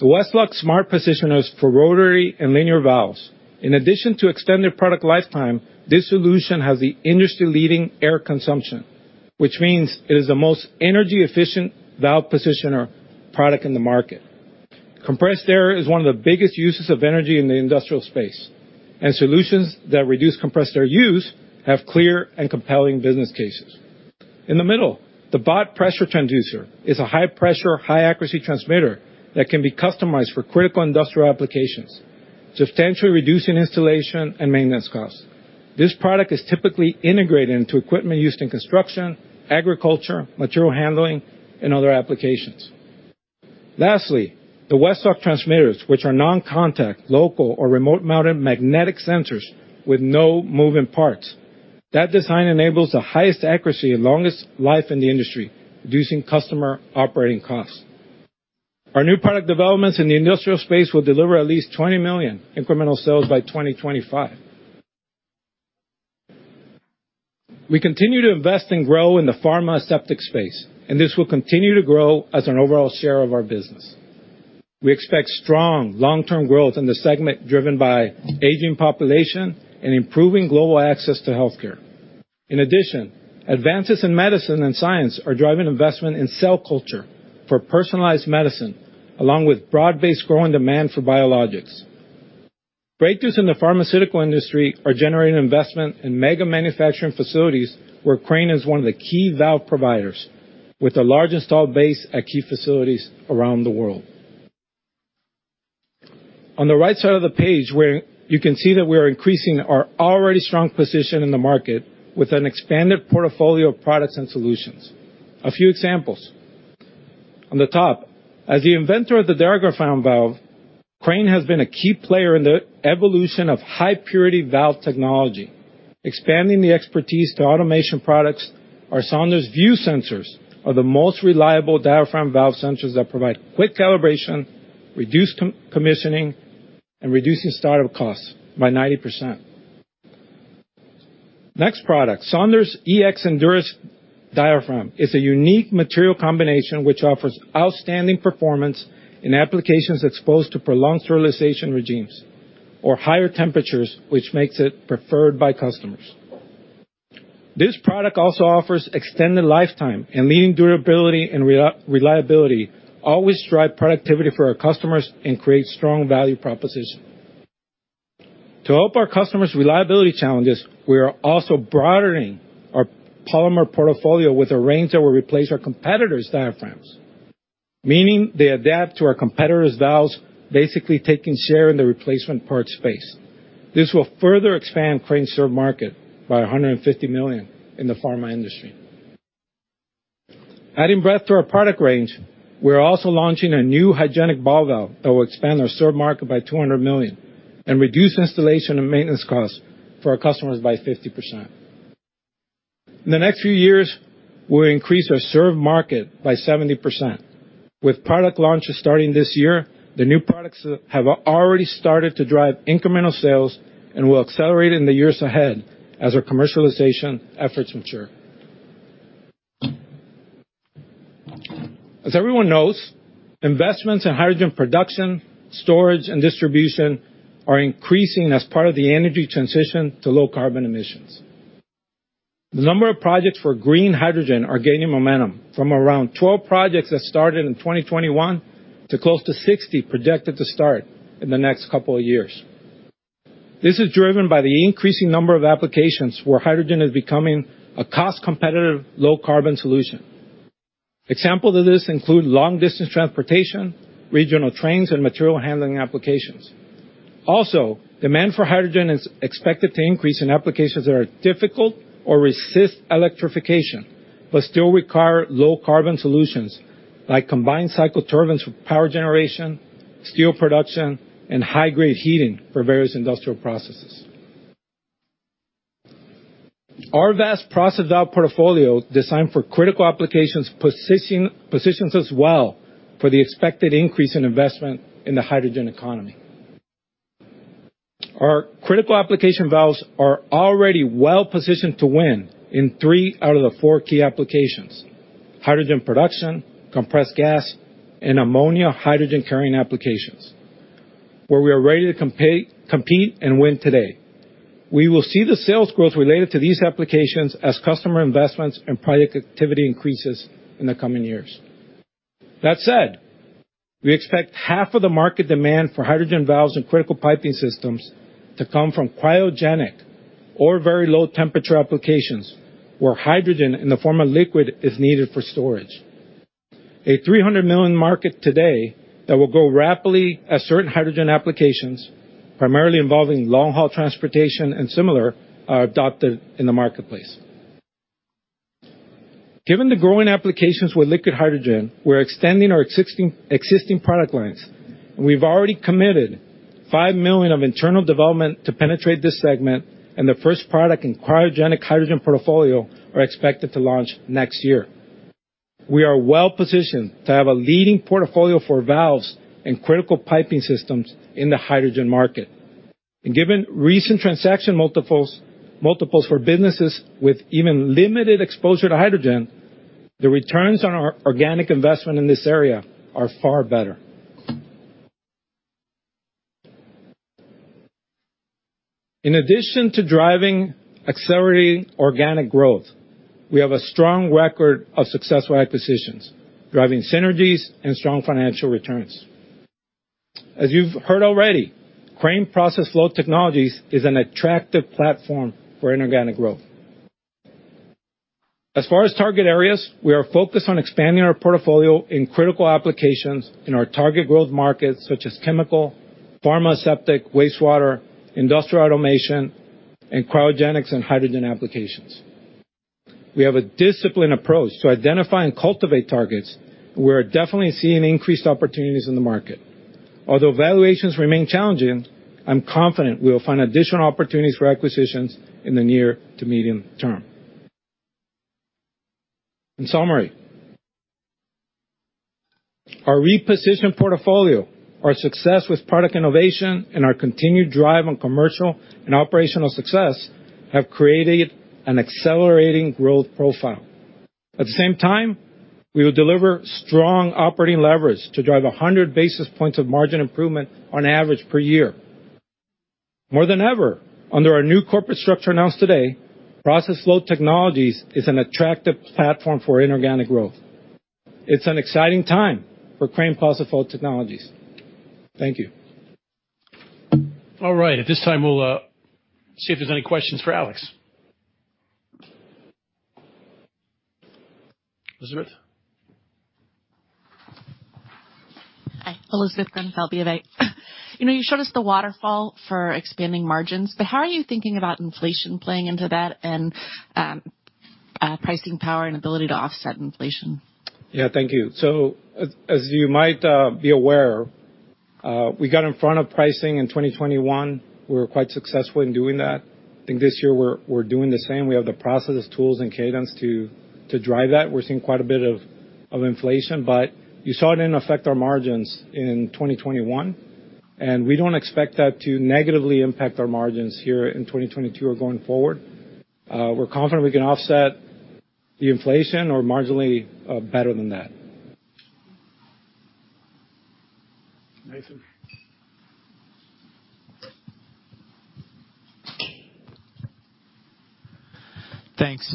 The Westlock Smart Positioners for rotary and linear valves. In addition to extended product lifetime, this solution has the industry-leading air consumption, which means it is the most energy efficient valve positioner product in the market. Compressed air is one of the biggest uses of energy in the industrial space, and solutions that reduce compressed air use have clear and compelling business cases. In the middle, the BoT pressure transducer is a high-pressure, high-accuracy transmitter that can be customized for critical industrial applications, substantially reducing installation and maintenance costs. This product is typically integrated into equipment used in construction, agriculture, material handling, and other applications. Lastly, the Westlock transmitters, which are non-contact, local or remote mounted magnetic sensors with no moving parts. That design enables the highest accuracy and longest life in the industry, reducing customer operating costs. Our new product developments in the industrial space will deliver at least $20 million incremental sales by 2025. We continue to invest and grow in the pharma aseptic space, and this will continue to grow as an overall share of our business. We expect strong long-term growth in the segment driven by aging population and improving global access to healthcare. In addition, advances in medicine and science are driving investment in cell culture for personalized medicine, along with broad-based growing demand for biologics. Breakthroughs in the pharmaceutical industry are generating investment in mega manufacturing facilities, where Crane is one of the key valve providers with the largest install base at key facilities around the world. On the right side of the page, where you can see that we are increasing our already strong position in the market with an expanded portfolio of products and solutions. A few examples. On the top, as the inventor of the diaphragm valve, Crane has been a key player in the evolution of high purity valve technology, expanding the expertise to automation products. Our Saunders I-VUE sensors are the most reliable diaphragm valve sensors that provide quick calibration, reduced commissioning, and reducing startup costs by 90%. Next product. Saunders EX Endurance Diaphragm is a unique material combination which offers outstanding performance in applications exposed to prolonged sterilization regimes or higher temperatures, which makes it preferred by customers. This product also offers extended lifetime and leading durability, and reliability always drive productivity for our customers and creates strong value proposition. To help our customers' reliability challenges, we are also broadening our polymer portfolio with a range that will replace our competitors' diaphragms, meaning they adapt to our competitors' valves, basically taking share in the replacement parts space. This will further expand Crane served market by $150 million in the pharma industry. Adding breadth to our product range, we're also launching a new hygienic ball valve that will expand our served market by $200 million and reduce installation and maintenance costs for our customers by 50%. In the next few years, we'll increase our served market by 70%. With product launches starting this year, the new products have already started to drive incremental sales and will accelerate in the years ahead as our commercialization efforts mature. As everyone knows, investments in hydrogen production, storage, and distribution are increasing as part of the energy transition to low carbon emissions. The number of projects for green hydrogen are gaining momentum from around 12 projects that started in 2021 to close to 60 projected to start in the next couple of years. This is driven by the increasing number of applications where hydrogen is becoming a cost-competitive, low-carbon solution. Example of this include long-distance transportation, regional trains, and material handling applications. Also, demand for hydrogen is expected to increase in applications that are difficult or resist electrification but still require low carbon solutions like combined cycle turbines for power generation, steel production, and high-grade heating for various industrial processes. Our vast process valve portfolio designed for critical applications positions us well for the expected increase in investment in the hydrogen economy. Our critical application valves are already well-positioned to win in three out of the four key applications: hydrogen production, compressed gas, and ammonia hydrogen carrying applications where we are ready to compete and win today. We will see the sales growth related to these applications as customer investments and product activity increases in the coming years. That said, we expect half of the market demand for hydrogen valves and critical piping systems to come from cryogenic or very low temperature applications, where hydrogen in the form of liquid is needed for storage. A $300 million market today that will grow rapidly as certain hydrogen applications, primarily involving long-haul transportation and similar, are adopted in the marketplace. Given the growing applications with liquid hydrogen, we're extending our existing product lines, and we've already committed $5 million of internal development to penetrate this segment, and the first product in cryogenic hydrogen portfolio are expected to launch next year. We are well-positioned to have a leading portfolio for valves and critical piping systems in the hydrogen market. Given recent transaction multiples for businesses with even limited exposure to hydrogen, the returns on our organic investment in this area are far better In addition to driving accelerating organic growth, we have a strong record of successful acquisitions, driving synergies and strong financial returns. As you've heard already, Crane Process Flow Technologies is an attractive platform for inorganic growth. As far as target areas, we are focused on expanding our portfolio in critical applications in our target growth markets such as chemical, pharma, septic, wastewater, industrial automation, and cryogenics and hydrogen applications. We have a disciplined approach to identify and cultivate targets. We're definitely seeing increased opportunities in the market. Although valuations remain challenging, I'm confident we will find additional opportunities for acquisitions in the near to medium term. In summary, our repositioned portfolio, our success with product innovation, and our continued drive on commercial and operational success have created an accelerating growth profile. At the same time, we will deliver strong operating leverage to drive 100 basis points of margin improvement on average per year. More than ever, under our new corporate structure announced today, Process Flow Technologies is an attractive platform for inorganic growth. It's an exciting time for Crane Process Flow Technologies. Thank you. All right. At this time, we'll see if there's any questions for Alex. Elizabeth? Hi. Elizabeth from BofA. You know, you showed us the waterfall for expanding margins, but how are you thinking about inflation playing into that and, pricing power and ability to offset inflation? Yeah. Thank you. As you might be aware, we got in front of pricing in 2021. We were quite successful in doing that. I think this year, we're doing the same. We have the processes, tools, and cadence to drive that. We're seeing quite a bit of inflation, but you saw it didn't affect our margins in 2021, and we don't expect that to negatively impact our margins here in 2022 or going forward. We're confident we can offset the inflation or marginally better than that. Nathan. Thanks.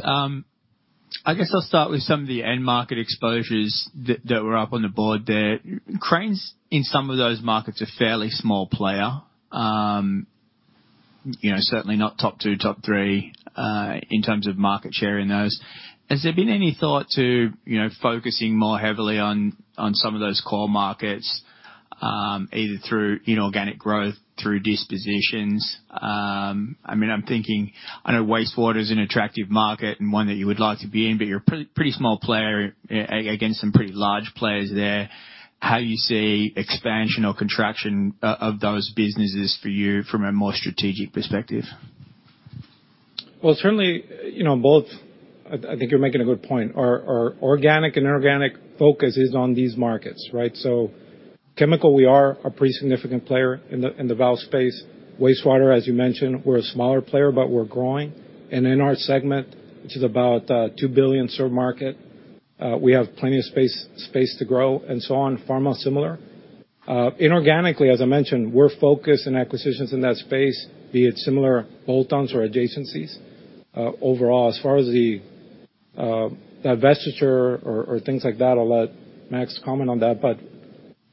I guess I'll start with some of the end market exposures that were up on the board there. Crane's, in some of those markets, a fairly small player. You know, certainly not top two, top three, in terms of market share in those. Has there been any thought to, you know, focusing more heavily on some of those core markets, either through inorganic growth, through dispositions? I mean, I'm thinking, I know wastewater is an attractive market and one that you would like to be in, but you're a pretty small player against some pretty large players there. How do you see expansion or contraction of those businesses for you from a more strategic perspective? Well, certainly, you know, both. I think you're making a good point. Our organic and inorganic focus is on these markets, right? Chemical, we are a pretty significant player in the valve space. Wastewater, as you mentioned, we're a smaller player, but we're growing. In our segment, which is about $2 billion served market, we have plenty of space to grow and so on. Pharma, similar. Inorganically, as I mentioned, we're focused in acquisitions in that space, be it similar bolt-ons or adjacencies. Overall, as far as the divestiture or things like that, I'll let Max comment on that.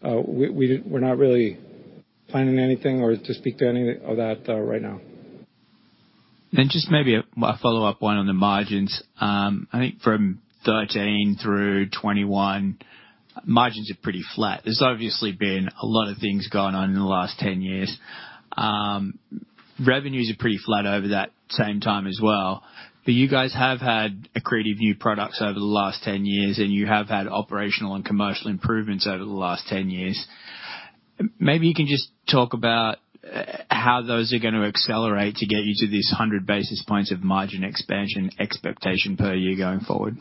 We're not really planning anything or to speak to any of that right now. Just maybe a follow-up point on the margins. I think from 2013-2021, margins are pretty flat. There's obviously been a lot of things going on in the last 10 years. Revenues are pretty flat over that same time as well, but you guys have had accretive new products over the last 10 years, and you have had operational and commercial improvements over the last 10 years. Maybe you can just talk about how those are gonna accelerate to get you to these 100 basis points of margin expansion expectation per year going forward.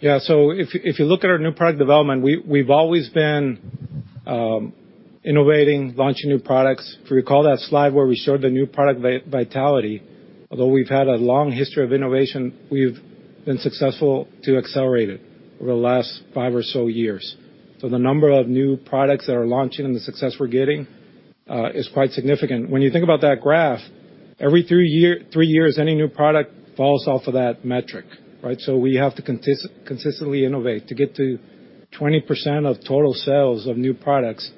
If you look at our new product development, we've always been innovating, launching new products. If you recall that slide where we showed the new product vitality, although we've had a long history of innovation, we've been successful to accelerate it over the last five or so years. The number of new products that are launching and the success we're getting is quite significant. When you think about that graph, every three years, any new product falls off of that metric, right? We have to consistently innovate. To get to 20% of total sales of new products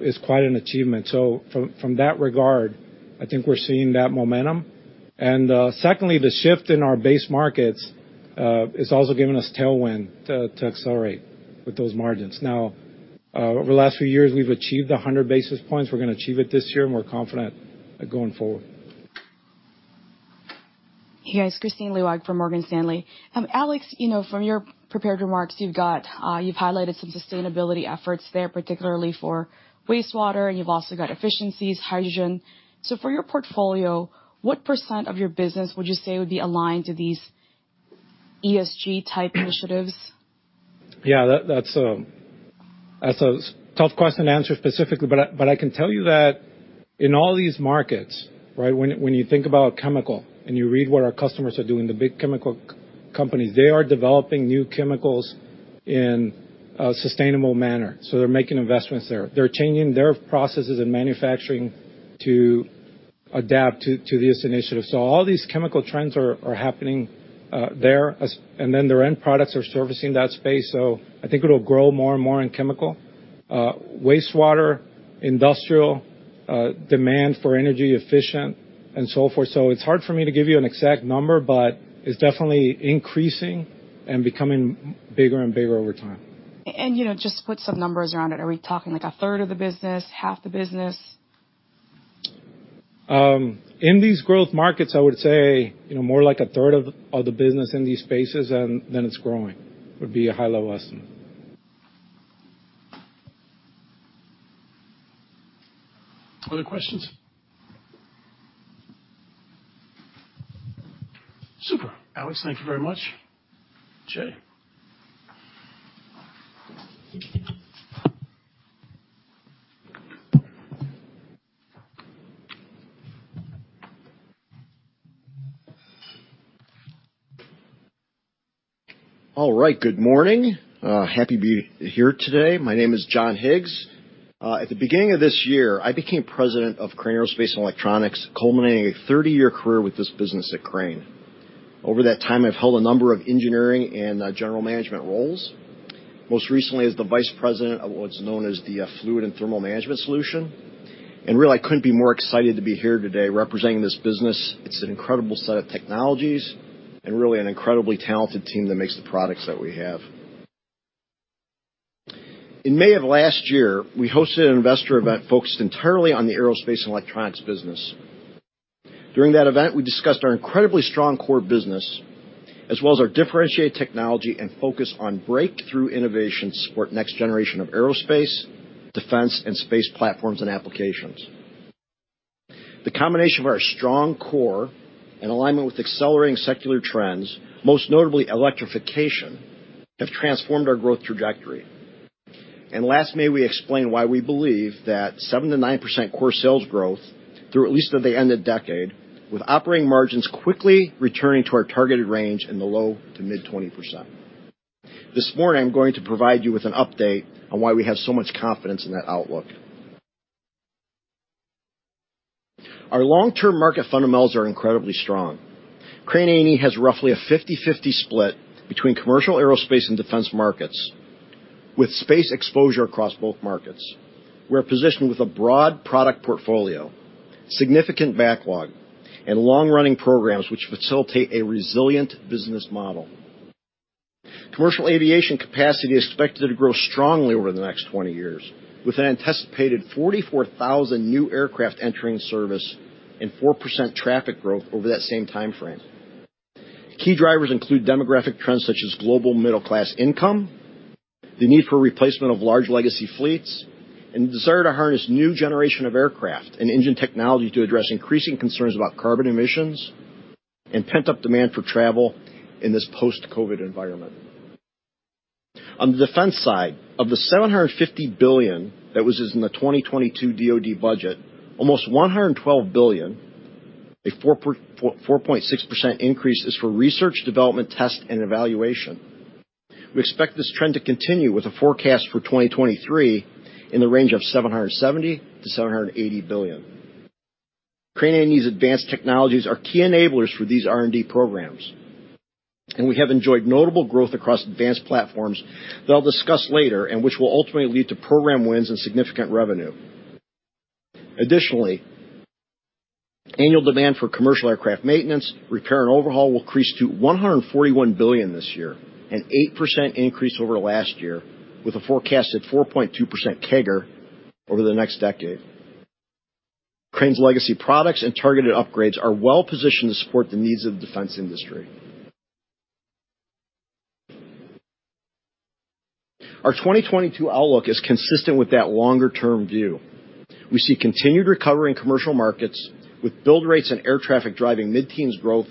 is quite an achievement. From that regard, I think we're seeing that momentum. Secondly, the shift in our base markets has also given us tailwind to accelerate with those margins. Now, over the last few years, we've achieved 100 basis points. We're gonna achieve it this year and we're confident going forward. Hey, guys, Kristine Liwag from Morgan Stanley. Alex, you know, from your prepared remarks, you've highlighted some sustainability efforts there, particularly for wastewater, and you've also got efficiencies, hydrogen. For your portfolio, what percent of your business would you say would be aligned to these ESG-type initiatives? Yeah, that's a tough question to answer specifically, but I can tell you that in all these markets, right, when you think about chemical and you read what our customers are doing, the big chemical competencies, they are developing new chemicals in a sustainable manner, so they're making investments there. They're changing their processes and manufacturing to adapt to these initiatives. So, all these chemical trends are happening there and then their end products are servicing that space, so I think it'll grow more and more in chemical. Wastewater, industrial, demand for energy efficient and so forth. So, it's hard for me to give you an exact number, but it's definitely increasing and becoming bigger and bigger over time. You know, just put some numbers around it. Are we talking like a third of the business, half the business? In these growth markets, I would say, you know, more like a third of the business in these spaces, and then it's growing, would be a high-level estimate. Other questions? Super. Alex, thank you very much. Jay. All right, good morning. Happy to be here today. My name is John Higgs. At the beginning of this year, I became President of Crane Aerospace & Electronics, culminating a 30-year career with this business at Crane. Over that time, I've held a number of engineering and general management roles. Most recently, as the Vice President of what's known as the Fluid and Thermal Management Solution. Really, I couldn't be more excited to be here today representing this business. It's an incredible set of technologies and really an incredibly talented team that makes the products that we have. In May of last year, we hosted an investor event focused entirely on the Aerospace and Electronics business. During that event, we discussed our incredibly strong core business, as well as our differentiated technology and focus on breakthrough innovation support next generation of aerospace, defense, and space platforms and applications. The combination of our strong core and alignment with accelerating secular trends, most notably electrification, have transformed our growth trajectory. Last May, we explained why we believe that 7%-9% core sales growth through at least the end of the decade, with operating margins quickly returning to our targeted range in the low to mid-20%. This morning, I'm going to provide you with an update on why we have so much confidence in that outlook. Our long-term market fundamentals are incredibly strong. Crane A&E has roughly a 50/50 split between commercial aerospace and defense markets, with space exposure across both markets. We're positioned with a broad product portfolio, significant backlog, and long-running programs which facilitate a resilient business model. Commercial aviation capacity is expected to grow strongly over the next 20 years, with an anticipated 44,000 new aircraft entering service and 4% traffic growth over that same timeframe. Key drivers include demographic trends such as global middle-class income, the need for replacement of large legacy fleets, and the desire to harness new generation of aircraft and engine technology to address increasing concerns about carbon emissions and pent-up demand for travel in this post-COVID environment. On the defense side, of the $750 billion that was in the 2022 DoD budget, almost $112 billion, a 4.6% increase, is for research, development, test, and evaluation. We expect this trend to continue with a forecast for 2023 in the range of $770 billion-$780 billion. Crane A&E's advanced technologies are key enablers for these R&D programs, and we have enjoyed notable growth across advanced platforms that I'll discuss later, and which will ultimately lead to program wins and significant revenue. Additionally, annual demand for commercial aircraft maintenance, repair, and overhaul will increase to $141 billion this year, an 8% increase over last year, with a forecasted 4.2% CAGR over the next decade. Crane's legacy products and targeted upgrades are well-positioned to support the needs of the defense industry. Our 2022 outlook is consistent with that longer-term view. We see continued recovery in commercial markets with build rates and air traffic driving mid-teens growth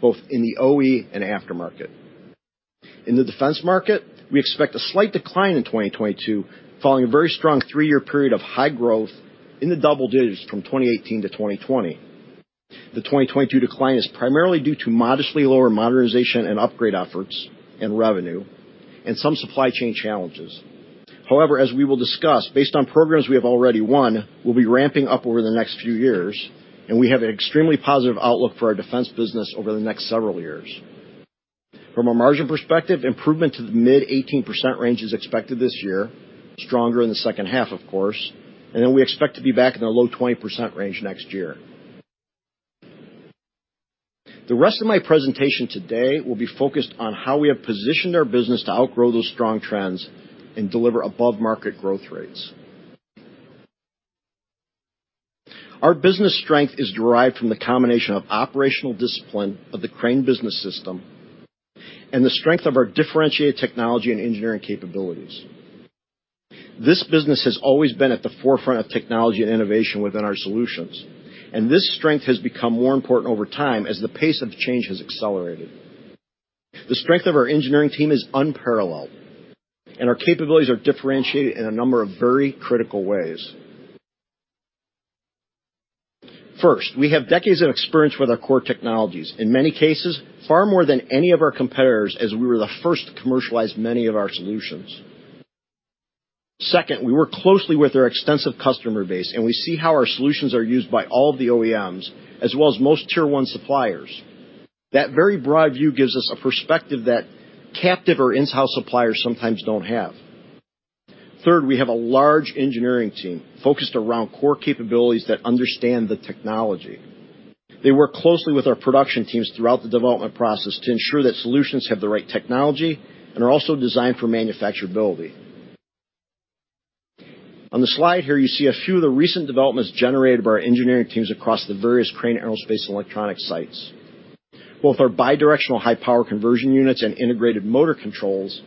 both in the OE and aftermarket. In the defense market, we expect a slight decline in 2022 following a very strong three-year period of high growth in the double digits from 2018-2020. The 2022 decline is primarily due to modestly lower modernization and upgrade efforts and revenue and some supply chain challenges. However, as we will discuss, based on programs we have already won, we'll be ramping up over the next few years, and we have an extremely positive outlook for our defense business over the next several years. From a margin perspective, improvement to the mid-18% range is expected this year, stronger in the second half, of course, and then we expect to be back in the low-20% range next year. The rest of my presentation today will be focused on how we have positioned our business to outgrow those strong trends and deliver above-market growth rates. Our business strength is derived from the combination of operational discipline of the Crane Business System and the strength of our differentiated technology and engineering capabilities. This business has always been at the forefront of technology and innovation within our solutions, and this strength has become more important over time as the pace of change has accelerated. The strength of our engineering team is unparalleled, and our capabilities are differentiated in a number of very critical ways. First, we have decades of experience with our core technologies, in many cases, far more than any of our competitors as we were the first to commercialize many of our solutions. Second, we work closely with our extensive customer base, and we see how our solutions are used by all of the OEMs as well as most Tier One suppliers. That very broad view gives us a perspective that captive or in-house suppliers sometimes don't have. Third, we have a large engineering team focused around core capabilities that understand the technology. They work closely with our production teams throughout the development process to ensure that solutions have the right technology and are also designed for manufacturability. On the slide here, you see a few of the recent developments generated by our engineering teams across the various Crane Aerospace & Electronics sites. Both our bidirectional high-power conversion units and integrated motor controls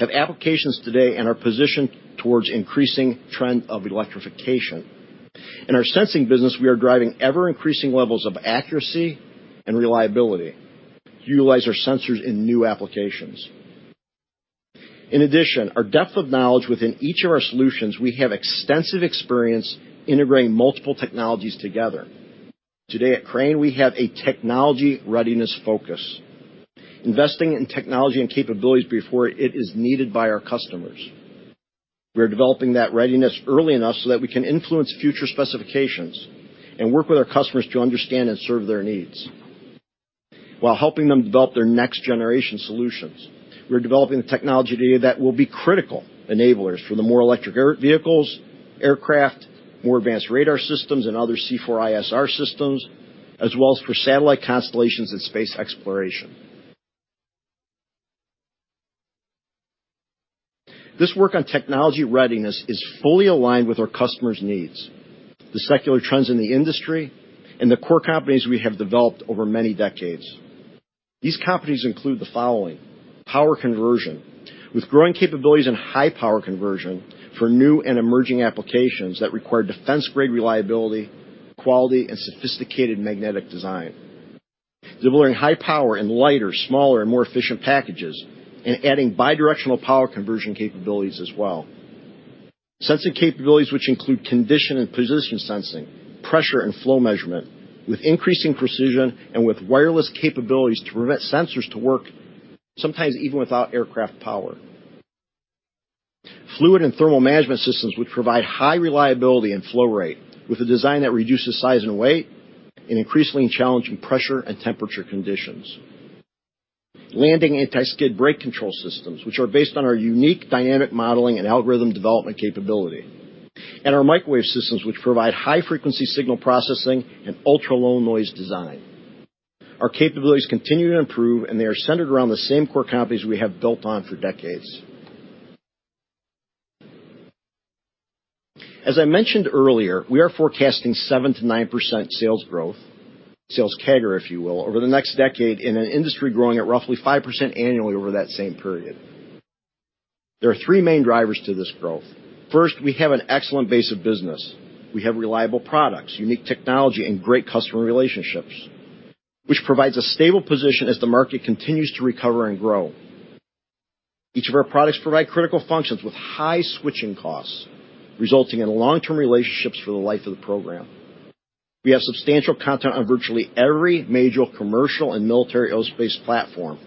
have applications today and are positioned towards increasing trend of electrification. In our sensing business, we are driving ever-increasing levels of accuracy and reliability to utilize our sensors in new applications. In addition to our depth of knowledge within each of our solutions, we have extensive experience integrating multiple technologies together. Today at Crane, we have a technology readiness focus, investing in technology and capabilities before it is needed by our customers. We are developing that readiness early enough so that we can influence future specifications and work with our customers to understand and serve their needs while helping them develop their next-generation solutions. We're developing the technology today that will be critical enablers for the more electric vehicles, aircraft, more advanced radar systems, and other C4ISR systems, as well as for satellite constellations and space exploration. This work on technology readiness is fully aligned with our customers' needs, the secular trends in the industry, and the core competencies we have developed over many decades. These competencies include the following, power conversion with growing capabilities in high-power conversion for new and emerging applications that require defense-grade reliability, quality, and sophisticated magnetic design, delivering high power in lighter, smaller, and more efficient packages, and adding bidirectional power conversion capabilities as well. Sensing capabilities, which include condition and position sensing, pressure, and flow measurement, with increasing precision and with wireless capabilities to permit sensors to work sometimes even without aircraft power. Fluid and thermal management systems, which provide high reliability and flow rate with a design that reduces size and weight in increasingly challenging pressure and temperature conditions. Landing anti-skid brake control systems, which are based on our unique dynamic modeling and algorithm development capability, and our microwave systems, which provide high-frequency signal processing and ultra-low noise design. Our capabilities continue to improve, and they are centered around the same core companies we have built on for decades. As I mentioned earlier, we are forecasting 7%-9% sales growth, sales CAGR, if you will, over the next decade in an industry growing at roughly 5% annually over that same period. There are three main drivers to this growth. First, we have an excellent base of business. We have reliable products, unique technology, and great customer relationships, which provides a stable position as the market continues to recover and grow. Each of our products provide critical functions with high switching costs, resulting in long-term relationships for the life of the program. We have substantial content on virtually every major commercial and military aerospace platform,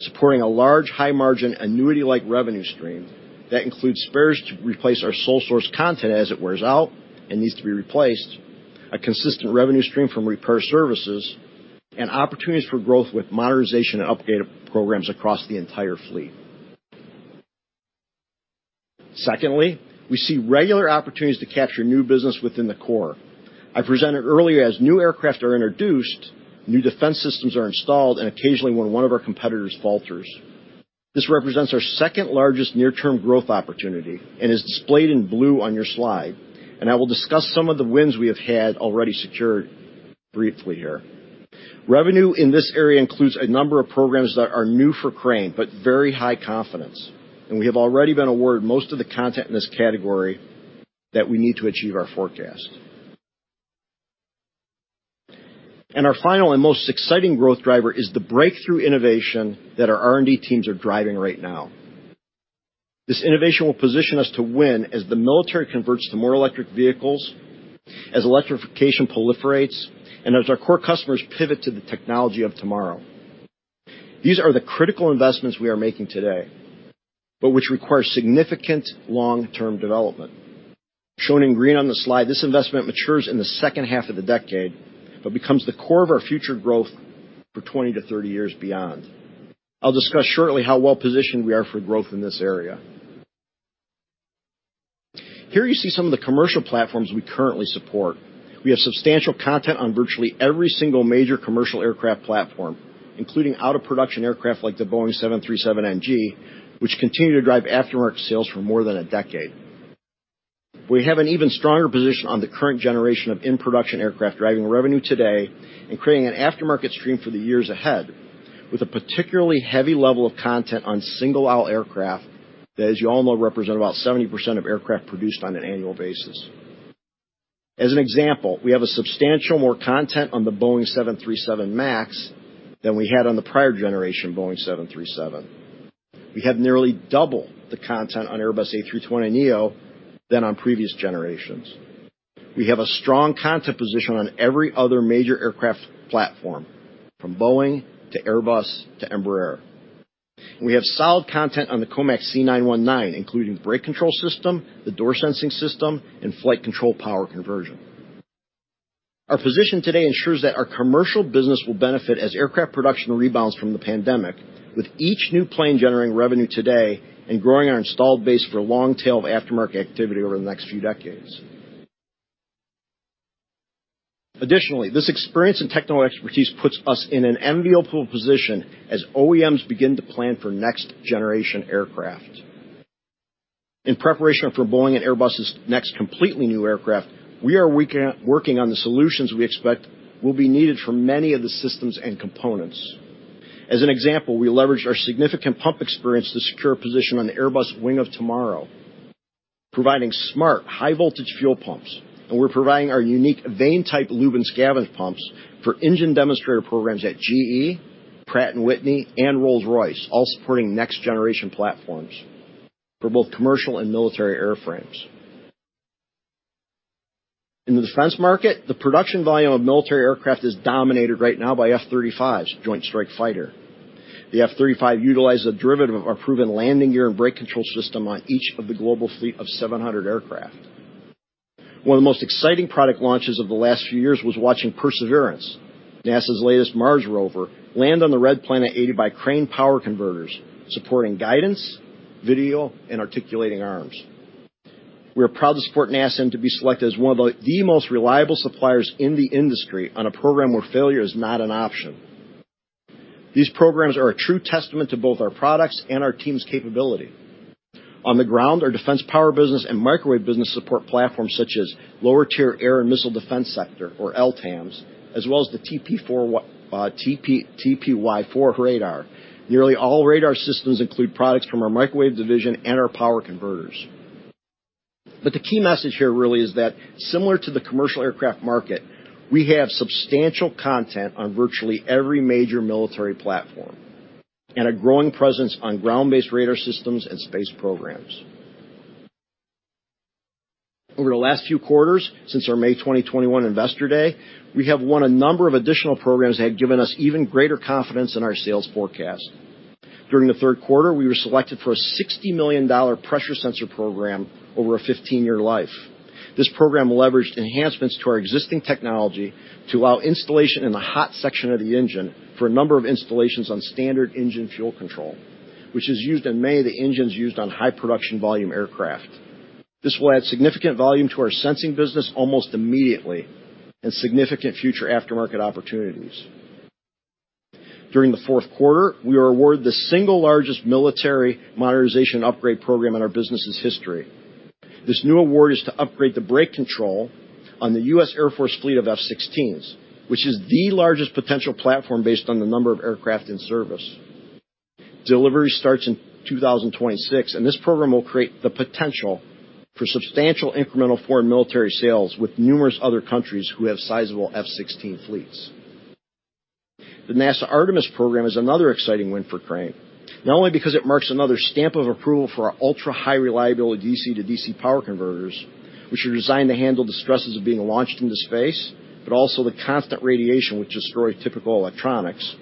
supporting a large, high-margin, annuity-like revenue stream that includes spares to replace our sole source content as it wears out and needs to be replaced, a consistent revenue stream from repair services, and opportunities for growth with modernization and upgrade programs across the entire fleet. Secondly, we see regular opportunities to capture new business within the core I presented earlier, as new aircraft are introduced, new defense systems are installed, and occasionally when one of our competitors falters. This represents our second-largest near-term growth opportunity and is displayed in blue on your slide, and I will discuss some of the wins we have had already secured briefly here. Revenue in this area includes a number of programs that are new for Crane, but very high confidence, and we have already been awarded most of the content in this category that we need to achieve our forecast. Our final and most exciting growth driver is the breakthrough innovation that our R&D teams are driving right now. This innovation will position us to win as the military converts to more electric vehicles, as electrification proliferates, and as our core customers pivot to the technology of tomorrow. These are the critical investments we are making today, but which require significant long-term development. Shown in green on the slide, this investment matures in the second half of the decade but becomes the core of our future growth for 20-30 years beyond. I'll discuss shortly how well-positioned we are for growth in this area. Here you see some of the commercial platforms we currently support. We have substantial content on virtually every single major commercial aircraft platform, including out-of-production aircraft like the Boeing 737 NG, which continue to drive aftermarket sales for more than a decade. We have an even stronger position on the current generation of in-production aircraft, driving revenue today and creating an aftermarket stream for the years ahead, with a particularly heavy level of content on single-aisle aircraft that, as you all know, represent about 70% of aircraft produced on an annual basis. As an example, we have substantially more content on the Boeing 737 MAX than we had on the prior generation Boeing 737. We have nearly double the content on Airbus A320neo than on previous generations. We have a strong content position on every other major aircraft platform, from Boeing to Airbus to Embraer. We have solid content on the COMAC C919, including brake control system, the door sensing system, and flight control power conversion. Our position today ensures that our commercial business will benefit as aircraft production rebounds from the pandemic, with each new plane generating revenue today and growing our installed base for a long tail of aftermarket activity over the next few decades. Additionally, this experience and technical expertise put us in an enviable position as OEMs begin to plan for next-generation aircraft. In preparation for Boeing and Airbus's next completely new aircraft, we are working on the solutions we expect will be needed for many of the systems and components. As an example, we leveraged our significant pump experience to secure a position on the Airbus Wing of Tomorrow, providing smart, high-voltage fuel pumps. We're providing our unique vane-type lube and scavenge pumps for engine demonstrator programs at GE, Pratt & Whitney, and Rolls-Royce, all supporting next-generation platforms for both commercial and military airframes. In the defense market, the production volume of military aircraft is dominated right now by F-35's Joint Strike Fighter. The F-35 utilized a derivative of our proven landing gear and brake control system on each of the global fleet of 700 aircraft. One of the most exciting product launches of the last few years was watching Perseverance, NASA's latest Mars rover, land on the red planet aided by Crane power converters, supporting guidance, video, and articulating arms. We are proud to support NASA and to be selected as one of the most reliable suppliers in the industry on a program where failure is not an option. These programs are a true testament to both our products and our team's capability. On the ground, our defense power business and microwave business support platforms such as Lower Tier Air and Missile Defense Sensor, or LTAMDS, as well as the TPY-4 radar. Nearly all radar systems include products from our microwave division and our power converters. The key message here really is that similar to the commercial aircraft market, we have substantial content on virtually every major military platform and a growing presence on ground-based radar systems and space programs. Over the last few quarters, since our May 2021 Investor Day, we have won a number of additional programs that have given us even greater confidence in our sales forecast. During the third quarter, we were selected for a $60 million pressure sensor program over a 15-year life. This program leveraged enhancements to our existing technology to allow installation in the hot section of the engine for a number of installations on standard engine fuel control, which is used in many of the engines used on high production volume aircraft. This will add significant volume to our sensing business almost immediately and significant future aftermarket opportunities. During the fourth quarter, we were awarded the single largest military modernization upgrade program in our business's history. This new award is to upgrade the brake control on the U.S. Air Force fleet of F-16s, which is the largest potential platform based on the number of aircraft in service. Delivery starts in 2026, and this program will create the potential for substantial incremental foreign military sales with numerous other countries who have sizable F-16 fleets. The NASA Artemis program is another exciting win for Crane, not only because it marks another stamp of approval for our ultra-high reliability DC to DC power converters, which are designed to handle the stresses of being launched into space, but also the constant radiation which destroys typical electronics.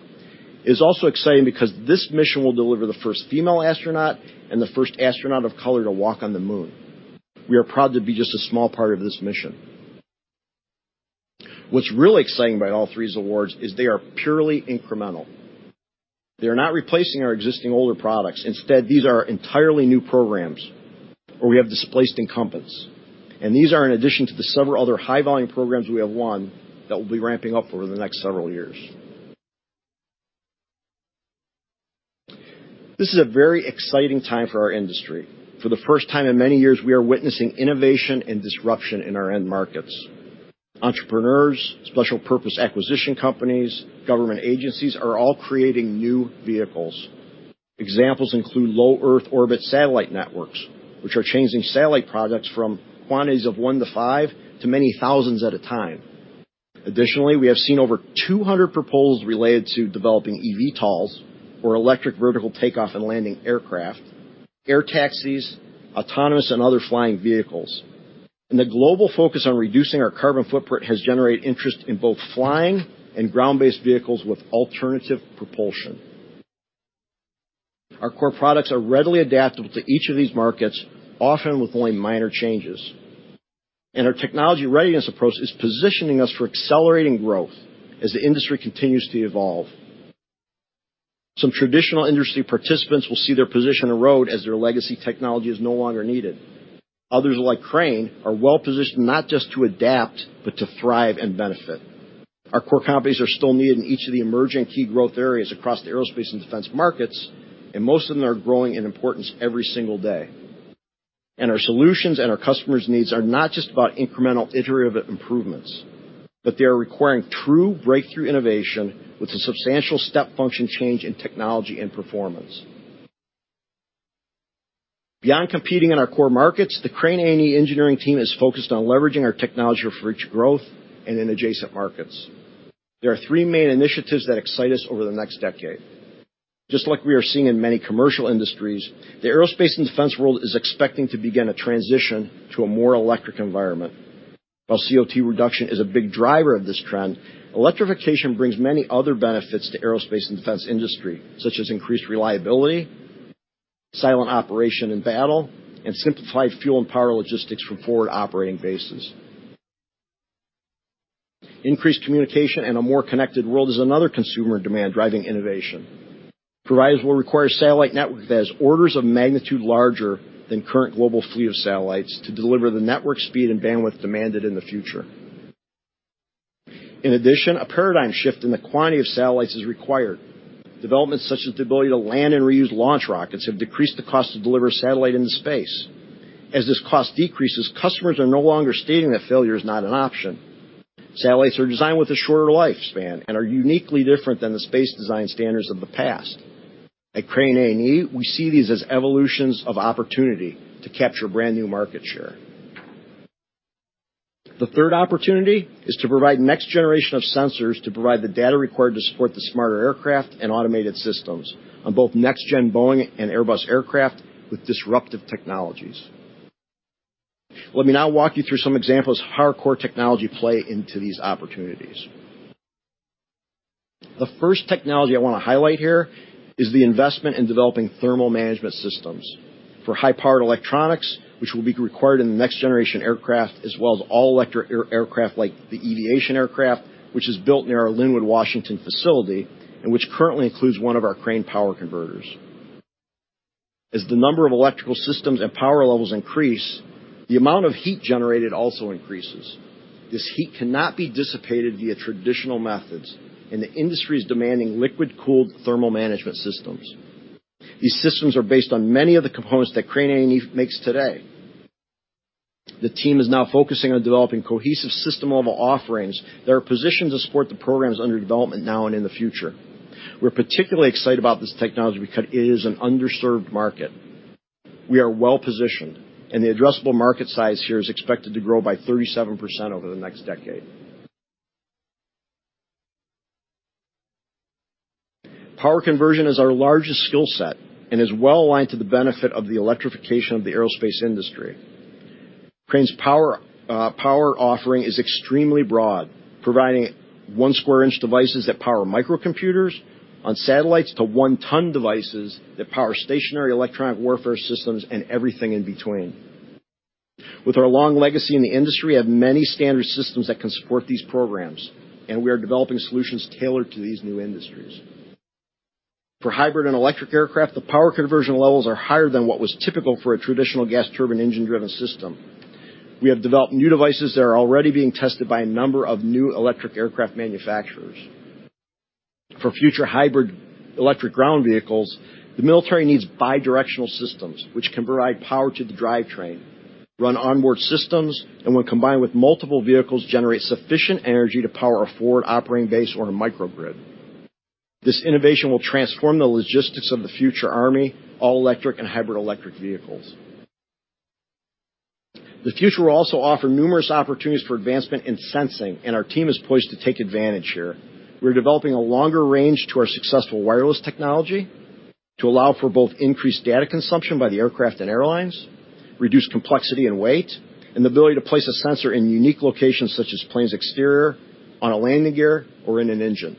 It is also exciting because this mission will deliver the first female astronaut and the first astronaut of color to walk on the moon. We are proud to be just a small part of this mission. What's really exciting about all three of these awards is they are purely incremental. They are not replacing our existing older products. Instead, these are entirely new programs where we have displaced incumbents, and these are in addition to the several other high-volume programs we have won that will be ramping up over the next several years. This is a very exciting time for our industry. For the first time in many years, we are witnessing innovation and disruption in our end markets. Entrepreneurs, special purpose acquisition companies, government agencies are all creating new vehicles. Examples include low Earth orbit satellite networks, which are changing satellite products from quantities of one to five to many thousands at a time. Additionally, we have seen over 200 proposals related to developing eVTOLs, or electric vertical takeoff and landing aircraft, air taxis, autonomous and other flying vehicles. The global focus on reducing our carbon footprint has generated interest in both flying and ground-based vehicles with alternative propulsion. Our core products are readily adaptable to each of these markets, often with only minor changes. Our technology readiness approach is positioning us for accelerating growth as the industry continues to evolve. Some traditional industry participants will see their position erode as their legacy technology is no longer needed. Others, like Crane, are well-positioned not just to adapt, but to thrive and benefit. Our core competencies are still needed in each of the emerging key growth areas across the aerospace and defense markets, and most of them are growing in importance every single day. Our solutions and our customers' needs are not just about incremental iterative improvements, but they are requiring true breakthrough innovation with a substantial step function change in technology and performance. Beyond competing in our core markets, the Crane A&E engineering team is focused on leveraging our technology for future growth and in adjacent markets. There are three main initiatives that excite us over the next decade. Just like we are seeing in many commercial industries, the aerospace and defense world is expecting to begin a transition to a more electric environment. While cost reduction is a big driver of this trend, electrification brings many other benefits to aerospace and defense industry, such as increased reliability, silent operation in battle, and simplified fuel and power logistics from forward operating bases. Increased communication and a more connected world is another consumer demand driving innovation. Providers will require satellite networks that has orders of magnitude larger than current global fleet of satellites to deliver the network speed and bandwidth demanded in the future. In addition, a paradigm shift in the quantity of satellites is required. Developments such as the ability to land and reuse launch rockets have decreased the cost to deliver satellite into space. As this cost decreases, customers are no longer stating that failure is not an option. Satellites are designed with a shorter lifespan and are uniquely different than the space design standards of the past. At Crane A&E, we see these as evolutions of opportunity to capture brand-new market share. The third opportunity is to provide next generation of sensors to provide the data required to support the smarter aircraft and automated systems on both next-gen Boeing and Airbus aircraft with disruptive technologies. Let me now walk you through some examples of how our core technology play into these opportunities. The first technology I want to highlight here is the investment in developing thermal management systems for high-powered electronics, which will be required in the next generation aircraft, as well as all-electric aircraft like the Eviation aircraft, which is built in our Lynnwood, Washington facility, and which currently includes one of our Crane power converters. As the number of electrical systems and power levels increase, the amount of heat generated also increases. This heat cannot be dissipated via traditional methods, and the industry is demanding liquid-cooled thermal management systems. These systems are based on many of the components that Crane A&E makes today. The team is now focusing on developing cohesive system-level offerings that are positioned to support the programs under development now and in the future. We're particularly excited about this technology because it is an underserved market. We are well-positioned, and the addressable market size here is expected to grow by 37% over the next decade. Power conversion is our largest skill set and is well aligned to the benefit of the electrification of the aerospace industry. Crane's power offering is extremely broad, providing one square inch devices that power microcomputers on satellites to one-ton devices that power stationary electronic warfare systems and everything in between. With our long legacy in the industry, we have many standard systems that can support these programs, and we are developing solutions tailored to these new industries. For hybrid and electric aircraft, the power conversion levels are higher than what was typical for a traditional gas turbine engine-driven system. We have developed new devices that are already being tested by a number of new electric aircraft manufacturers. For future hybrid electric ground vehicles, the military needs bidirectional systems which can provide power to the drivetrain, run onboard systems, and when combined with multiple vehicles, generate sufficient energy to power a forward operating base or a microgrid. This innovation will transform the logistics of the future Army, all-electric and hybrid electric vehicles. The future will also offer numerous opportunities for advancement in sensing, and our team is poised to take advantage here. We're developing a longer range to our successful wireless technology to allow for both increased data consumption by the aircraft and airlines, reduced complexity and weight, and the ability to place a sensor in unique locations such as plane's exterior, on a landing gear or in an engine.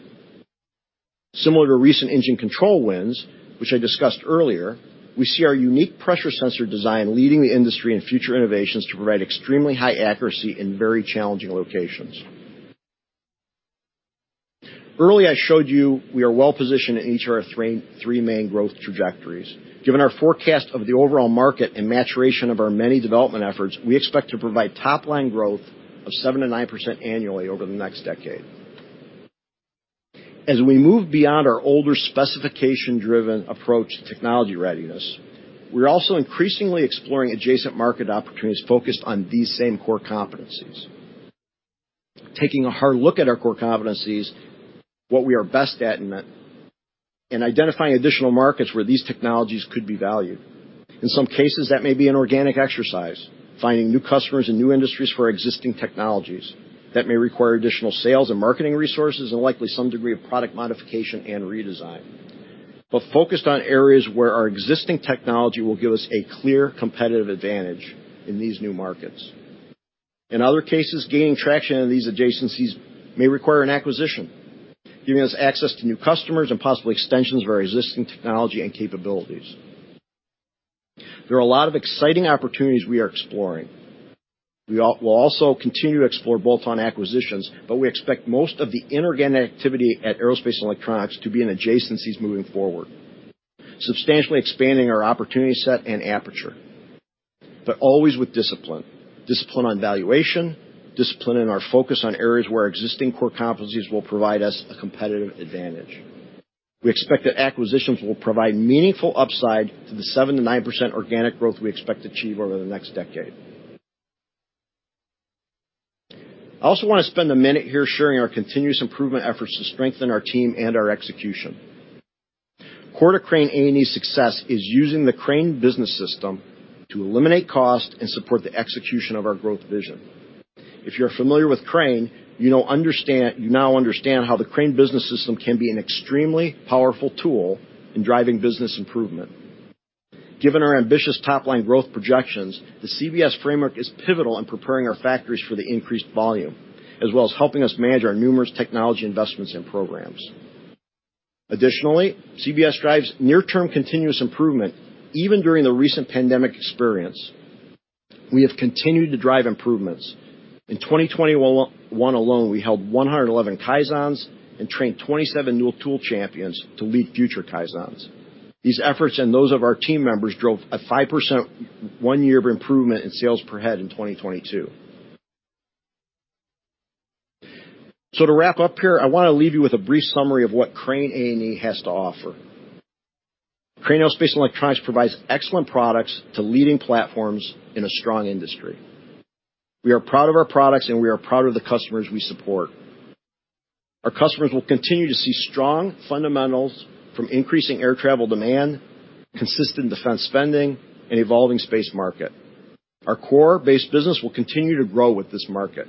Similar to recent engine control wins, which I discussed earlier, we see our unique pressure sensor design leading the industry in future innovations to provide extremely high accuracy in very challenging locations. Earlier I showed you we are well positioned in each of our three main growth trajectories. Given our forecast of the overall market and maturation of our many development efforts, we expect to provide top-line growth of 7%-9% annually over the next decade. As we move beyond our older specification-driven approach to technology readiness, we're also increasingly exploring adjacent market opportunities focused on these same core competencies. Taking a hard look at our core competencies, what we are best at and then identifying additional markets where these technologies could be valued. In some cases, that may be an organic exercise, finding new customers and new industries for our existing technologies that may require additional sales and marketing resources and likely some degree of product modification and redesign, focused on areas where our existing technology will give us a clear competitive advantage in these new markets. In other cases, gaining traction in these adjacencies may require an acquisition, giving us access to new customers and possibly extensions of our existing technology and capabilities. There are a lot of exciting opportunities we are exploring. We'll also continue to explore bolt-on acquisitions, but we expect most of the inorganic activity at Aerospace & Electronics to be in adjacencies moving forward, substantially expanding our opportunity set and aperture. Always with discipline on valuation, discipline in our focus on areas where our existing core competencies will provide us a competitive advantage. We expect that acquisitions will provide meaningful upside to the 7%-9% organic growth we expect to achieve over the next decade. I also want to spend a minute here sharing our continuous improvement efforts to strengthen our team and our execution. Core to Crane A&E success is using the Crane Business System to eliminate cost and support the execution of our growth vision. If you're familiar with Crane, you now understand how the Crane Business System can be an extremely powerful tool in driving business improvement. Given our ambitious top-line growth projections, the CBS framework is pivotal in preparing our factories for the increased volume, as well as helping us manage our numerous technology investments and programs. Additionally, CBS drives near-term continuous improvement, even during the recent pandemic experience. We have continued to drive improvements. In 2021 alone, we held 111 Kaizens and trained 27 new tool champions to lead future Kaizens. These efforts, and those of our team members, drove a 5% one-year improvement in sales per head in 2022. To wrap up here, I wanna leave you with a brief summary of what Crane A&E has to offer. Crane Aerospace & Electronics provides excellent products to leading platforms in a strong industry. We are proud of our products, and we are proud of the customers we support. Our customers will continue to see strong fundamentals from increasing air travel demand, consistent defense spending, and evolving space market. Our core base business will continue to grow with this market.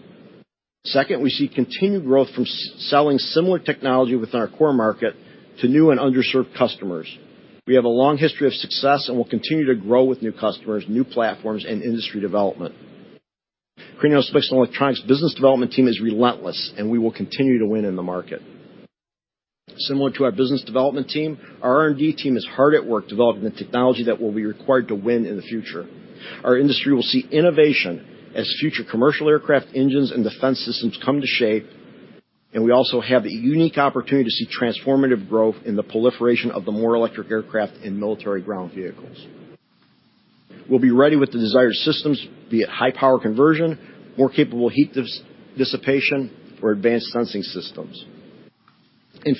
Second, we see continued growth from cross-selling similar technology within our core market to new and underserved customers. We have a long history of success and will continue to grow with new customers, new platforms, and industry development. Crane Aerospace & Electronics business development team is relentless, and we will continue to win in the market. Similar to our business development team, our R&D team is hard at work developing the technology that will be required to win in the future. Our industry will see innovation as future commercial aircraft engines and defense systems come to shape, and we also have the unique opportunity to see transformative growth in the proliferation of the more electric aircraft and military ground vehicles. We'll be ready with the desired systems, be it high-power conversion, more capable heat dissipation or advanced sensing systems.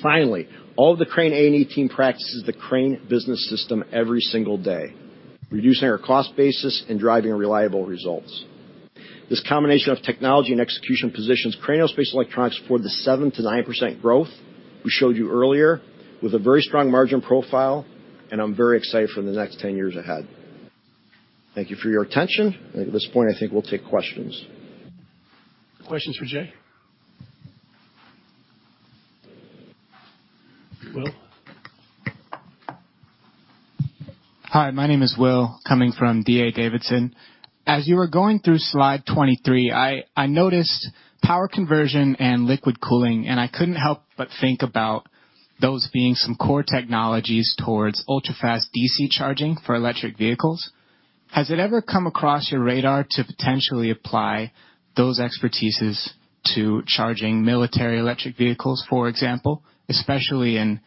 Finally, all of the Crane A&E team practices the Crane Business System every single day, reducing our cost basis and driving reliable results. This combination of technology and execution positions Crane Aerospace & Electronics for the 7%-9% growth we showed you earlier with a very strong margin profile, and I'm very excited for the next 10 years ahead. Thank you for your attention, and at this point, I think we'll take questions. Questions for Jay? Will? Hi, my name is Will, coming from D.A. Davidson. As you were going through Slide 23, I noticed power conversion and liquid cooling, and I couldn't help but think about those being some core technologies towards ultra-fast DC charging for electric vehicles. Has it ever come across your radar to potentially apply those expertise to charging military electric vehicles, for example, especially in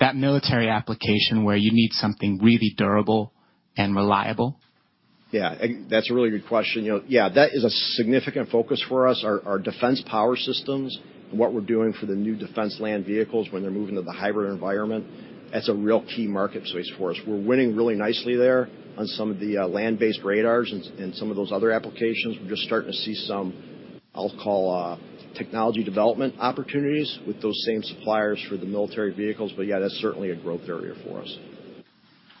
that military application where you need something really durable and reliable? Yeah. That's a really good question. You know, yeah, that is a significant focus for us, our defense power systems and what we're doing for the new defense land vehicles when they're moving to the hybrid environment. That's a real key market space for us. We're winning really nicely there on some of the land-based radars and some of those other applications. We're just starting to see some, I'll call, technology development opportunities with those same suppliers for the military vehicles. Yeah, that's certainly a growth area for us.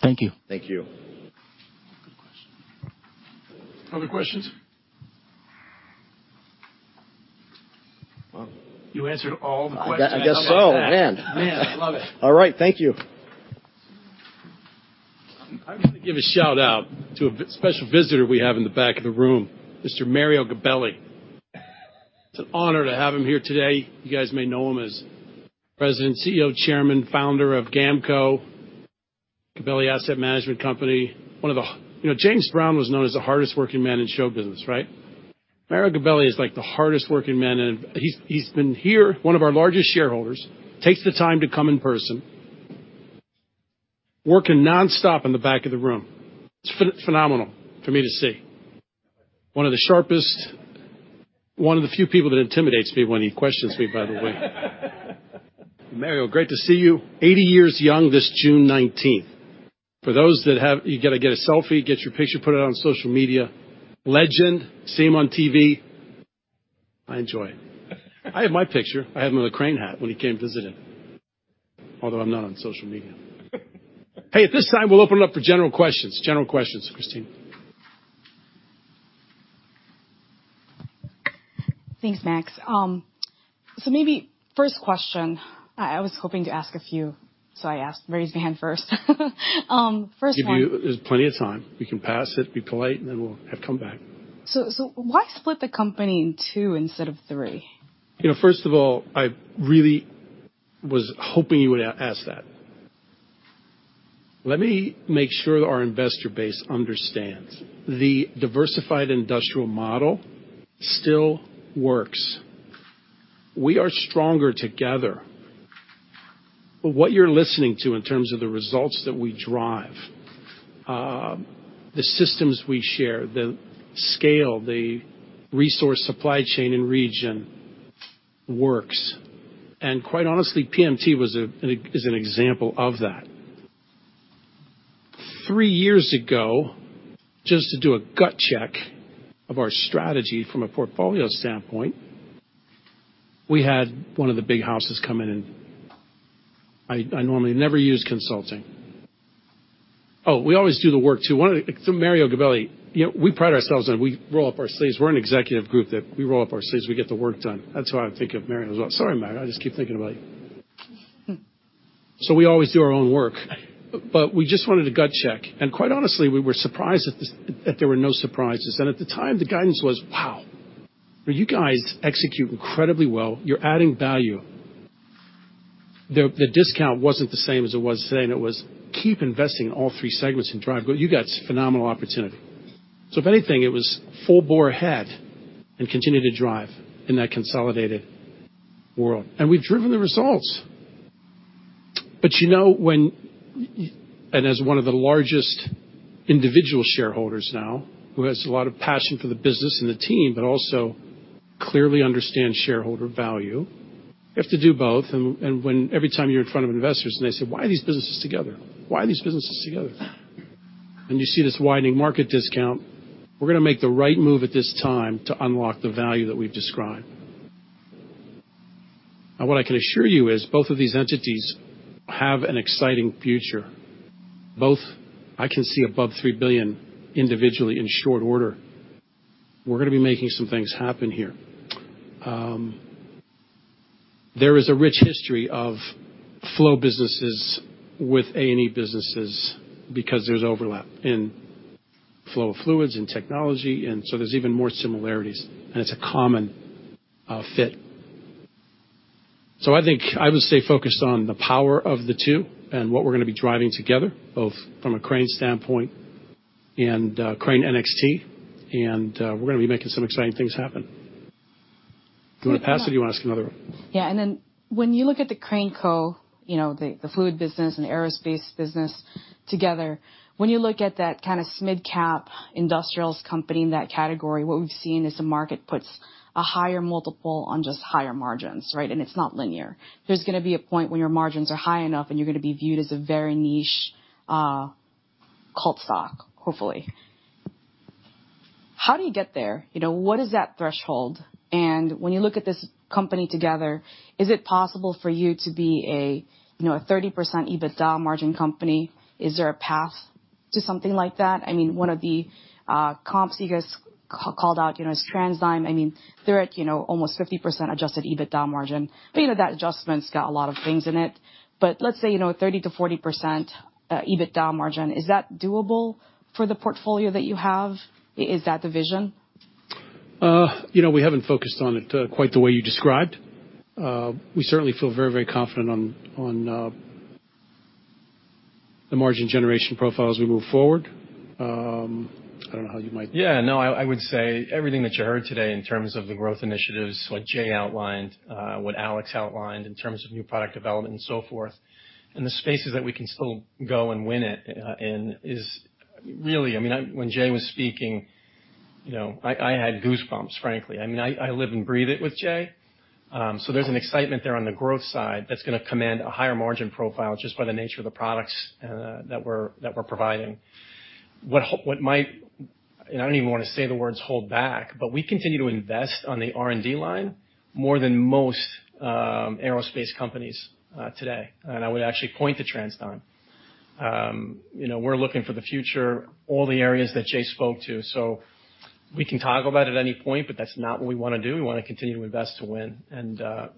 Thank you. Thank you. Good question. Other questions? Well, you answered all the questions. I guess so, man. Man, I love it. All right. Thank you. I'm going to give a shout-out to a very special visitor we have in the back of the room, Mr. Mario Gabelli. It's an honor to have him here today. You guys may know him as President, CEO, Chairman, Founder of GAMCO Gabelli Asset Management Company. You know, James Brown was known as the hardest working man in show business, right? Mario Gabelli is, like, the hardest working man. He's been here, one of our largest shareholders, takes the time to come in person, working nonstop in the back of the room. It's phenomenal for me to see. One of the sharpest, one of the few people that intimidates me when he questions me, by the way. Mario, great to see you. 80 years young this June 19th. For those that haven't, you got to get a selfie, get your picture, put it on social media. Legend. Same on TV. I enjoy it. I have my picture. I have another Crane hat when he came visiting. Although I'm not on social media. Hey, at this time, we'll open it up for general questions. General questions, Kristine. Thanks, Max. Maybe first question. I was hoping to ask a few, raise my hand first. First one- There's plenty of time. We can pass it, be polite, and then we'll have come back. Why split the company in two instead of three? You know, first of all, I really was hoping you would ask that. Let me make sure our investor base understands. The diversified industrial model still works. We are stronger together. What you're listening to in terms of the results that we drive, the systems we share, the scale, the resource supply chain and region works. Quite honestly, PMT is an example of that. Three years ago, just to do a gut check of our strategy from a portfolio standpoint, we had one of the big houses come in, and I normally never use consulting. Oh, we always do the work, too. Mario Gabelli, you know, we pride ourselves on, we roll up our sleeves. We're an executive group that we roll up our sleeves, we get the work done. That's why I'm thinking of Mario as well. Sorry, Mario, I just keep thinking about you. We always do our own work, but we just wanted a gut check. Quite honestly, we were surprised at this, that there were no surprises. At the time, the guidance was: "Wow, you guys execute incredibly well. You're adding value." The discount wasn't the same as it was today, and it was keep investing in all three segments and drive. Go, "You got phenomenal opportunity." If anything, it was full bore ahead and continue to drive in that consolidated world. We've driven the results. You know, and as one of the largest individual shareholders now who has a lot of passion for the business and the team, but also clearly understand shareholder value, you have to do both. When every time, you're in front of investors and they say, "Why are these businesses together? Why are these businesses together?" You see this widening market discount, we're gonna make the right move at this time to unlock the value that we've described. Now, what I can assure you is both of these entities have an exciting future. Both I can see above $3 billion individually in short order. We're gonna be making some things happen here. There is a rich history of flow businesses with A&E businesses because there's overlap in flow of fluids and technology, and so there's even more similarities, and it's a common fit. I think I would stay focused on the power of the two and what we're gonna be driving together, both from a Crane standpoint and Crane NXT, and we're gonna be making some exciting things happen. Do you wanna pass it or you wanna ask another one? Yeah. Then when you look at the Crane Co., you know, the fluid business and aerospace business together, when you look at that kind of midcap industrials company in that category, what we've seen is the market puts a higher multiple on just higher margins, right? It's not linear. There's gonna be a point when your margins are high enough, and you're gonna be viewed as a very niche, cult stock, hopefully. How do you get there? You know, what is that threshold? When you look at this company together, is it possible for you to be a, you know, a 30% EBITDA margin company? Is there a path to something like that? I mean, one of the, comps you guys called out, you know, is TransDigm. I mean, they're at, you know, almost 50% Adjusted EBITDA margin. You know that adjustments got a lot of things in it. Let's say, you know, 30%-40% EBITDA margin, is that doable for the portfolio that you have? Is that the vision? You know, we haven't focused on it quite the way you described. We certainly feel very, very confident on the margin generation profile as we move forward. I don't know how you might- Yeah. No. I would say everything that you heard today in terms of the growth initiatives, what Jay outlined, what Alex outlined in terms of new product development and so forth, and the spaces that we can still go and win it in is really. I mean, when Jay was speaking, you know, I had goosebumps, frankly. I mean, I live and breathe it with Jay. So, there's an excitement there on the growth side that's gonna command a higher margin profile just by the nature of the products that we're providing. What might, and I don't even wanna say the words hold back, but we continue to invest on the R&D line more than most aerospace competencies today. I would actually point to TransDigm. You know, we're looking for the future, all the areas that Jay spoke to. We can toggle that at any point, but that's not what we wanna do. We wanna continue to invest to win.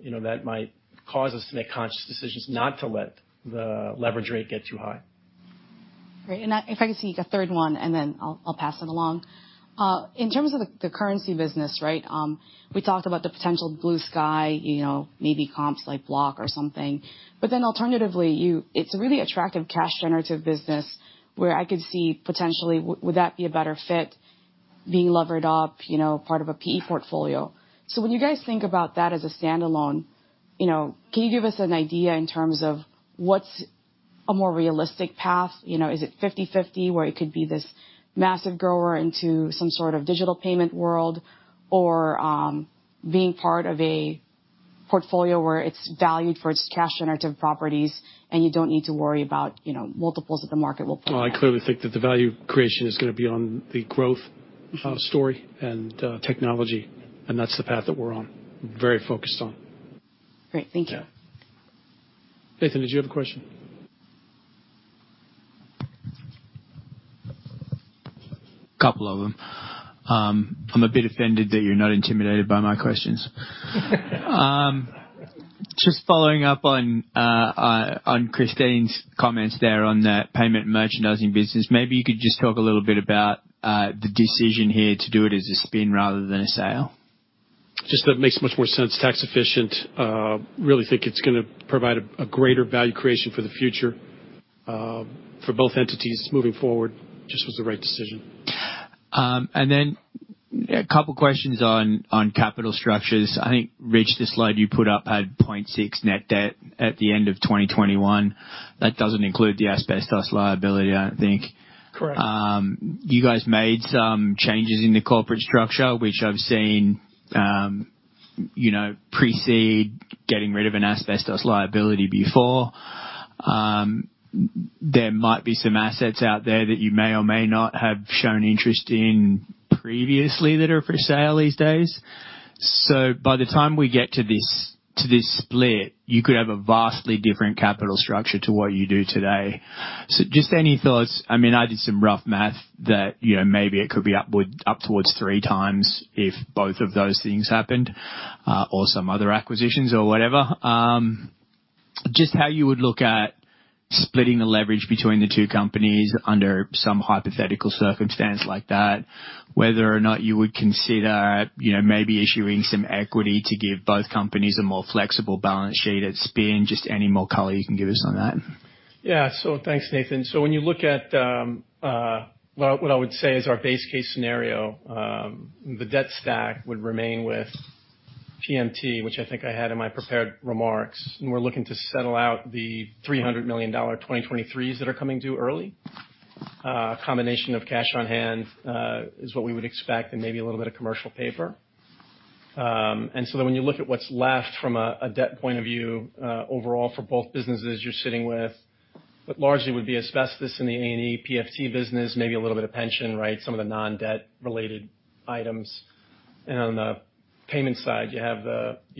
You know, that might cause us to make conscious decisions not to let the leverage rate get too high. Great. If I can sneak a third one, and then I'll pass it along. In terms of the currency business, right, we talked about the potential blue sky, you know, maybe comps like Block or something. Alternatively, it's a really attractive cash generative business where I could see potentially would that be a better fit being levered up, you know, part of a PE portfolio. When you guys think about that as a standalone, you know, can you give us an idea in terms of what's a more realistic path, you know, is it 50/50, where it could be this massive grower into some sort of digital payment world? Or being part of a portfolio where it's valued for its cash generative properties and you don't need to worry about, you know, multiples that the market will put on it? Well, I clearly think that the value creation is gonna be on the growth story and technology, and that's the path that we're on, very focused on. Great. Thank you. Yeah. Nathan, did you have a question? Couple of them. I'm a bit offended that you're not intimidated by my questions. Just following up on Kristine's comments there on that payment merchandising business. Maybe you could just talk a little bit about the decision here to do it as a spin rather than a sale. Just, that makes much more sense, tax efficient. I really think it's gonna provide a greater value creation for the future, for both entities moving forward. It just was the right decision. A couple questions on capital structures. I think, Rich, the slide you put up had $0.6 net debt at the end of 2021. That doesn't include the asbestos liability, I don't think. Correct. You guys made some changes in the corporate structure, which I've seen, you know, precede getting rid of an asbestos liability before. There might be some assets out there that you may or may not have shown interest in previously that are for sale these days. By the time we get to this split, you could have a vastly different capital structure to what you do today. Just any thoughts. I mean, I did some rough math that, you know, maybe it could be up towards 3x if both of those things happened, or some other acquisitions or whatever. Just how you would look at splitting the leverage between the two competencies under some hypothetical circumstance like that, whether or not you would consider, you know, maybe issuing some equity to give both competencies a more flexible balance sheet at spin? Just any more color you can give us on that. Yeah. Thanks, Nathan. When you look at, well, what I would say is our base case scenario, the debt stack would remain with PMT, which I think I had in my prepared remarks. We're looking to settle out the $300 million 2023s that are coming due early. A combination of cash on hand is what we would expect and maybe a little bit of commercial paper. When you look at what's left from a debt point of view, overall, for both businesses, you're sitting with what largely would be asbestos in the A&E PFT business, maybe a little bit of pension, right? Some of the non-debt related items. On the payment side, you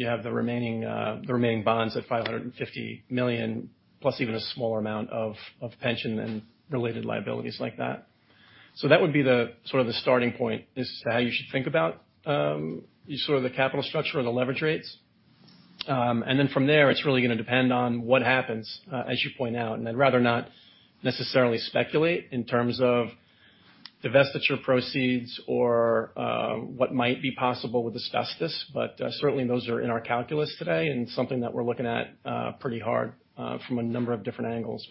have the remaining bonds at $550 million, plus even a smaller amount of pension and related liabilities like that. That would be the starting point is how you should think about the capital structure or the leverage rates. Then from there, it's really gonna depend on what happens as you point out. I'd rather not necessarily speculate in terms of divestiture proceeds or what might be possible with asbestos. Certainly, those are in our calculus today and something that we're looking at pretty hard from a number of different angles.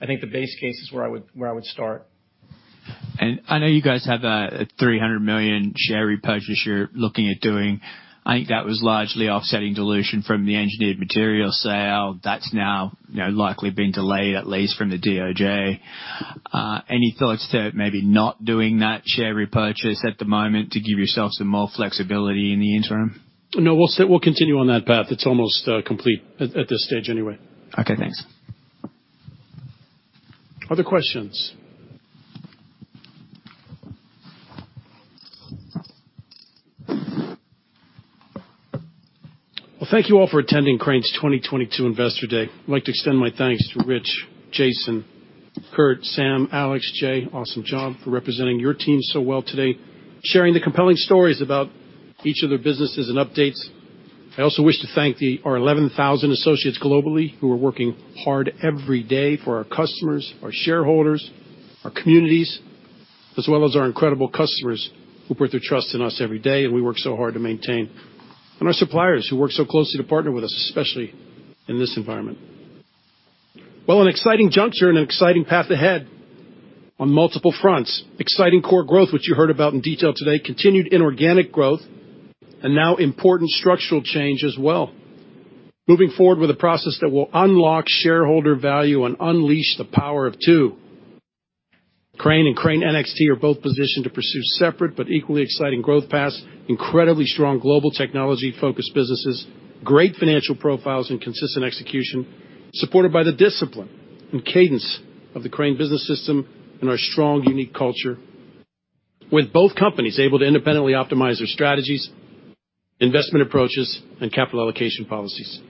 I think the base case is where I would start. I know you guys have a $300 million share repurchase you're looking at doing. I think that was largely offsetting dilution from the engineered material sale that's now, you know, likely been delayed, at least from the DOJ. Any thoughts to maybe not doing that share repurchase at the moment to give yourself some more flexibility in the interim? No, we'll continue on that path. It's almost complete at this stage anyway. Okay, thanks. Other questions? Well, thank you all for attending Crane's 2022 Investor Day. I'd like to extend my thanks to Rich, Jason, Kurt, Sam, Alex, Jay. Awesome job for representing your team so well today, sharing the compelling stories about each of their businesses and updates. I also wish to thank our 11,000 associates globally who are working hard every day for our customers, our shareholders, our communities, as well as our incredible customers who put their trust in us every day, and we work so hard to maintain, and our suppliers who work so closely to partner with us, especially in this environment. Well, an exciting juncture and an exciting path ahead on multiple fronts. Exciting core growth, which you heard about in detail today, continued inorganic growth, and now important structural change as well. Moving forward with a process that will unlock shareholder value and unleash the power of two. Crane and Crane NXT are both positioned to pursue separate but equally exciting growth paths, incredibly strong global technology-focused businesses, great financial profiles and consistent execution, supported by the discipline and cadence of the Crane Business System and our strong, unique culture, with both competencies able to independently optimize their strategies, investment approaches, and capital allocation policies.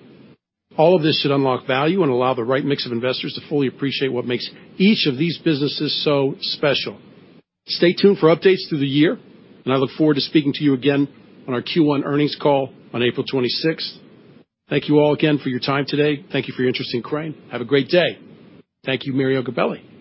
All of this should unlock value and allow the right mix of investors to fully appreciate what makes each of these businesses so special. Stay tuned for updates through the year, and I look forward to speaking to you again on our Q1 earnings call on April 26th. Thank you all again for your time today. Thank you for your interest in Crane. Have a great day. Thank you. Mario Gabelli.